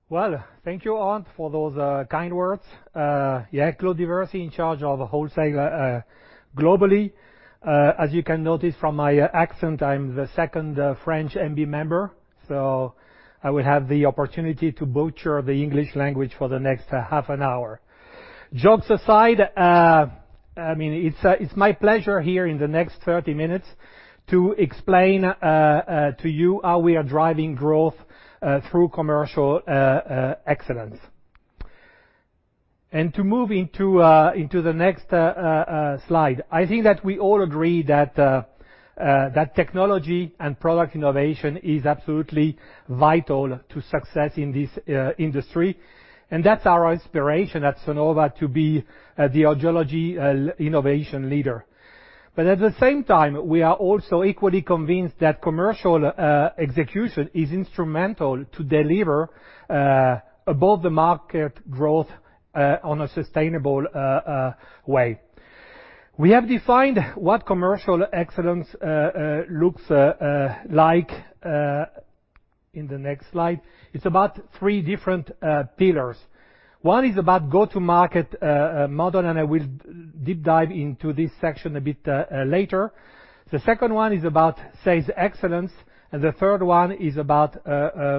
Well, thank you, Arnd, for those kind words. Claude Diversi in charge of wholesale globally. As you can notice from my accent, I'm the second French MB member, so I will have the opportunity to butcher the English language for the next half an hour. Jokes aside, it's my pleasure here in the next 30 minutes to explain to you how we are driving growth through commercial excellence. To move into the next slide, I think that we all agree that technology and product innovation is absolutely vital to success in this industry, and that's our inspiration at Sonova to be the audiology innovation leader. At the same time, we are also equally convinced that commercial execution is instrumental to deliver above the market growth, on a sustainable way. We have defined what commercial excellence looks like in the next slide. It's about three different pillars. One is about go-to-market model, and I will deep dive into this section a bit later. The second one is about sales excellence, and the third one is about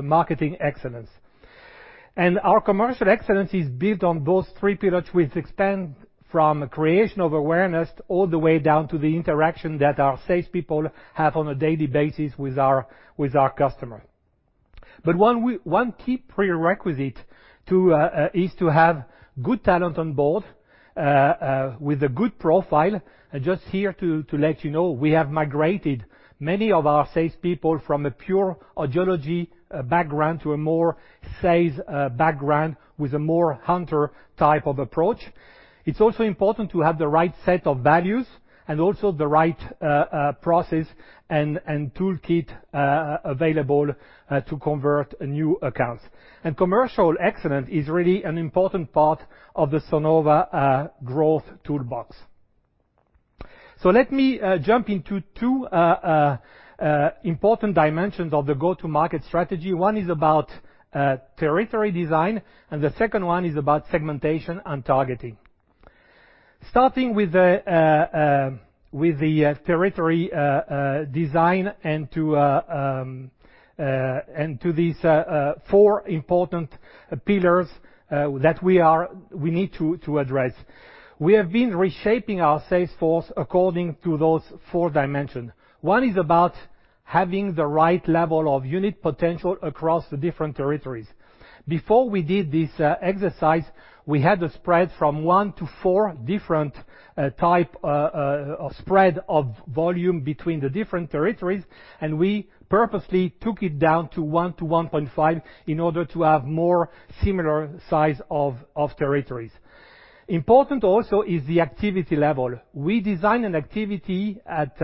marketing excellence. Our commercial excellence is built on those three pillars, which expand from creation of awareness all the way down to the interaction that our salespeople have on a daily basis with our customers. One key prerequisite is to have good talent on board with a good profile. Just here to let you know, we have migrated many of our salespeople from a pure audiology background to a more sales background with a more hunter type of approach. It's also important to have the right set of values and also the right process and toolkit available to convert new accounts. Commercial excellence is really an important part of the Sonova growth toolbox. Let me jump into two important dimensions of the go-to-market strategy. One is about territory design, and the second one is about segmentation and targeting. Starting with the territory design and to these four important pillars that we need to address. We have been reshaping our sales force according to those four dimensions. One is about having the right level of unit potential across the different territories. Before we did this exercise, we had a spread from one to four different type of spread of volume between the different territories, and we purposely took it down to one to 1.5 in order to have more similar size of territories. Important also is the activity level. We design an activity at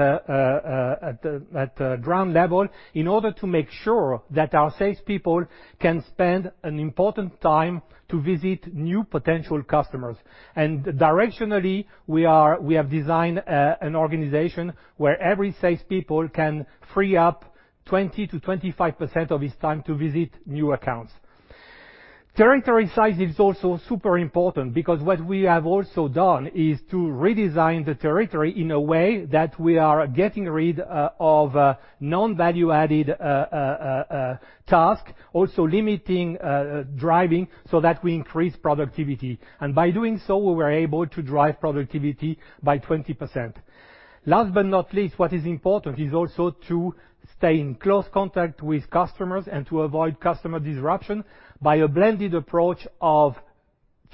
ground level in order to make sure that our salespeople can spend an important time to visit new potential customers. Directionally, we have designed an organization where every salespeople can free up 20%-25% of his time to visit new accounts. Territory size is also super important because what we have also done is to redesign the territory in a way that we are getting rid of non-value added tasks, also limiting driving so that we increase productivity. By doing so, we were able to drive productivity by 20%. Last but not least, what is important is also to stay in close contact with customers and to avoid customer disruption by a blended approach of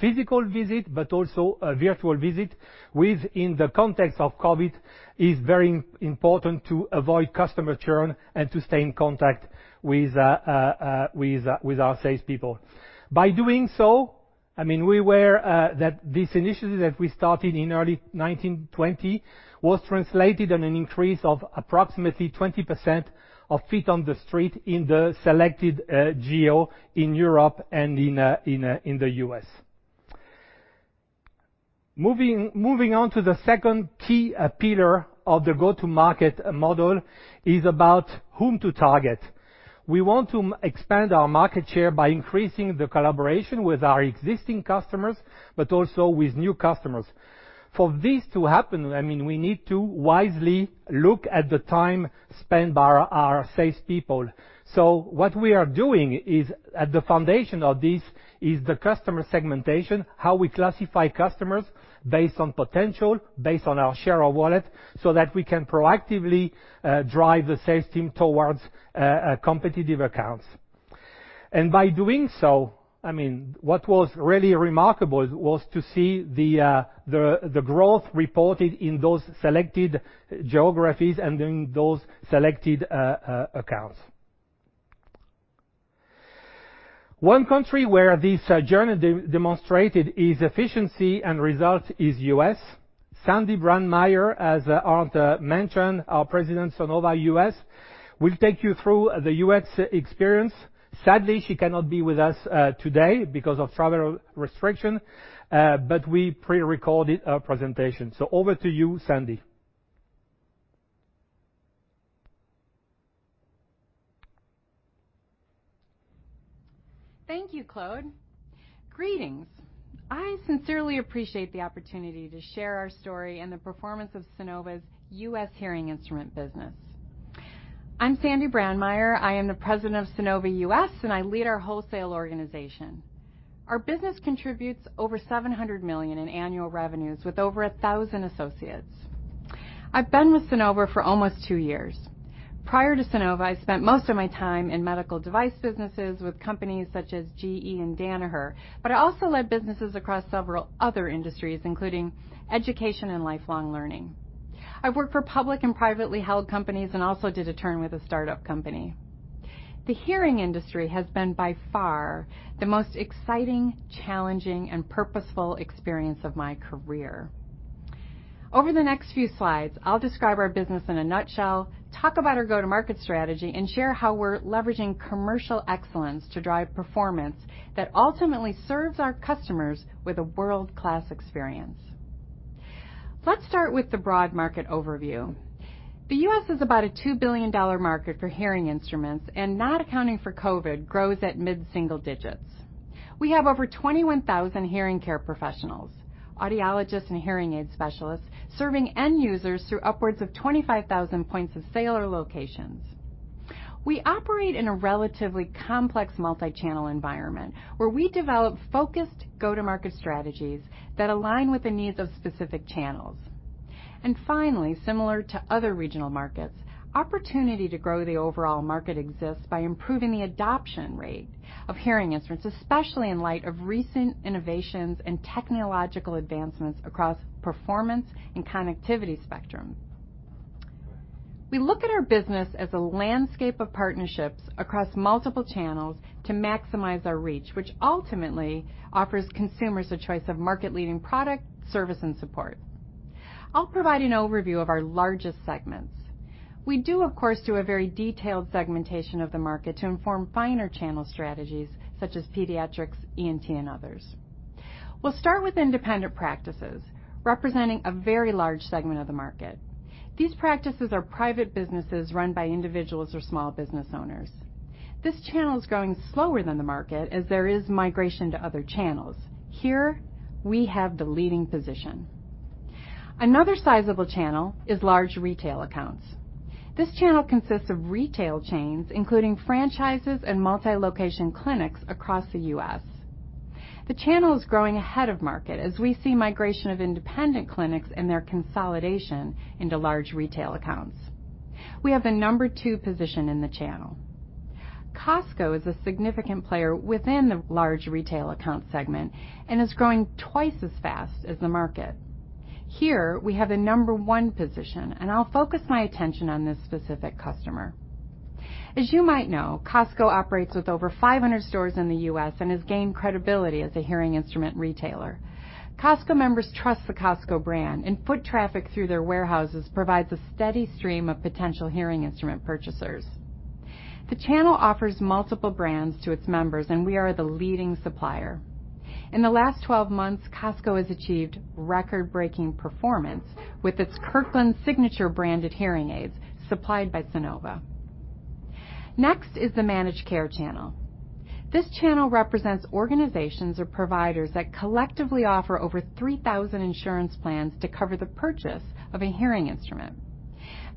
physical visit, but also a virtual visit, with in the context of COVID, is very important to avoid customer churn and to stay in contact with our salespeople. By doing so, this initiative that we started in early 2019/2020 was translated in an increase of approximately 20% of feet on the street in the selected geo in Europe and in the U.S. Moving on to the second key pillar of the go-to-market model is about whom to target. We want to expand our market share by increasing the collaboration with our existing customers, but also with new customers. For this to happen, we need to wisely look at the time spent by our salespeople. What we are doing is, at the foundation of this, is the customer segmentation, how we classify customers based on potential, based on our share of wallet, so that we can proactively drive the sales team towards competitive accounts. By doing so, what was really remarkable was to see the growth reported in those selected geographies and in those selected accounts. One country where this journey demonstrated its efficiency and results is U.S. Sandy Brandmeier, as Arnd mentioned, our President Sonova U.S., will take you through the U.S. experience. Sadly, she cannot be with us today because of travel restriction, but we pre-recorded her presentation. Over to you, Sandy.
Thank you, Claude. Greetings. I sincerely appreciate the opportunity to share our story and the performance of Sonova's U.S. hearing instrument business. I'm Sandy Brandmeier. I am the President of Sonova U.S. I lead our wholesale organization. Our business contributes over 700 million in annual revenues with over 1,000 associates. I've been with Sonova for almost two years. Prior to Sonova, I spent most of my time in medical device businesses with companies such as GE and Danaher. I also led businesses across several other industries, including education and lifelong learning. I've worked for public and privately held companies. I also did a term with a startup company. The hearing industry has been by far the most exciting, challenging, and purposeful experience of my career. Over the next few slides, I'll describe our business in a nutshell, talk about our go-to-market strategy, and share how we're leveraging commercial excellence to drive performance that ultimately serves our customers with a world-class experience. Let's start with the broad market overview. The U.S. is about a $2 billion market for hearing instruments, and not accounting for COVID-19, grows at mid-single digits. We have over 21,000 hearing care professionals, audiologists, and hearing aid specialists serving end users through upwards of 25,000 points of sale or locations. We operate in a relatively complex multi-channel environment where we develop focused go-to-market strategies that align with the needs of specific channels. Finally, similar to other regional markets, opportunity to grow the overall market exists by improving the adoption rate of hearing instruments, especially in light of recent innovations and technological advancements across performance and connectivity spectrum. We look at our business as a landscape of partnerships across multiple channels to maximize our reach, which ultimately offers consumers a choice of market-leading product, service, and support. I'll provide an overview of our largest segments. We do, of course, do a very detailed segmentation of the market to inform finer channel strategies such as pediatrics, ENT, and others. We'll start with independent practices, representing a very large segment of the market. These practices are private businesses run by individuals or small business owners. This channel is growing slower than the market as there is migration to other channels. Here, we have the leading position. Another sizable channel is large retail accounts. This channel consists of retail chains, including franchises and multi-location clinics across the U.S. The channel is growing ahead of market as we see migration of independent clinics and their consolidation into large retail accounts. We have the number two position in the channel. Costco is a significant player within the large retail account segment and is growing twice as fast as the market. Here, we have a number one position, and I'll focus my attention on this specific customer. As you might know, Costco operates with over 500 stores in the U.S. and has gained credibility as a hearing instrument retailer. Costco members trust the Costco brand, and foot traffic through their warehouses provides a steady stream of potential hearing instrument purchasers. The channel offers multiple brands to its members, and we are the leading supplier. In the last 12 months, Costco has achieved record-breaking performance with its Kirkland Signature branded hearing aids supplied by Sonova. Next is the managed care channel. This channel represents organizations or providers that collectively offer over 3,000 insurance plans to cover the purchase of a hearing instrument.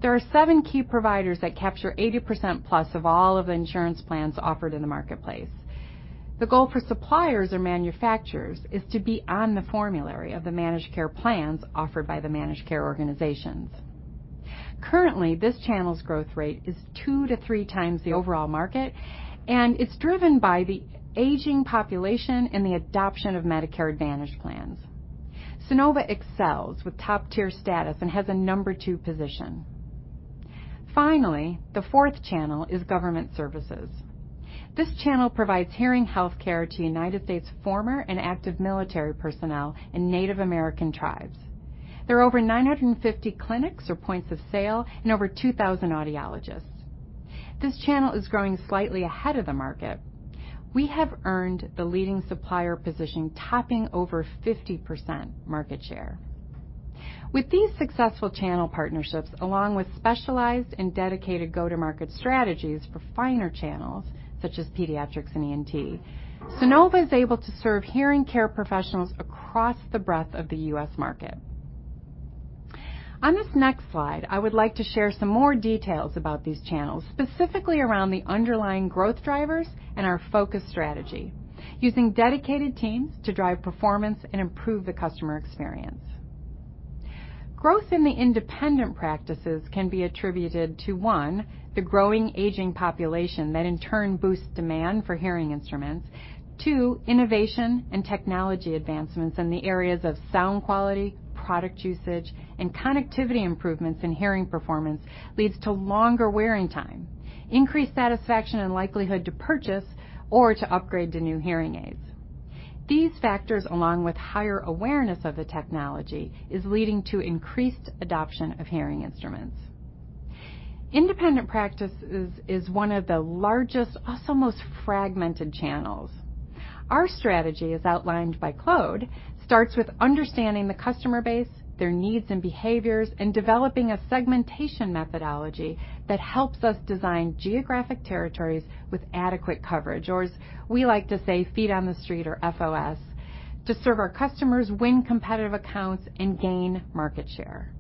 There are seven key providers that capture 80%-plus of all of the insurance plans offered in the marketplace. The goal for suppliers or manufacturers is to be on the formulary of the managed care plans offered by the managed care organizations. Currently, this channel's growth rate is two to three times the overall market, and it's driven by the aging population and the adoption of Medicare Advantage plans. Sonova excels with top-tier status and has a number two position. Finally, the fourth channel is government services. This channel provides hearing healthcare to U.S. former and active military personnel and Native American tribes. There are over 950 clinics or points of sale and over 2,000 audiologists. This channel is growing slightly ahead of the market. We have earned the leading supplier position, topping over 50% market share. With these successful channel partnerships, along with specialized and dedicated go-to-market strategies for finer channels such as pediatrics and ENT, Sonova is able to serve hearing care professionals across the breadth of the U.S. market. On this next slide, I would like to share some more details about these channels, specifically around the underlying growth drivers and our focus strategy using dedicated teams to drive performance and improve the customer experience. Growth in the independent practices can be attributed to, one, the growing aging population that in turn boosts demand for hearing instruments. Two, innovation and technology advancements in the areas of sound quality, product usage, and connectivity improvements in hearing performance leads to longer wearing time, increased satisfaction and likelihood to purchase or to upgrade to new hearing aids. These factors, along with higher awareness of the technology, is leading to increased adoption of hearing instruments. Independent practices is one of the largest, also most fragmented channels. Our strategy, as outlined by Claude, starts with understanding the customer base, their needs and behaviors, and developing a segmentation methodology that helps us design geographic territories with adequate coverage, or as we like to say, feet on the street or FOS, to serve our customers, win competitive accounts, and gain market share.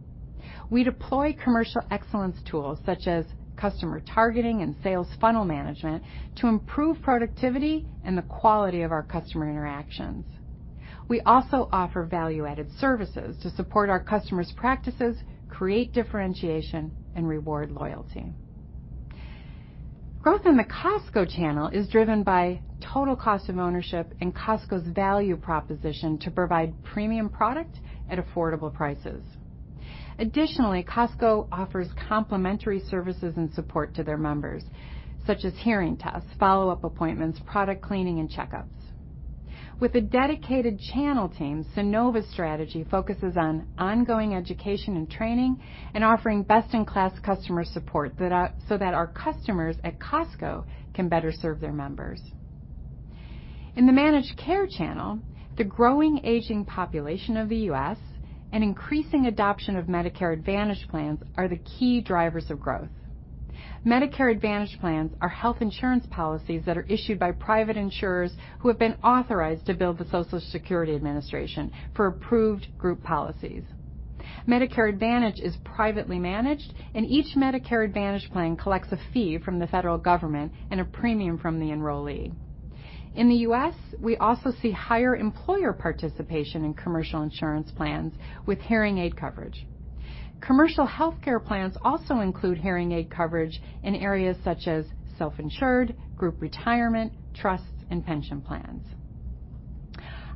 We deploy commercial excellence tools such as customer targeting and sales funnel management to improve productivity and the quality of our customer interactions. We also offer value-added services to support our customers' practices, create differentiation, and reward loyalty. Growth in the Costco channel is driven by total cost of ownership and Costco's value proposition to provide premium product at affordable prices. Additionally, Costco offers complimentary services and support to their members, such as hearing tests, follow-up appointments, product cleaning, and checkups. With a dedicated channel team, Sonova's strategy focuses on ongoing education and training and offering best-in-class customer support so that our customers at Costco can better serve their members. In the managed care channel, the growing aging population of the U.S. and increasing adoption of Medicare Advantage plans are the key drivers of growth. Medicare Advantage plans are health insurance policies that are issued by private insurers who have been authorized to bill the Social Security Administration for approved group policies. Medicare Advantage is privately managed, and each Medicare Advantage plan collects a fee from the federal government and a premium from the enrollee. In the U.S., we also see higher employer participation in commercial insurance plans with hearing aid coverage. Commercial healthcare plans also include hearing aid coverage in areas such as self-insured, group retirement, trusts, and pension plans.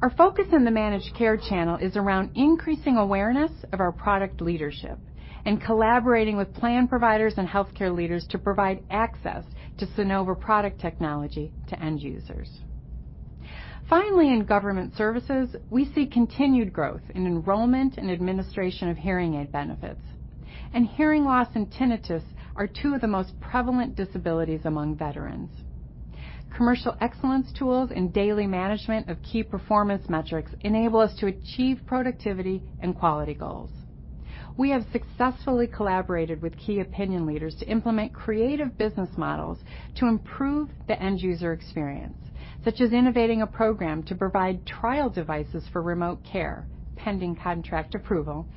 Our focus in the managed care channel is around increasing awareness of our product leadership and collaborating with plan providers and healthcare leaders to provide access to Sonova product technology to end users. Finally, in government services, we see continued growth in enrollment and administration of hearing aid benefits, and hearing loss and tinnitus are two of the most prevalent disabilities among veterans. Commercial excellence tools and daily management of key performance metrics enable us to achieve productivity and quality goals. We have successfully collaborated with key opinion leaders to implement creative business models to improve the end-user experience, such as innovating a program to provide trial devices for remote care, pending contract approval,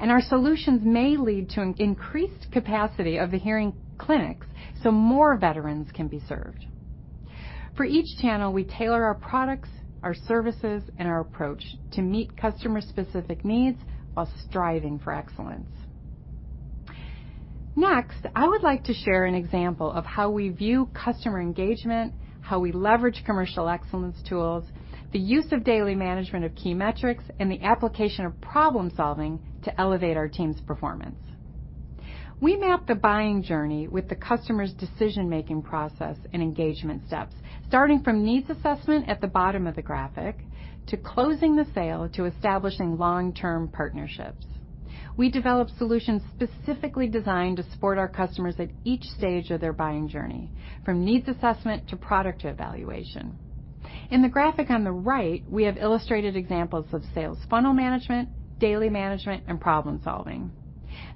and our solutions may lead to an increased capacity of the hearing clinics so more veterans can be served. I would like to share an example of how we view customer engagement, how we leverage commercial excellence tools, the use of daily management of key metrics, and the application of problem-solving to elevate our team's performance. For each channel, we tailor our products, our services, and our approach to meet customer-specific needs while striving for excellence. We map the buying journey with the customer's decision-making process and engagement steps, starting from needs assessment at the bottom of the graphic to closing the sale to establishing long-term partnerships. We develop solutions specifically designed to support our customers at each stage of their buying journey, from needs assessment to product evaluation. In the graphic on the right, we have illustrated examples of sales funnel management, daily management, and problem-solving.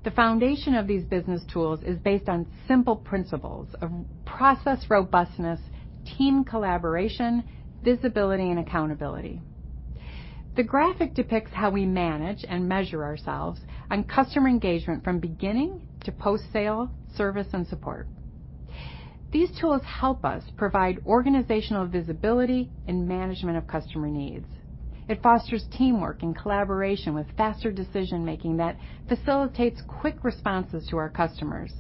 The foundation of these business tools is based on simple principles of process robustness, team collaboration, visibility, and accountability. The graphic depicts how we manage and measure ourselves on customer engagement from beginning to post-sale, service, and support. These tools help us provide organizational visibility and management of customer needs. It fosters teamwork and collaboration with faster decision-making that facilitates quick responses to our customers.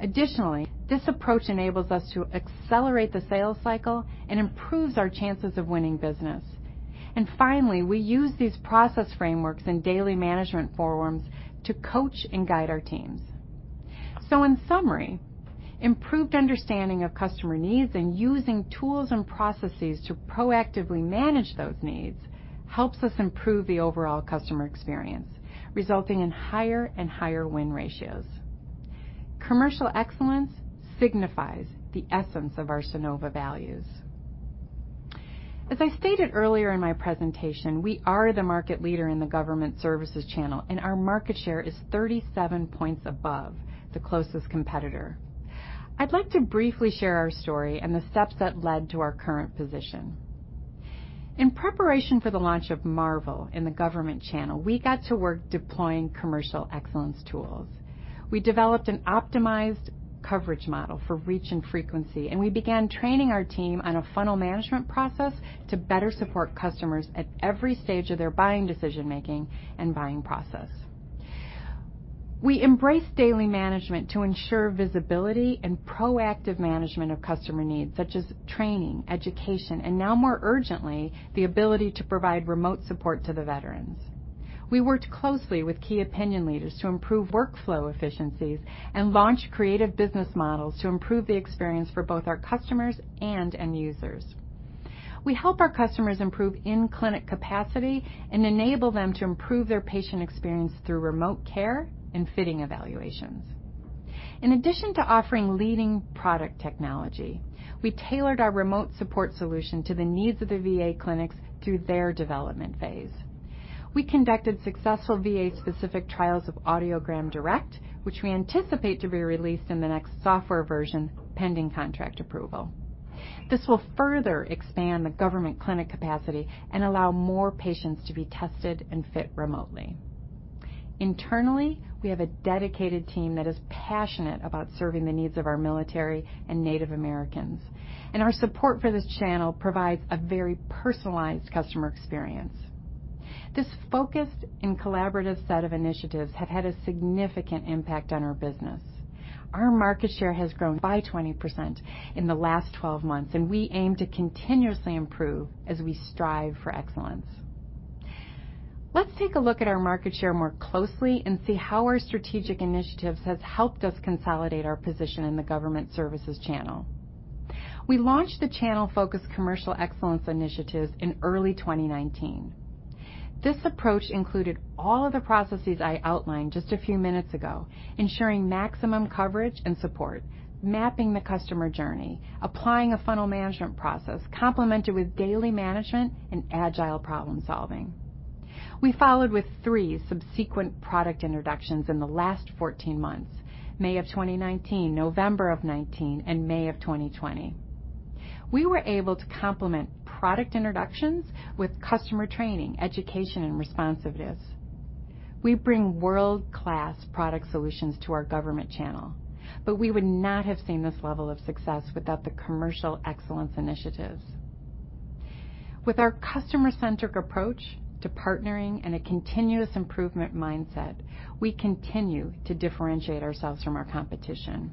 Additionally, this approach enables us to accelerate the sales cycle and improves our chances of winning business. Finally, we use these process frameworks and daily management forums to coach and guide our teams. In summary, improved understanding of customer needs and using tools and processes to proactively manage those needs helps us improve the overall customer experience, resulting in higher and higher win ratios. Commercial excellence signifies the essence of our Sonova values. As I stated earlier in my presentation, we are the market leader in the government services channel, and our market share is 37 points above the closest competitor. I'd like to briefly share our story and the steps that led to our current position. In preparation for the launch of Marvel in the government channel, we got to work deploying commercial excellence tools. We developed an optimized coverage model for reach and frequency, and we began training our team on a funnel management process to better support customers at every stage of their buying decision-making and buying process. We embrace daily management to ensure visibility and proactive management of customer needs, such as training, education, and now more urgently, the ability to provide remote support to the veterans. We worked closely with key opinion leaders to improve workflow efficiencies and launch creative business models to improve the experience for both our customers and end users. We help our customers improve in-clinic capacity and enable them to improve their patient experience through remote care and fitting evaluations. In addition to offering leading product technology, we tailored our remote support solution to the needs of the VA clinics through their development phase. We conducted successful VA-specific trials of AudiogramDirect, which we anticipate to be released in the next software version, pending contract approval. This will further expand the government clinic capacity and allow more patients to be tested and fit remotely. Internally, we have a dedicated team that is passionate about serving the needs of our military and Native Americans, and our support for this channel provides a very personalized customer experience. This focused and collaborative set of initiatives have had a significant impact on our business. Our market share has grown by 20% in the last 12 months, and we aim to continuously improve as we strive for excellence. Let's take a look at our market share more closely and see how our strategic initiatives has helped us consolidate our position in the government services channel. We launched the channel-focused Commercial Excellence initiatives in early 2019. This approach included all of the processes I outlined just a few minutes ago, ensuring maximum coverage and support, mapping the customer journey, applying a funnel management process complemented with daily management and agile problem-solving. We followed with three subsequent product introductions in the last 14 months, May of 2019, November of 2019, and May of 2020. We were able to complement product introductions with customer training, education, and responsiveness. We bring world-class product solutions to our government channel, but we would not have seen this level of success without the Commercial Excellence initiatives. With our customer-centric approach to partnering and a continuous improvement mindset, we continue to differentiate ourselves from our competition.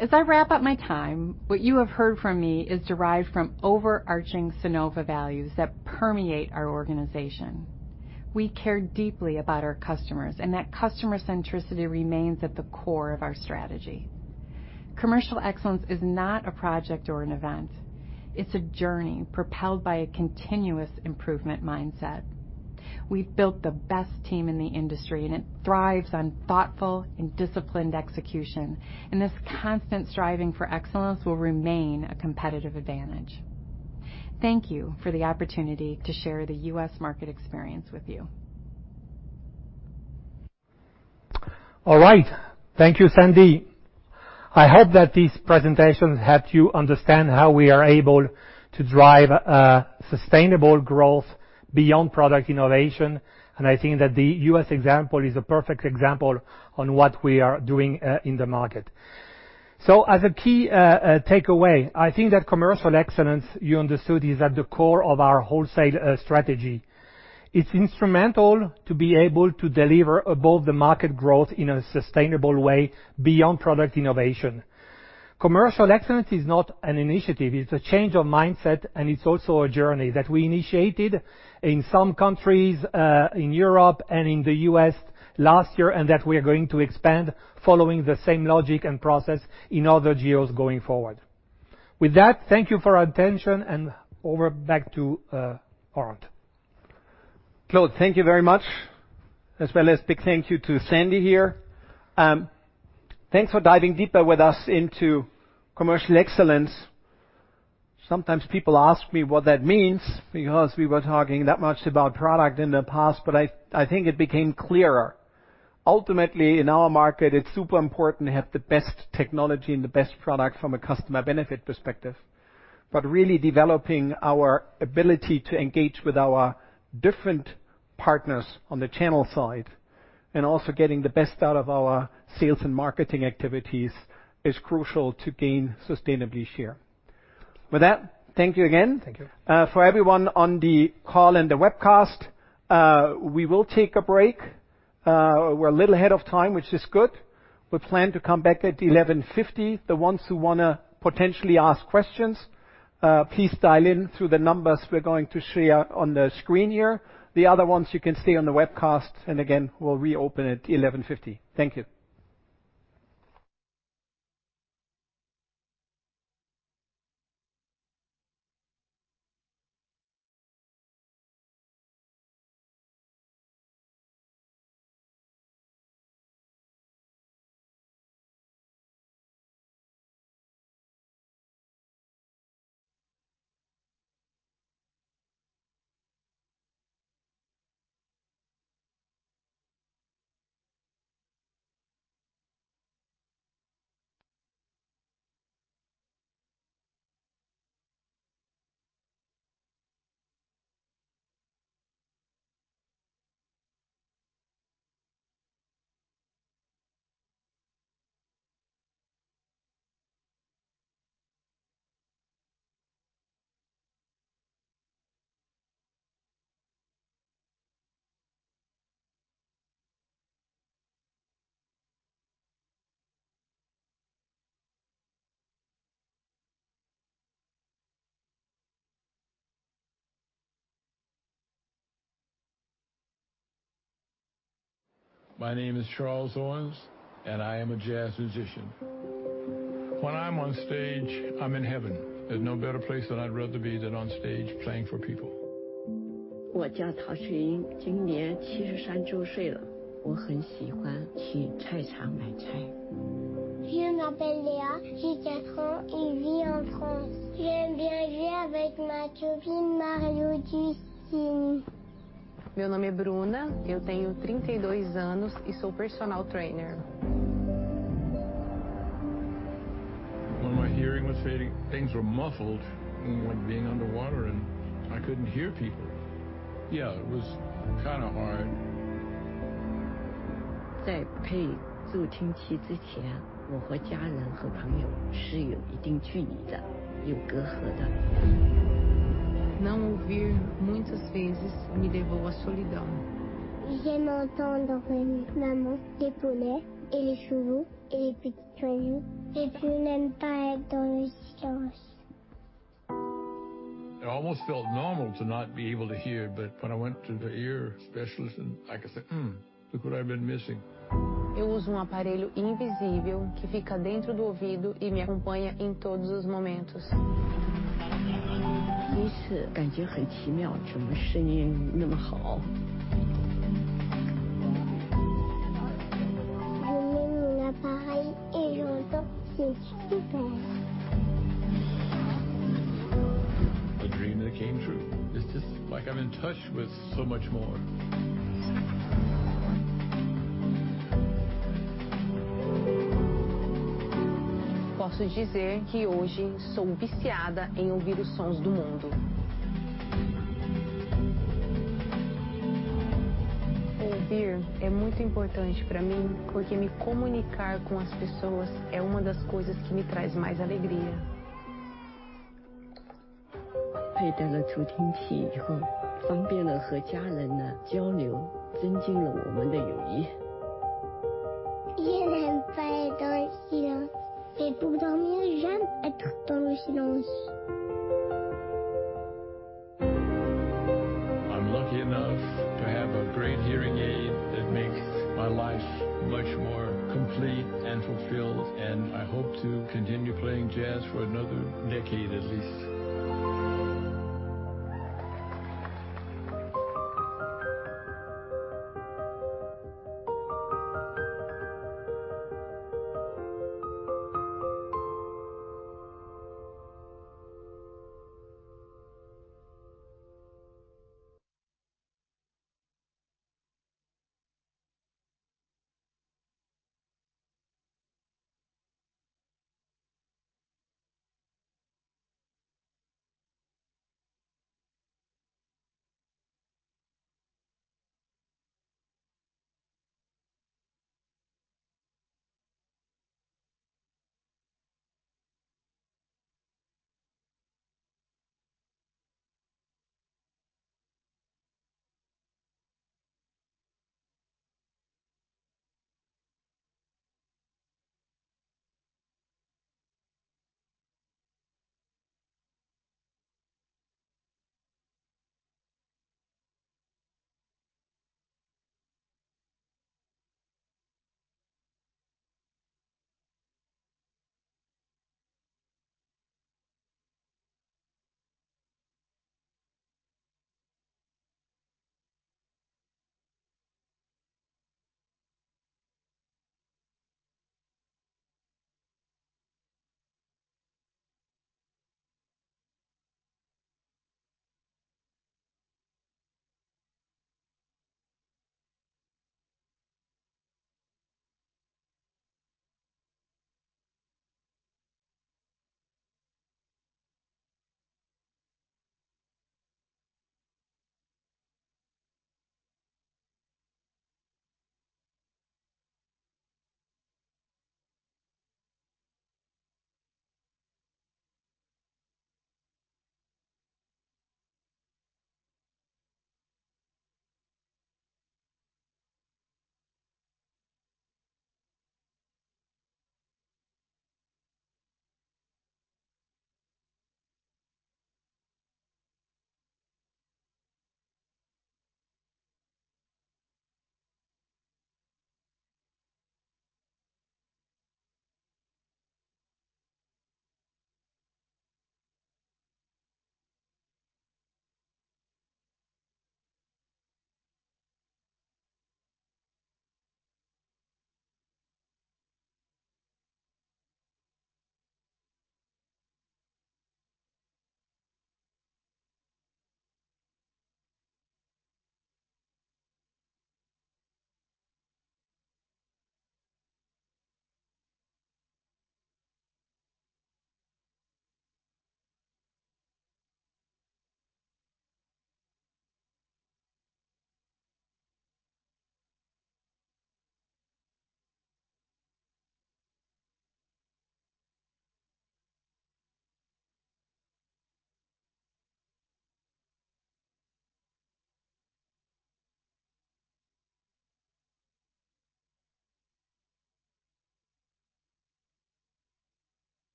As I wrap up my time, what you have heard from me is derived from overarching Sonova values that permeate our organization. We care deeply about our customers, and that customer centricity remains at the core of our strategy. Commercial Excellence is not a project or an event. It's a journey propelled by a continuous improvement mindset. We've built the best team in the industry, and it thrives on thoughtful and disciplined execution, and this constant striving for excellence will remain a competitive advantage. Thank you for the opportunity to share the U.S. market experience with you.
All right. Thank you, Sandy. I hope that this presentation helped you understand how we are able to drive sustainable growth beyond product innovation. I think that the U.S. example is a perfect example on what we are doing in the market. As a key takeaway, I think that Commercial Excellence, you understood, is at the core of our wholesale strategy. It's instrumental to be able to deliver above the market growth in a sustainable way beyond product innovation. Commercial Excellence is not an initiative. It's a change of mindset. It's also a journey that we initiated in some countries, in Europe and in the U.S. last year, that we are going to expand following the same logic and process in other geos going forward. With that, thank you for your attention, over back to Arnd.
Claude, thank you very much, as well as big thank you to Sandy here. Thanks for diving deeper with us into Commercial Excellence. Sometimes people ask me what that means because we were talking that much about product in the past, but I think it became clearer. Ultimately, in our market, it's super important to have the best technology and the best product from a customer benefit perspective. Really developing our ability to engage with our different partners on the channel side and also getting the best out of our sales and marketing activities is crucial to gain sustainable share. With that, thank you again.
Thank you.
For everyone on the call and the webcast, we will take a break. We're a little ahead of time, which is good. We plan to come back at 11:50. The ones who want to potentially ask questions, please dial in through the numbers we're going to share on the screen here. The other ones, you can stay on the webcast, and again, we'll reopen at 11:50. Thank you.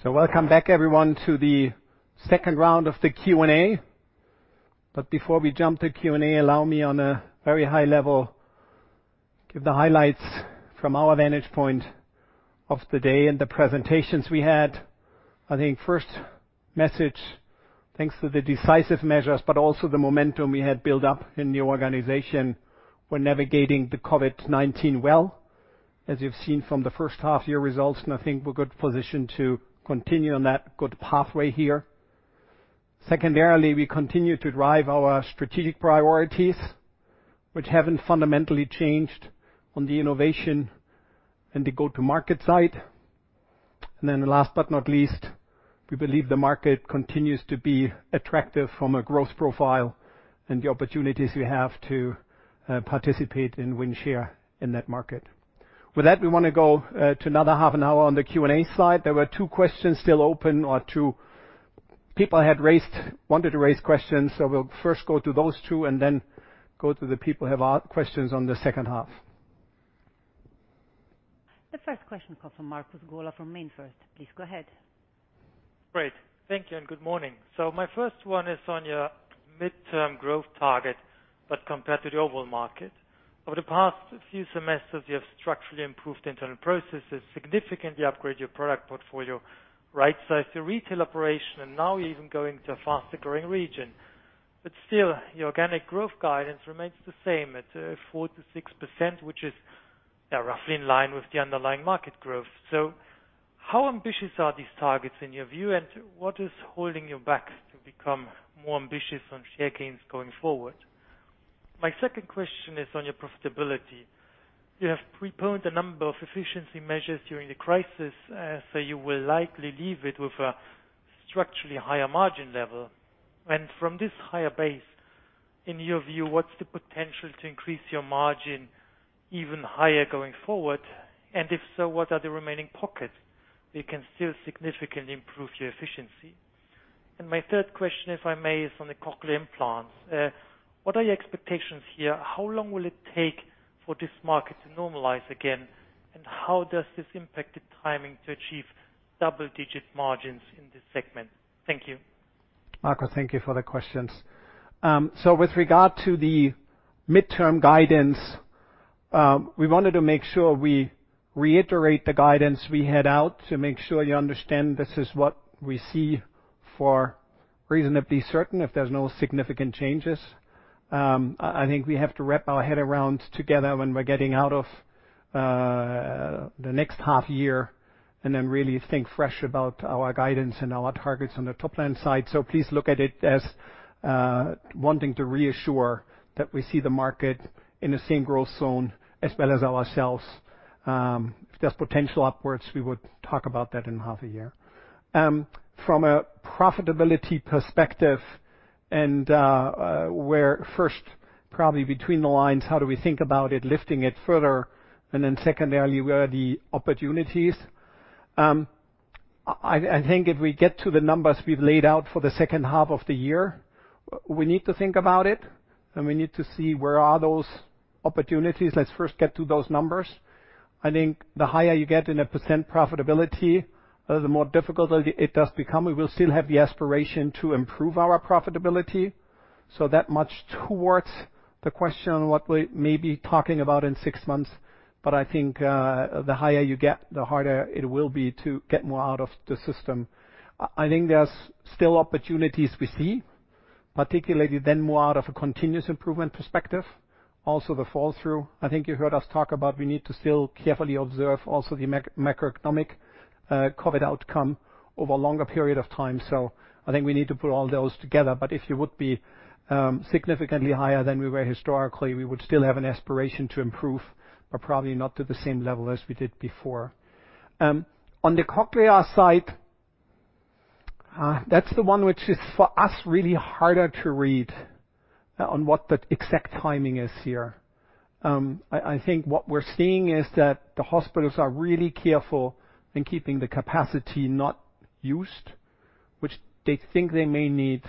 [Presenation] Welcome back everyone to the second round of the Q&A. Before we jump to Q&A, allow me on a very high level, give the highlights from our vantage point of the day and the presentations we had. I think first message, thanks to the decisive measures, but also the momentum we had built up in the organization. We're navigating the COVID-19 well, as you've seen from the first half year results, and I think we're good positioned to continue on that good pathway here. Secondarily, we continue to drive our strategic priorities, which haven't fundamentally changed on the innovation and the go-to-market side. Last but not least, we believe the market continues to be attractive from a growth profile and the opportunities we have to participate and win share in that market. With that, we want to go to another half an hour on the Q&A side. There were two questions still open or two people had wanted to raise questions. We'll first go to those two and then go to the people who have questions on the second half.
The first question comes from Markus Gola from MainFirst. Please go ahead.
Thank you, good morning. My first one is on your midterm growth target, but compared to the overall market. Over the past few semesters, you have structurally improved internal processes, significantly upgrade your product portfolio, right-sized your retail operation, and now you're even going to a faster-growing region. Still, your organic growth guidance remains the same at 4%-6%, which is roughly in line with the underlying market growth. How ambitious are these targets in your view, and what is holding you back to become more ambitious on share gains going forward? My second question is on your profitability. You have preponed a number of efficiency measures during the crisis, so you will likely leave it with a structurally higher margin level. From this higher base, in your view, what's the potential to increase your margin even higher going forward? If so, what are the remaining pockets that can still significantly improve your efficiency? My third question, if I may, is on the cochlear implants. What are your expectations here? How long will it take for this market to normalize again? How does this impact the timing to achieve double-digit margins in this segment? Thank you.
Markus, thank you for the questions. With regard to the midterm guidance, we wanted to make sure we reiterate the guidance we had out to make sure you understand this is what we see for reasonably certain, if there's no significant changes. I think we have to wrap our head around together when we're getting out of the next half year and then really think fresh about our guidance and our targets on the top-line side. Please look at it as wanting to reassure that we see the market in the same growth zone as well as ourselves. If there's potential upwards, we would talk about that in half a year. From a profitability perspective and where first, probably between the lines, how do we think about it, lifting it further, and then secondarily, where are the opportunities? I think if we get to the numbers we've laid out for the second half of the year, we need to think about it, and we need to see where are those opportunities. Let's first get to those numbers. I think the higher you get in a percent profitability, the more difficult it does become. We will still have the aspiration to improve our profitability. That much towards the question, what we may be talking about in six months. I think, the higher you get, the harder it will be to get more out of the system. I think there's still opportunities we see, particularly then more out of a continuous improvement perspective. Also the fall-through. I think you heard us talk about we need to still carefully observe also the macroeconomic COVID outcome over a longer period of time. I think we need to put all those together. If you would be significantly higher than we were historically, we would still have an aspiration to improve, but probably not to the same level as we did before. On the Cochlear side, that's the one which is for us, really harder to read on what that exact timing is here. I think what we're seeing is that the hospitals are really careful in keeping the capacity not used, which they think they may need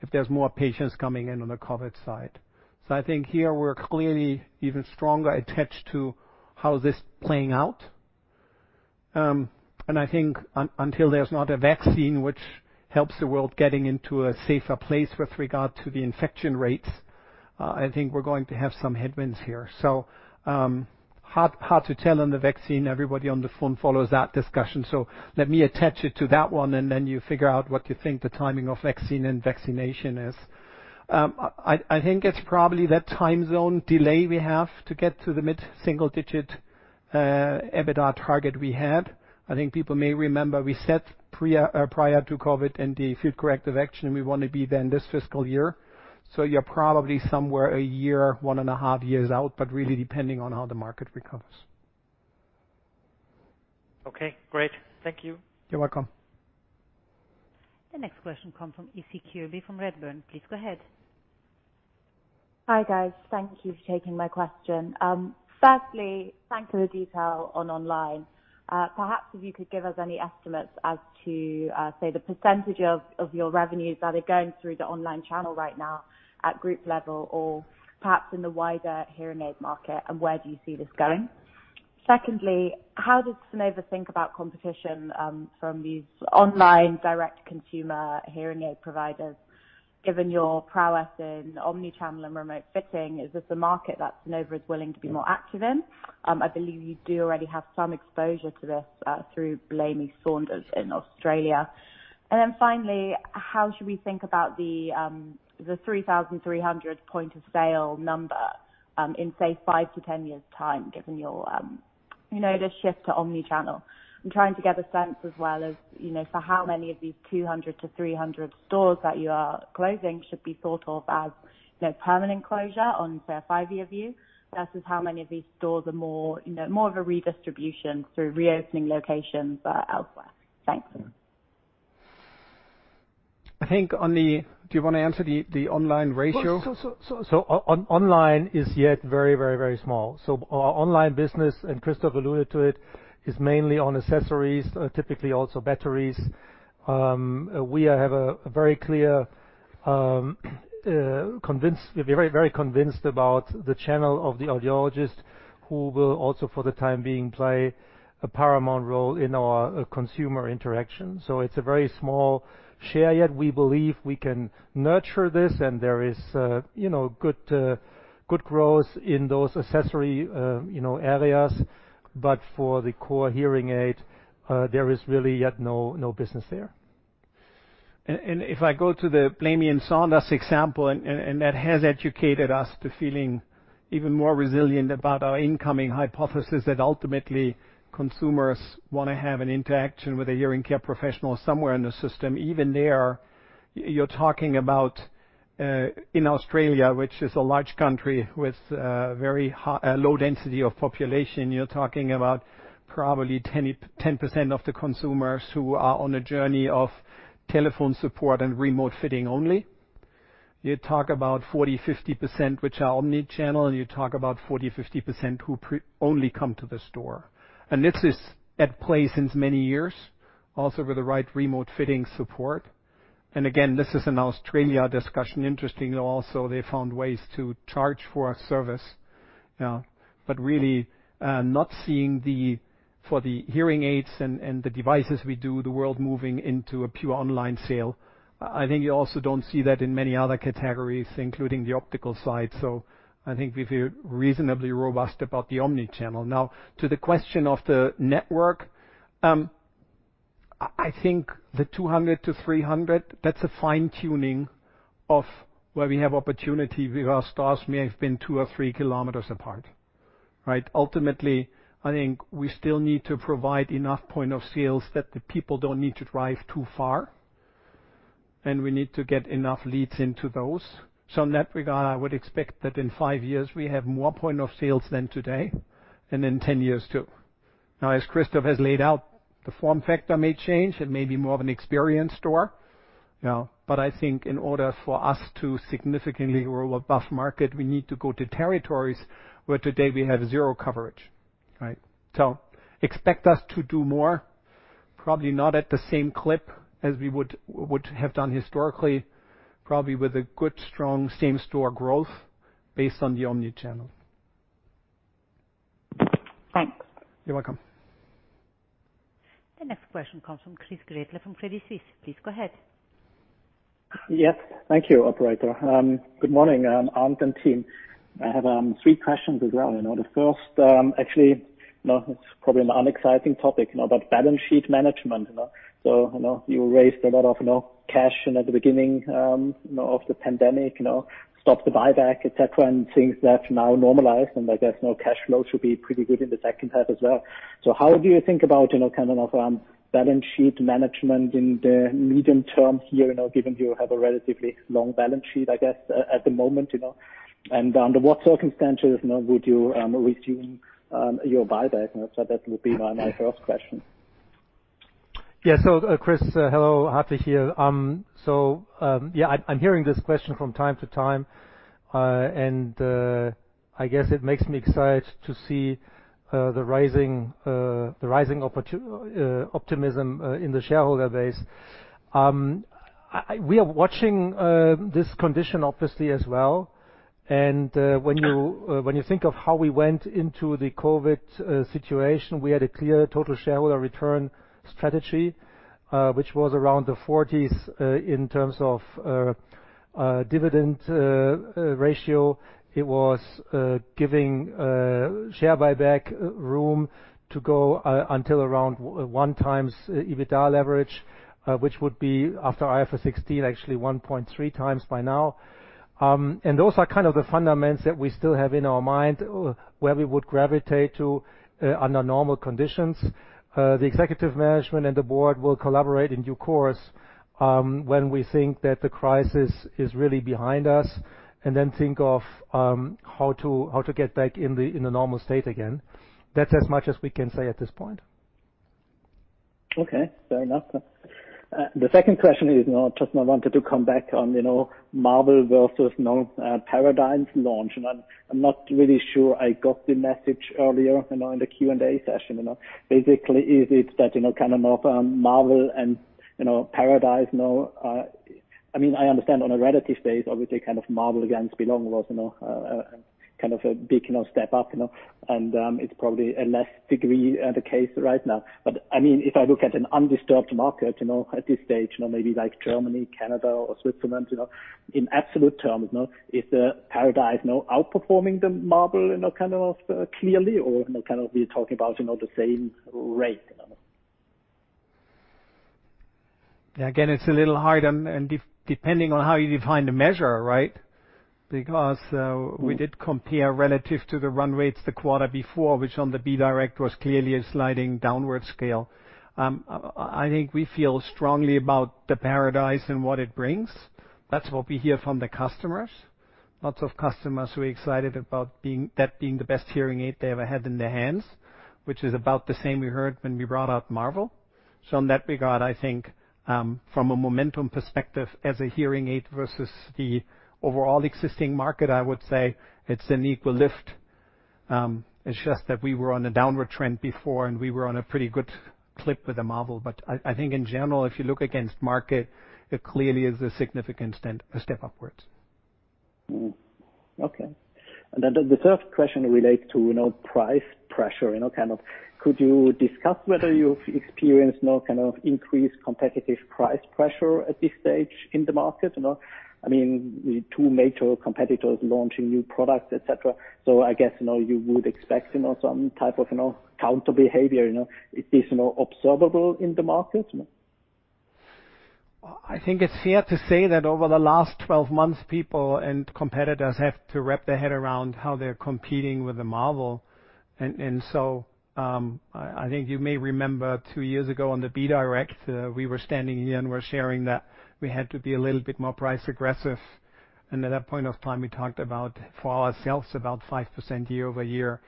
if there's more patients coming in on the COVID side. I think here we're clearly even stronger attached to how this playing out. I think until there's not a vaccine which helps the world getting into a safer place with regard to the infection rates, I think we're going to have some headwinds here. Hard to tell on the vaccine. Everybody on the phone follows that discussion, let me attach it to that one, and then you figure out what you think the timing of vaccine and vaccination is. I think it's probably that time zone delay we have to get to the mid-single digit EBITDA target we had. I think people may remember we said prior to COVID-19 and the field corrective action, we want to be then this fiscal year. You're probably somewhere a year, 1.5 years out, but really depending on how the market recovers.
Okay, great. Thank you.
You're welcome.
The next question comes from Issie Kirby from Redburn. Please go ahead.
Hi, guys. Thank you for taking my question. Thanks for the detail on online. Perhaps if you could give us any estimates as to, say, the % of your revenues that are going through the online channel right now at group level or perhaps in the wider hearing aid market, and where do you see this going? How does Sonova think about competition from these online direct consumer hearing aid providers, given your prowess in omni-channel and remote fitting? Is this a market that Sonova is willing to be more active in? I believe you do already have some exposure to this through Blamey Saunders in Australia. Finally, how should we think about the 3,300 point of sale number in, say, five to 10 years' time, given this shift to omni-channel? I'm trying to get a sense as well as for how many of these 200-300 stores that you are closing should be thought of as permanent closure on, say, a five-year view, versus how many of these stores are more of a redistribution through reopening locations elsewhere. Thanks.
I think. Do you want to answer the online ratio?
Online is yet very small. Our online business, and Christophe alluded to it, is mainly on accessories, typically also batteries. We have a very clear
Very convinced about the channel of the audiologist, who will also, for the time being, play a paramount role in our consumer interaction. It's a very small share, yet we believe we can nurture this, and there is good growth in those accessory areas. For the core hearing aid, there is really yet no business there. If I go to the Blamey Saunders example, and that has educated us to feeling even more resilient about our incoming hypothesis, that ultimately consumers want to have an interaction with a hearing care professional somewhere in the system. Even there, you're talking about in Australia, which is a large country with very low density of population. You're talking about probably 10% of the consumers who are on a journey of telephone support and remote fitting only. You talk about 40, 50%, which are omni-channel, and you talk about 40, 50% who only come to the store. This is at play since many years, also with the right remote fitting support. Again, this is an Australia discussion. Interestingly, also, they found ways to charge for a service. Really not seeing for the hearing aids and the devices we do, the world moving into a pure online sale. I think you also don't see that in many other categories, including the optical side. I think we feel reasonably robust about the omni-channel. Now, to the question of the network. I think the 200 to 300, that's a fine tuning of where we have opportunity, because stores may have been two or three km apart. Ultimately, I think we still need to provide enough point of sales that the people don't need to drive too far, and we need to get enough leads into those. In that regard, I would expect that in five years, we have more point of sales than today, and in 10 years too. Now, as Christophe has laid out, the form factor may change. I think in order for us to significantly grow above market, we need to go to territories where today we have zero coverage. Expect us to do more, probably not at the same clip as we would have done historically, probably with a good, strong same-store growth based on the omni-channel.
Thanks.
You're welcome.
The next question comes from Chris Gretler from Credit Suisse. Please go ahead.
Yes. Thank you, operator. Good morning, Arnd and team. I have three questions as well. The first, actually, it's probably an unexciting topic, about balance sheet management. You raised a lot of cash at the beginning of the pandemic, stopped the buyback, et cetera, and things that now normalized, and I guess now cash flows should be pretty good in the second half as well. How do you think about balance sheet management in the medium term here, given you have a relatively long balance sheet, I guess, at the moment? Under what circumstances would you resume your buyback? That would be my first question.
Yeah. Chris, hello, Hartwig here. I'm hearing this question from time to time. I guess it makes me excited to see the rising optimism in the shareholder base. We are watching this condition obviously as well, and when you think of how we went into the COVID-19 situation, we had a clear total shareholder return strategy, which was around the 40s in terms of dividend ratio. It was giving share buyback room to go until around 1x EBITDA leverage, which would be after IFRS 16, actually 1.3x by now. Those are kind of the fundamentals that we still have in our mind, where we would gravitate to under normal conditions. The executive management and the board will collaborate in due course, when we think that the crisis is really behind us, and then think of how to get back in the normal state again. That's as much as we can say at this point.
Okay. Fair enough. The second question is, just wanted to come back on Marvel versus now Paradise launch. I'm not really sure I got the message earlier in the Q&A session. Basically, is it that Marvel and Paradise now I understand on a relative base, obviously, Marvel against Belong was a big step up, and it's probably a less degree the case right now. If I look at an undisturbed market at this stage, maybe like Germany, Canada, or Switzerland, in absolute terms now is the Paradise outperforming the Marvel clearly? We're talking about the same rate?
It's a little hard and depending on how you define the measure. We did compare relative to the run rates the quarter before, which on the B2B was clearly a sliding downward scale. I think we feel strongly about the Paradise and what it brings. That's what we hear from the customers. Lots of customers who are excited about that being the best hearing aid they ever had in their hands, which is about the same we heard when we brought out Marvel. In that regard, I think from a momentum perspective as a hearing aid versus the overall existing market, I would say it's an equal lift. It's just that we were on a downward trend before, and we were on a pretty good clip with the Marvel. I think in general, if you look against market, it clearly is a significant step upwards.
Okay. The third question relates to price pressure. Could you discuss whether you've experienced any increased competitive price pressure at this stage in the market? With two major competitors launching new products, et cetera, I guess you would expect some type of counter-behavior. Is this observable in the market?
I think it's fair to say that over the last 12 months, people and competitors have to wrap their head around how they're competing with the Marvel. I think you may remember two years ago on the B-Direct, we were standing here, and we were sharing that we had to be a little bit more price-aggressive. At that point of time, we talked about, for ourselves, about 5% year-over-year,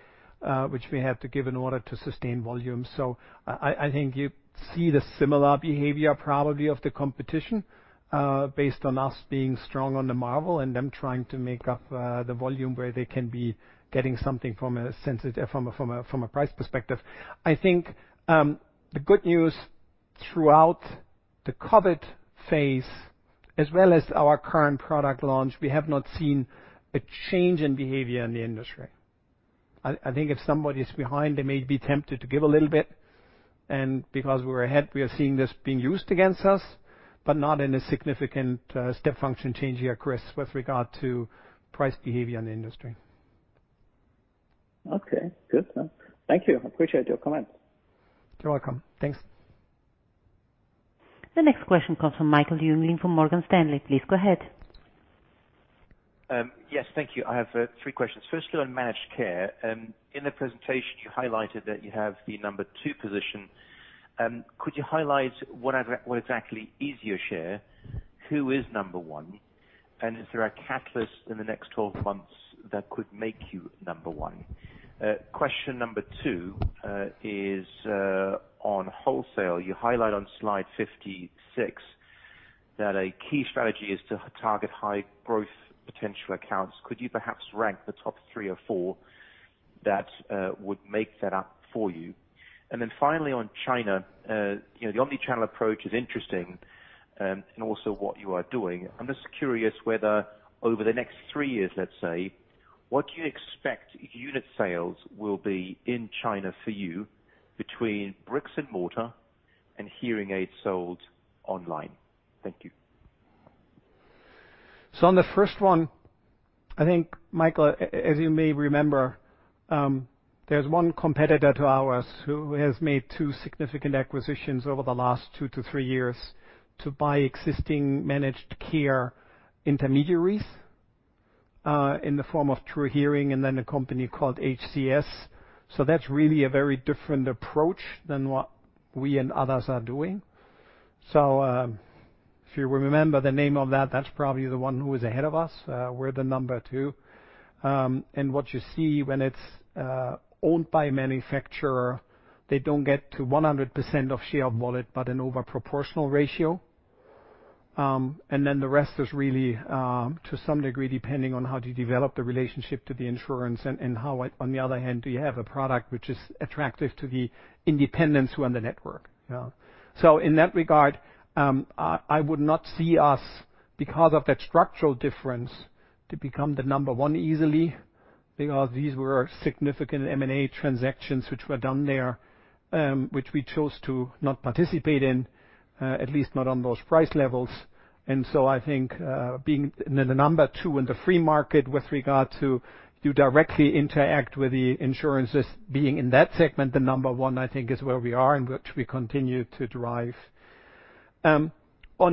which we have to give in order to sustain volume. I think you see the similar behavior, probably of the competition, based on us being strong on the Marvel and them trying to make up the volume where they can be getting something from a price perspective. I think the good news throughout the COVID-19 phase, as well as our current product launch, we have not seen a change in behavior in the industry. I think if somebody's behind, they may be tempted to give a little bit, and because we're ahead, we are seeing this being used against us, but not in a significant step function change yet, Chris, with regard to price behavior in the industry.
Okay, good. Thank you. I appreciate your comment.
You're welcome. Thanks.
The next question comes from Michael Jüngling from Morgan Stanley. Please go ahead.
Yes, thank you. I have three questions. Firstly, on managed care. In the presentation, you highlighted that you have the number two position. Could you highlight what exactly is your share? Who is number one? If there are catalysts in the next 12 months that could make you number one. Question number two is on wholesale. You highlight on slide 56 that a key strategy is to target high growth potential accounts. Could you perhaps rank the top three or four that would make that up for you? Finally, on China. The omni-channel approach is interesting, and also what you are doing. I'm just curious whether over the next three years, let's say, what you expect unit sales will be in China for you between bricks and mortar and hearing aids sold online. Thank you.
On the first one, I think, Michael, as you may remember, there's one competitor to ours who has made two significant acquisitions over the last two to three years to buy existing managed care intermediaries, in the form of TruHearing and then a company called HCS. That's really a very different approach than what we and others are doing. If you remember the name of that's probably the one who is ahead of us. We're the number two. What you see when it's owned by a manufacturer, they don't get to 100% of share of wallet, but an over proportional ratio. The rest is really, to some degree, depending on how do you develop the relationship to the insurance and how, on the other hand, do you have a product which is attractive to the independents who are in the network? Yeah. In that regard, I would not see us, because of that structural difference, to become the number one easily, because these were significant M&A transactions which were done there, which we chose to not participate in, at least not on those price levels. I think being the number two in the free market with regard to you directly interact with the insurances, being in that segment, the number one, I think, is where we are and which we continue to drive. On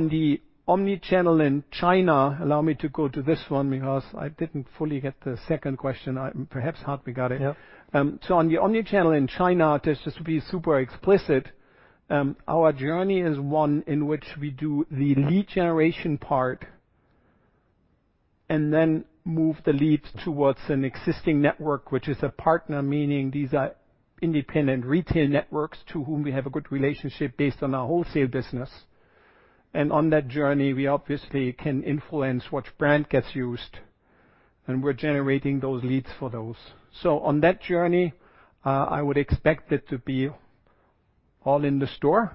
the omni-channel in China, allow me to go to this one because I didn't fully get the second question. Perhaps Hartwig got it. On the omni-channel in China, just to be super explicit, our journey is one in which we do the lead generation part and then move the leads towards an existing network, which is a partner, meaning these are independent retail networks to whom we have a good relationship based on our wholesale business. On that journey, we obviously can influence which brand gets used, and we're generating those leads for those. On that journey, I would expect it to be all in the store.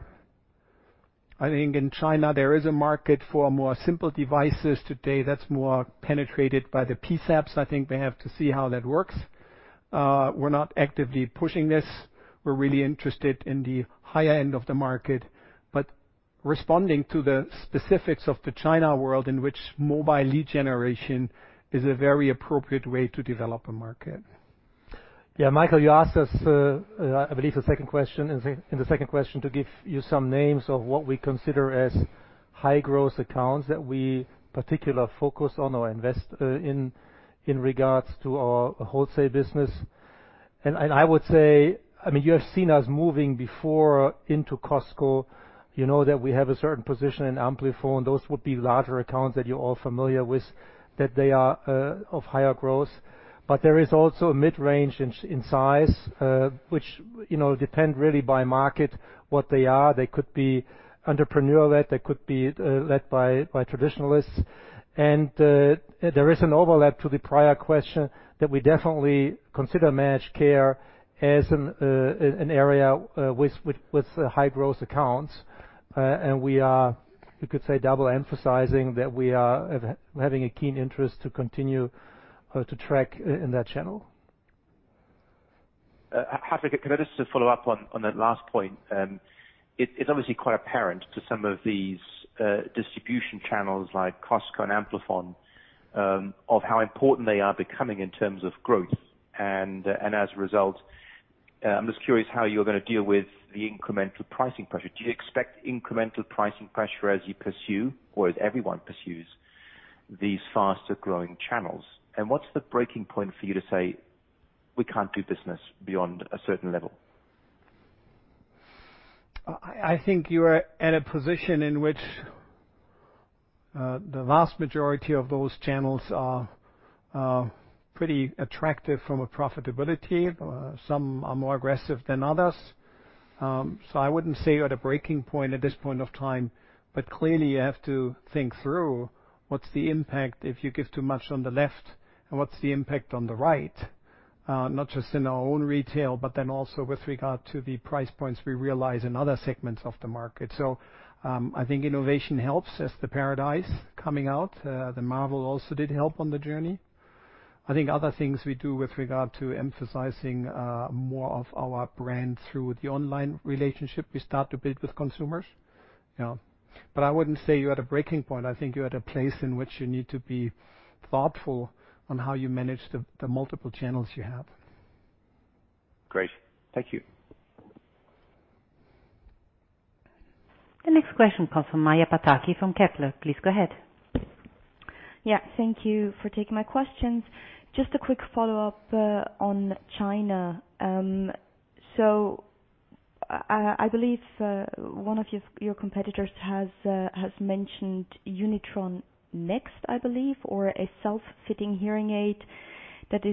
In China, there is a market for more simple devices today that's more penetrated by the PSAPs. They have to see how that works. We're not actively pushing this. We're really interested in the higher end of the market, but responding to the specifics of the China world in which mobile lead generation is a very appropriate way to develop a market.
Yeah, Michael, you asked us, I believe the second question, in the second question to give you some names of what we consider as high-growth accounts that we particular focus on or invest in regards to our wholesale business. I would say, you have seen us moving before into Costco. You know that we have a certain position in Amplifon. Those would be larger accounts that you're all familiar with, that they are of higher growth. There is also a mid-range in size, which depend really by market, what they are. They could be entrepreneur-led. They could be led by traditionalists. There is an overlap to the prior question that we definitely consider managed care as an area with high-growth accounts. We are, you could say, double emphasizing that we are having a keen interest to continue to track in that channel.
Hartwig, can I just follow up on that last point? It's obviously quite apparent to some of these distribution channels like Costco and Amplifon, of how important they are becoming in terms of growth. As a result, I'm just curious how you're going to deal with the incremental pricing pressure. Do you expect incremental pricing pressure as you pursue or as everyone pursues these faster-growing channels? What's the breaking point for you to say, we can't do business beyond a certain level?
I think you are at a position in which the vast majority of those channels are pretty attractive from a profitability. Some are more aggressive than others. I wouldn't say you're at a breaking point at this point of time, but clearly you have to think through what's the impact if you give too much on the left and what's the impact on the right, not just in our own retail, but then also with regard to the price points we realize in other segments of the market. I think innovation helps as the Paradise coming out. The Marvel also did help on the journey. I think other things we do with regard to emphasizing more of our brand through the online relationship we start to build with consumers. Yeah. I wouldn't say you're at a breaking point. I think you're at a place in which you need to be thoughtful on how you manage the multiple channels you have.
Great. Thank you.
The next question comes from Maja Pataki of Kepler. Please go ahead.
Yeah. Thank you for taking my questions. Just a quick follow-up on China. I believe one of your competitors has mentioned Unitron Next, I believe, or a self-fitting hearing aid that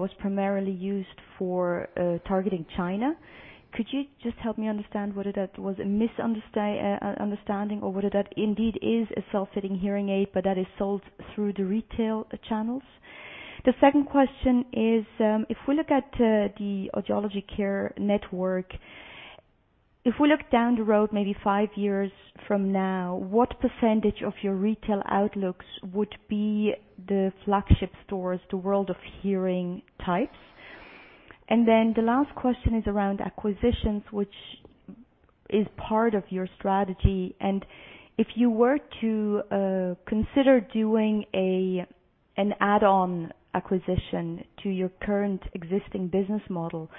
was primarily used for targeting China. Could you just help me understand whether that was a misunderstanding or whether that indeed is a self-fitting hearing aid, but that is sold through the retail channels? The second question is, if we look at the Audiological Care network, if we look down the road, maybe five years from now, what % of your retail outlooks would be the flagship stores, the World of Hearing types? The last question is around acquisitions, which is part of your strategy. If you were to consider doing an add-on acquisition to your current existing business model,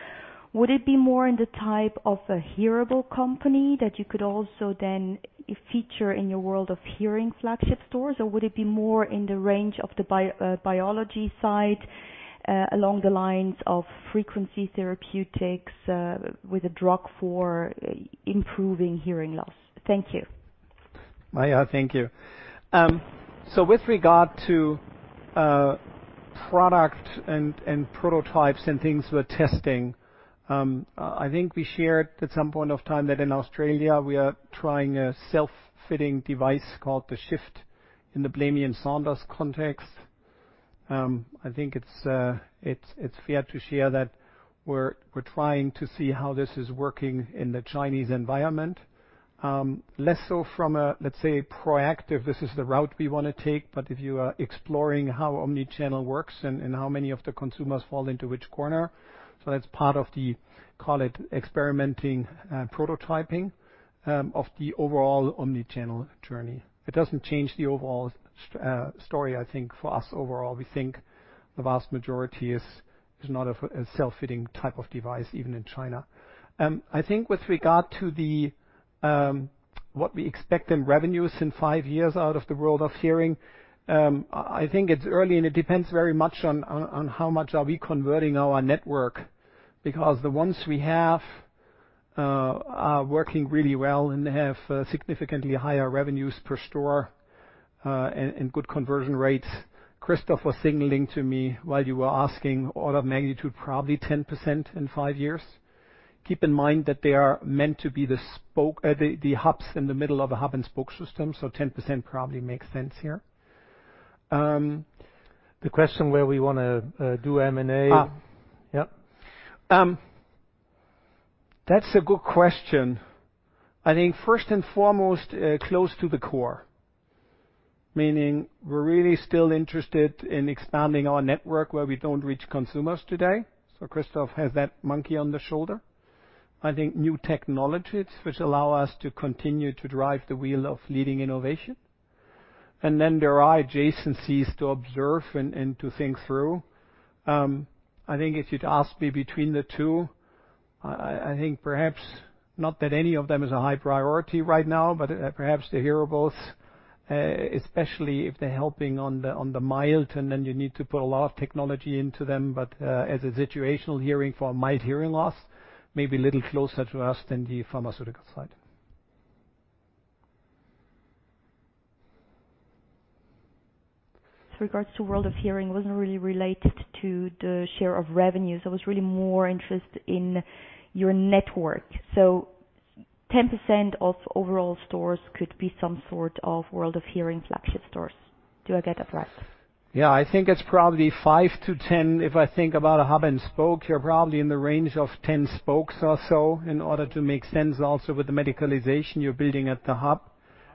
would it be more in the type of a hearable company that you could also then feature in your World of Hearing flagship stores, or would it be more in the range of the biology side, along the lines of Frequency Therapeutics, with a drug for improving hearing loss? Thank you.
Maja, thank you. With regard to product and prototypes and things we're testing, I think we shared at some point of time that in Australia we are trying a self-fitting device called The Shift in the Blamey and Saunders context. I think it's fair to share that we're trying to see how this is working in the Chinese environment. Less so from a, let's say, proactive, this is the route we want to take, but if you are exploring how omni-channel works and how many of the consumers fall into which corner. That's part of the, call it experimenting, prototyping of the overall omni-channel journey. It doesn't change the overall story, I think, for us overall. We think the vast majority is not a self-fitting type of device, even in China. I think with regard to what we expect in revenues in five years out of the World of Hearing, I think it's early and it depends very much on how much are we converting our network, because the ones we have are working really well and have significantly higher revenues per store, and good conversion rates. Christophe was signaling to me while you were asking order of magnitude, probably 10% in five years. Keep in mind that they are meant to be the hubs in the middle of a hub and spoke system, so 10% probably makes sense here.
The question where we want to do M&A.
Yep. That's a good question. I think first and foremost, close to the core, meaning we're really still interested in expanding our network where we don't reach consumers today. Christophe has that monkey on the shoulder. I think new technologies which allow us to continue to drive the wheel of leading innovation. Then there are adjacencies to observe and to think through. I think if you'd ask me between the two, I think perhaps not that any of them is a high priority right now, but perhaps the hearables, especially if they're helping on the mild and then you need to put a lot of technology into them, but as a situational hearing for a mild hearing loss, may be a little closer to us than the pharmaceutical side.
With regards to World of Hearing, it wasn't really related to the share of revenues. I was really more interested in your network. 10% of overall stores could be some sort of World of Hearing flagship stores. Do I get that right?
Yeah, I think it's probably five to 10 if I think about a hub and spoke. You're probably in the range of 10 spokes or so in order to make sense also with the medicalization you're building at the hub.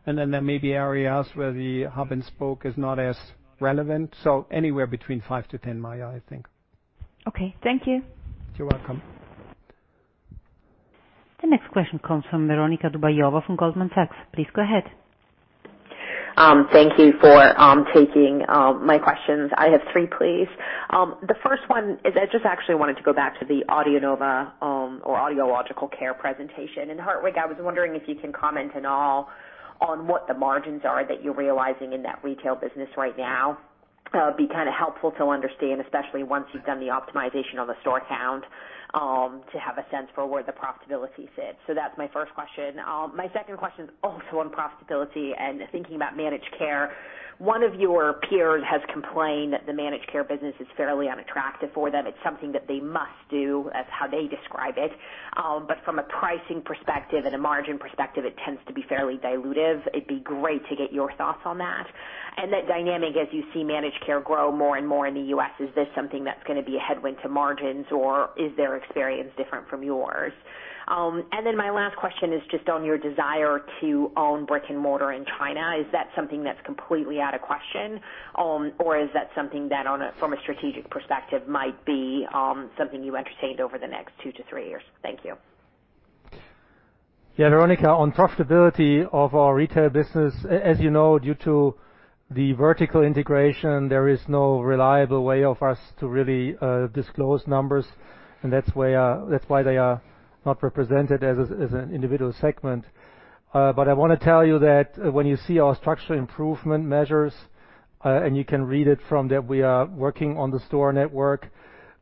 There may be areas where the hub and spoke is not as relevant. Anywhere between five to 10, Maja, I think.
Okay. Thank you.
You're welcome.
The next question comes from Veronika Dubajova from Goldman Sachs. Please go ahead.
Thank you for taking my questions. I have three, please. The first one is, I just actually wanted to go back to the AudioNova or Audiological Care presentation. Hartwig, I was wondering if you can comment at all on what the margins are that you're realizing in that retail business right now. It'd be helpful to understand, especially once you've done the optimization of the store count, to have a sense for where the profitability sits. That's my first question. My second question is also on profitability and thinking about managed care. One of your peers has complained that the managed care business is fairly unattractive for them. It's something that they must do, as how they describe it. From a pricing perspective and a margin perspective, it tends to be fairly dilutive. It'd be great to get your thoughts on that. That dynamic as you see managed care grow more and more in the U.S., is this something that's going to be a headwind to margins or is their experience different from yours? My last question is just on your desire to own brick and mortar in China. Is that something that's completely out of question or is that something that from a strategic perspective, might be something you entertained over the next two to three years? Thank you.
Veronika, on profitability of our retail business, as you know, due to the vertical integration, there is no reliable way of us to really disclose numbers, and that's why they are not represented as an individual segment. I want to tell you that when you see our structural improvement measures, and you can read it from there, we are working on the store network,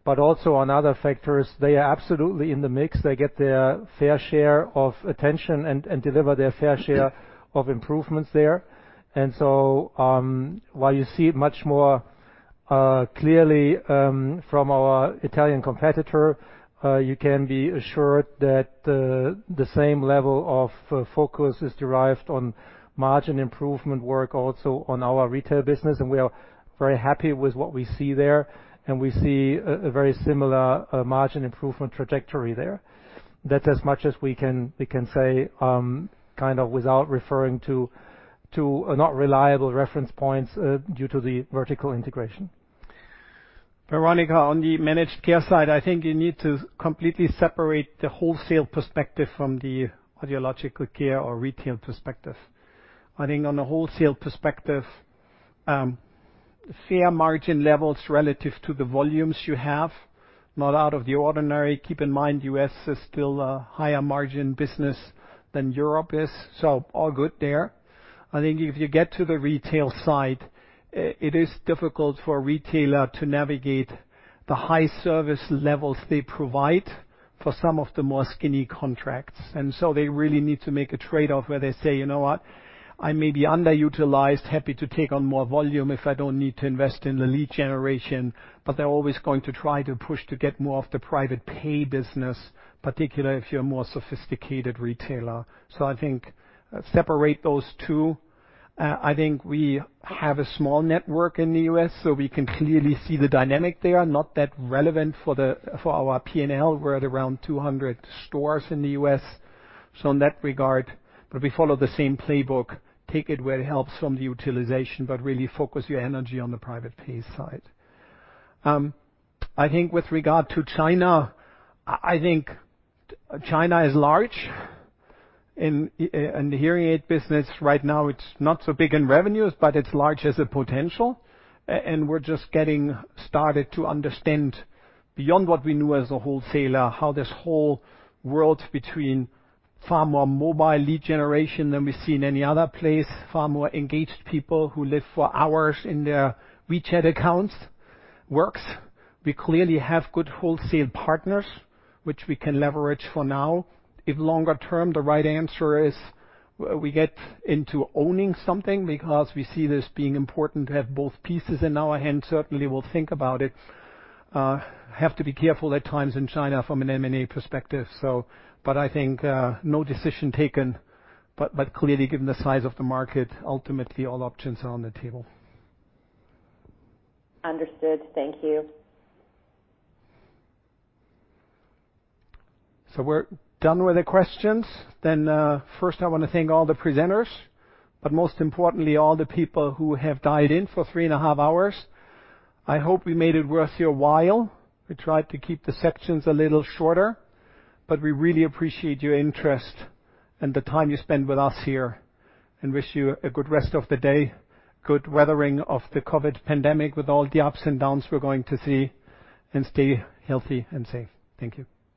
but also on other factors. They are absolutely in the mix. They get their fair share of attention and deliver their fair share of improvements there. While you see it much more clearly from our Italian competitor, you can be assured that the same level of focus is derived on margin improvement work also on our retail business, and we are very happy with what we see there, and we see a very similar margin improvement trajectory there. That's as much as we can say, without referring to not reliable reference points due to the vertical integration. Veronika, on the managed care side, I think you need to completely separate the wholesale perspective from the audiological care or retail perspective. I think on the wholesale perspective, fair margin levels relative to the volumes you have, not out of the ordinary. Keep in mind, U.S. is still a higher margin business than Europe is. All good there. I think if you get to the retail side, it is difficult for a retailer to navigate the high service levels they provide for some of the more skinny contracts. They really need to make a trade-off where they say, "You know what? I may be underutilized, happy to take on more volume if I don't need to invest in the lead generation. They're always going to try to push to get more of the private pay business, particularly if you're a more sophisticated retailer. I think separate those two. I think we have a small network in the U.S., we can clearly see the dynamic there, not that relevant for our P&L. We're at around 200 stores in the U.S. We follow the same playbook, take it where it helps from the utilization, really focus your energy on the private pay side. I think with regard to China, I think China is large. In the hearing aid business right now, it's not so big in revenues, it's large as a potential. We're just getting started to understand beyond what we knew as a wholesaler, how this whole world between far more mobile lead generation than we see in any other place, far more engaged people who live for hours in their WeChat accounts works. We clearly have good wholesale partners, which we can leverage for now. If longer term, the right answer is we get into owning something because we see this being important to have both pieces in our hand, certainly we'll think about it. Have to be careful at times in China from an M&A perspective. I think no decision taken, but clearly given the size of the market, ultimately all options are on the table.
Understood. Thank you.
We're done with the questions. First I want to thank all the presenters, but most importantly, all the people who have dialed in for three and a half hours. I hope we made it worth your while. We tried to keep the sections a little shorter, but we really appreciate your interest and the time you spend with us here and wish you a good rest of the day. Good weathering of the COVID pandemic with all the ups and downs we're going to see, and stay healthy and safe. Thank you.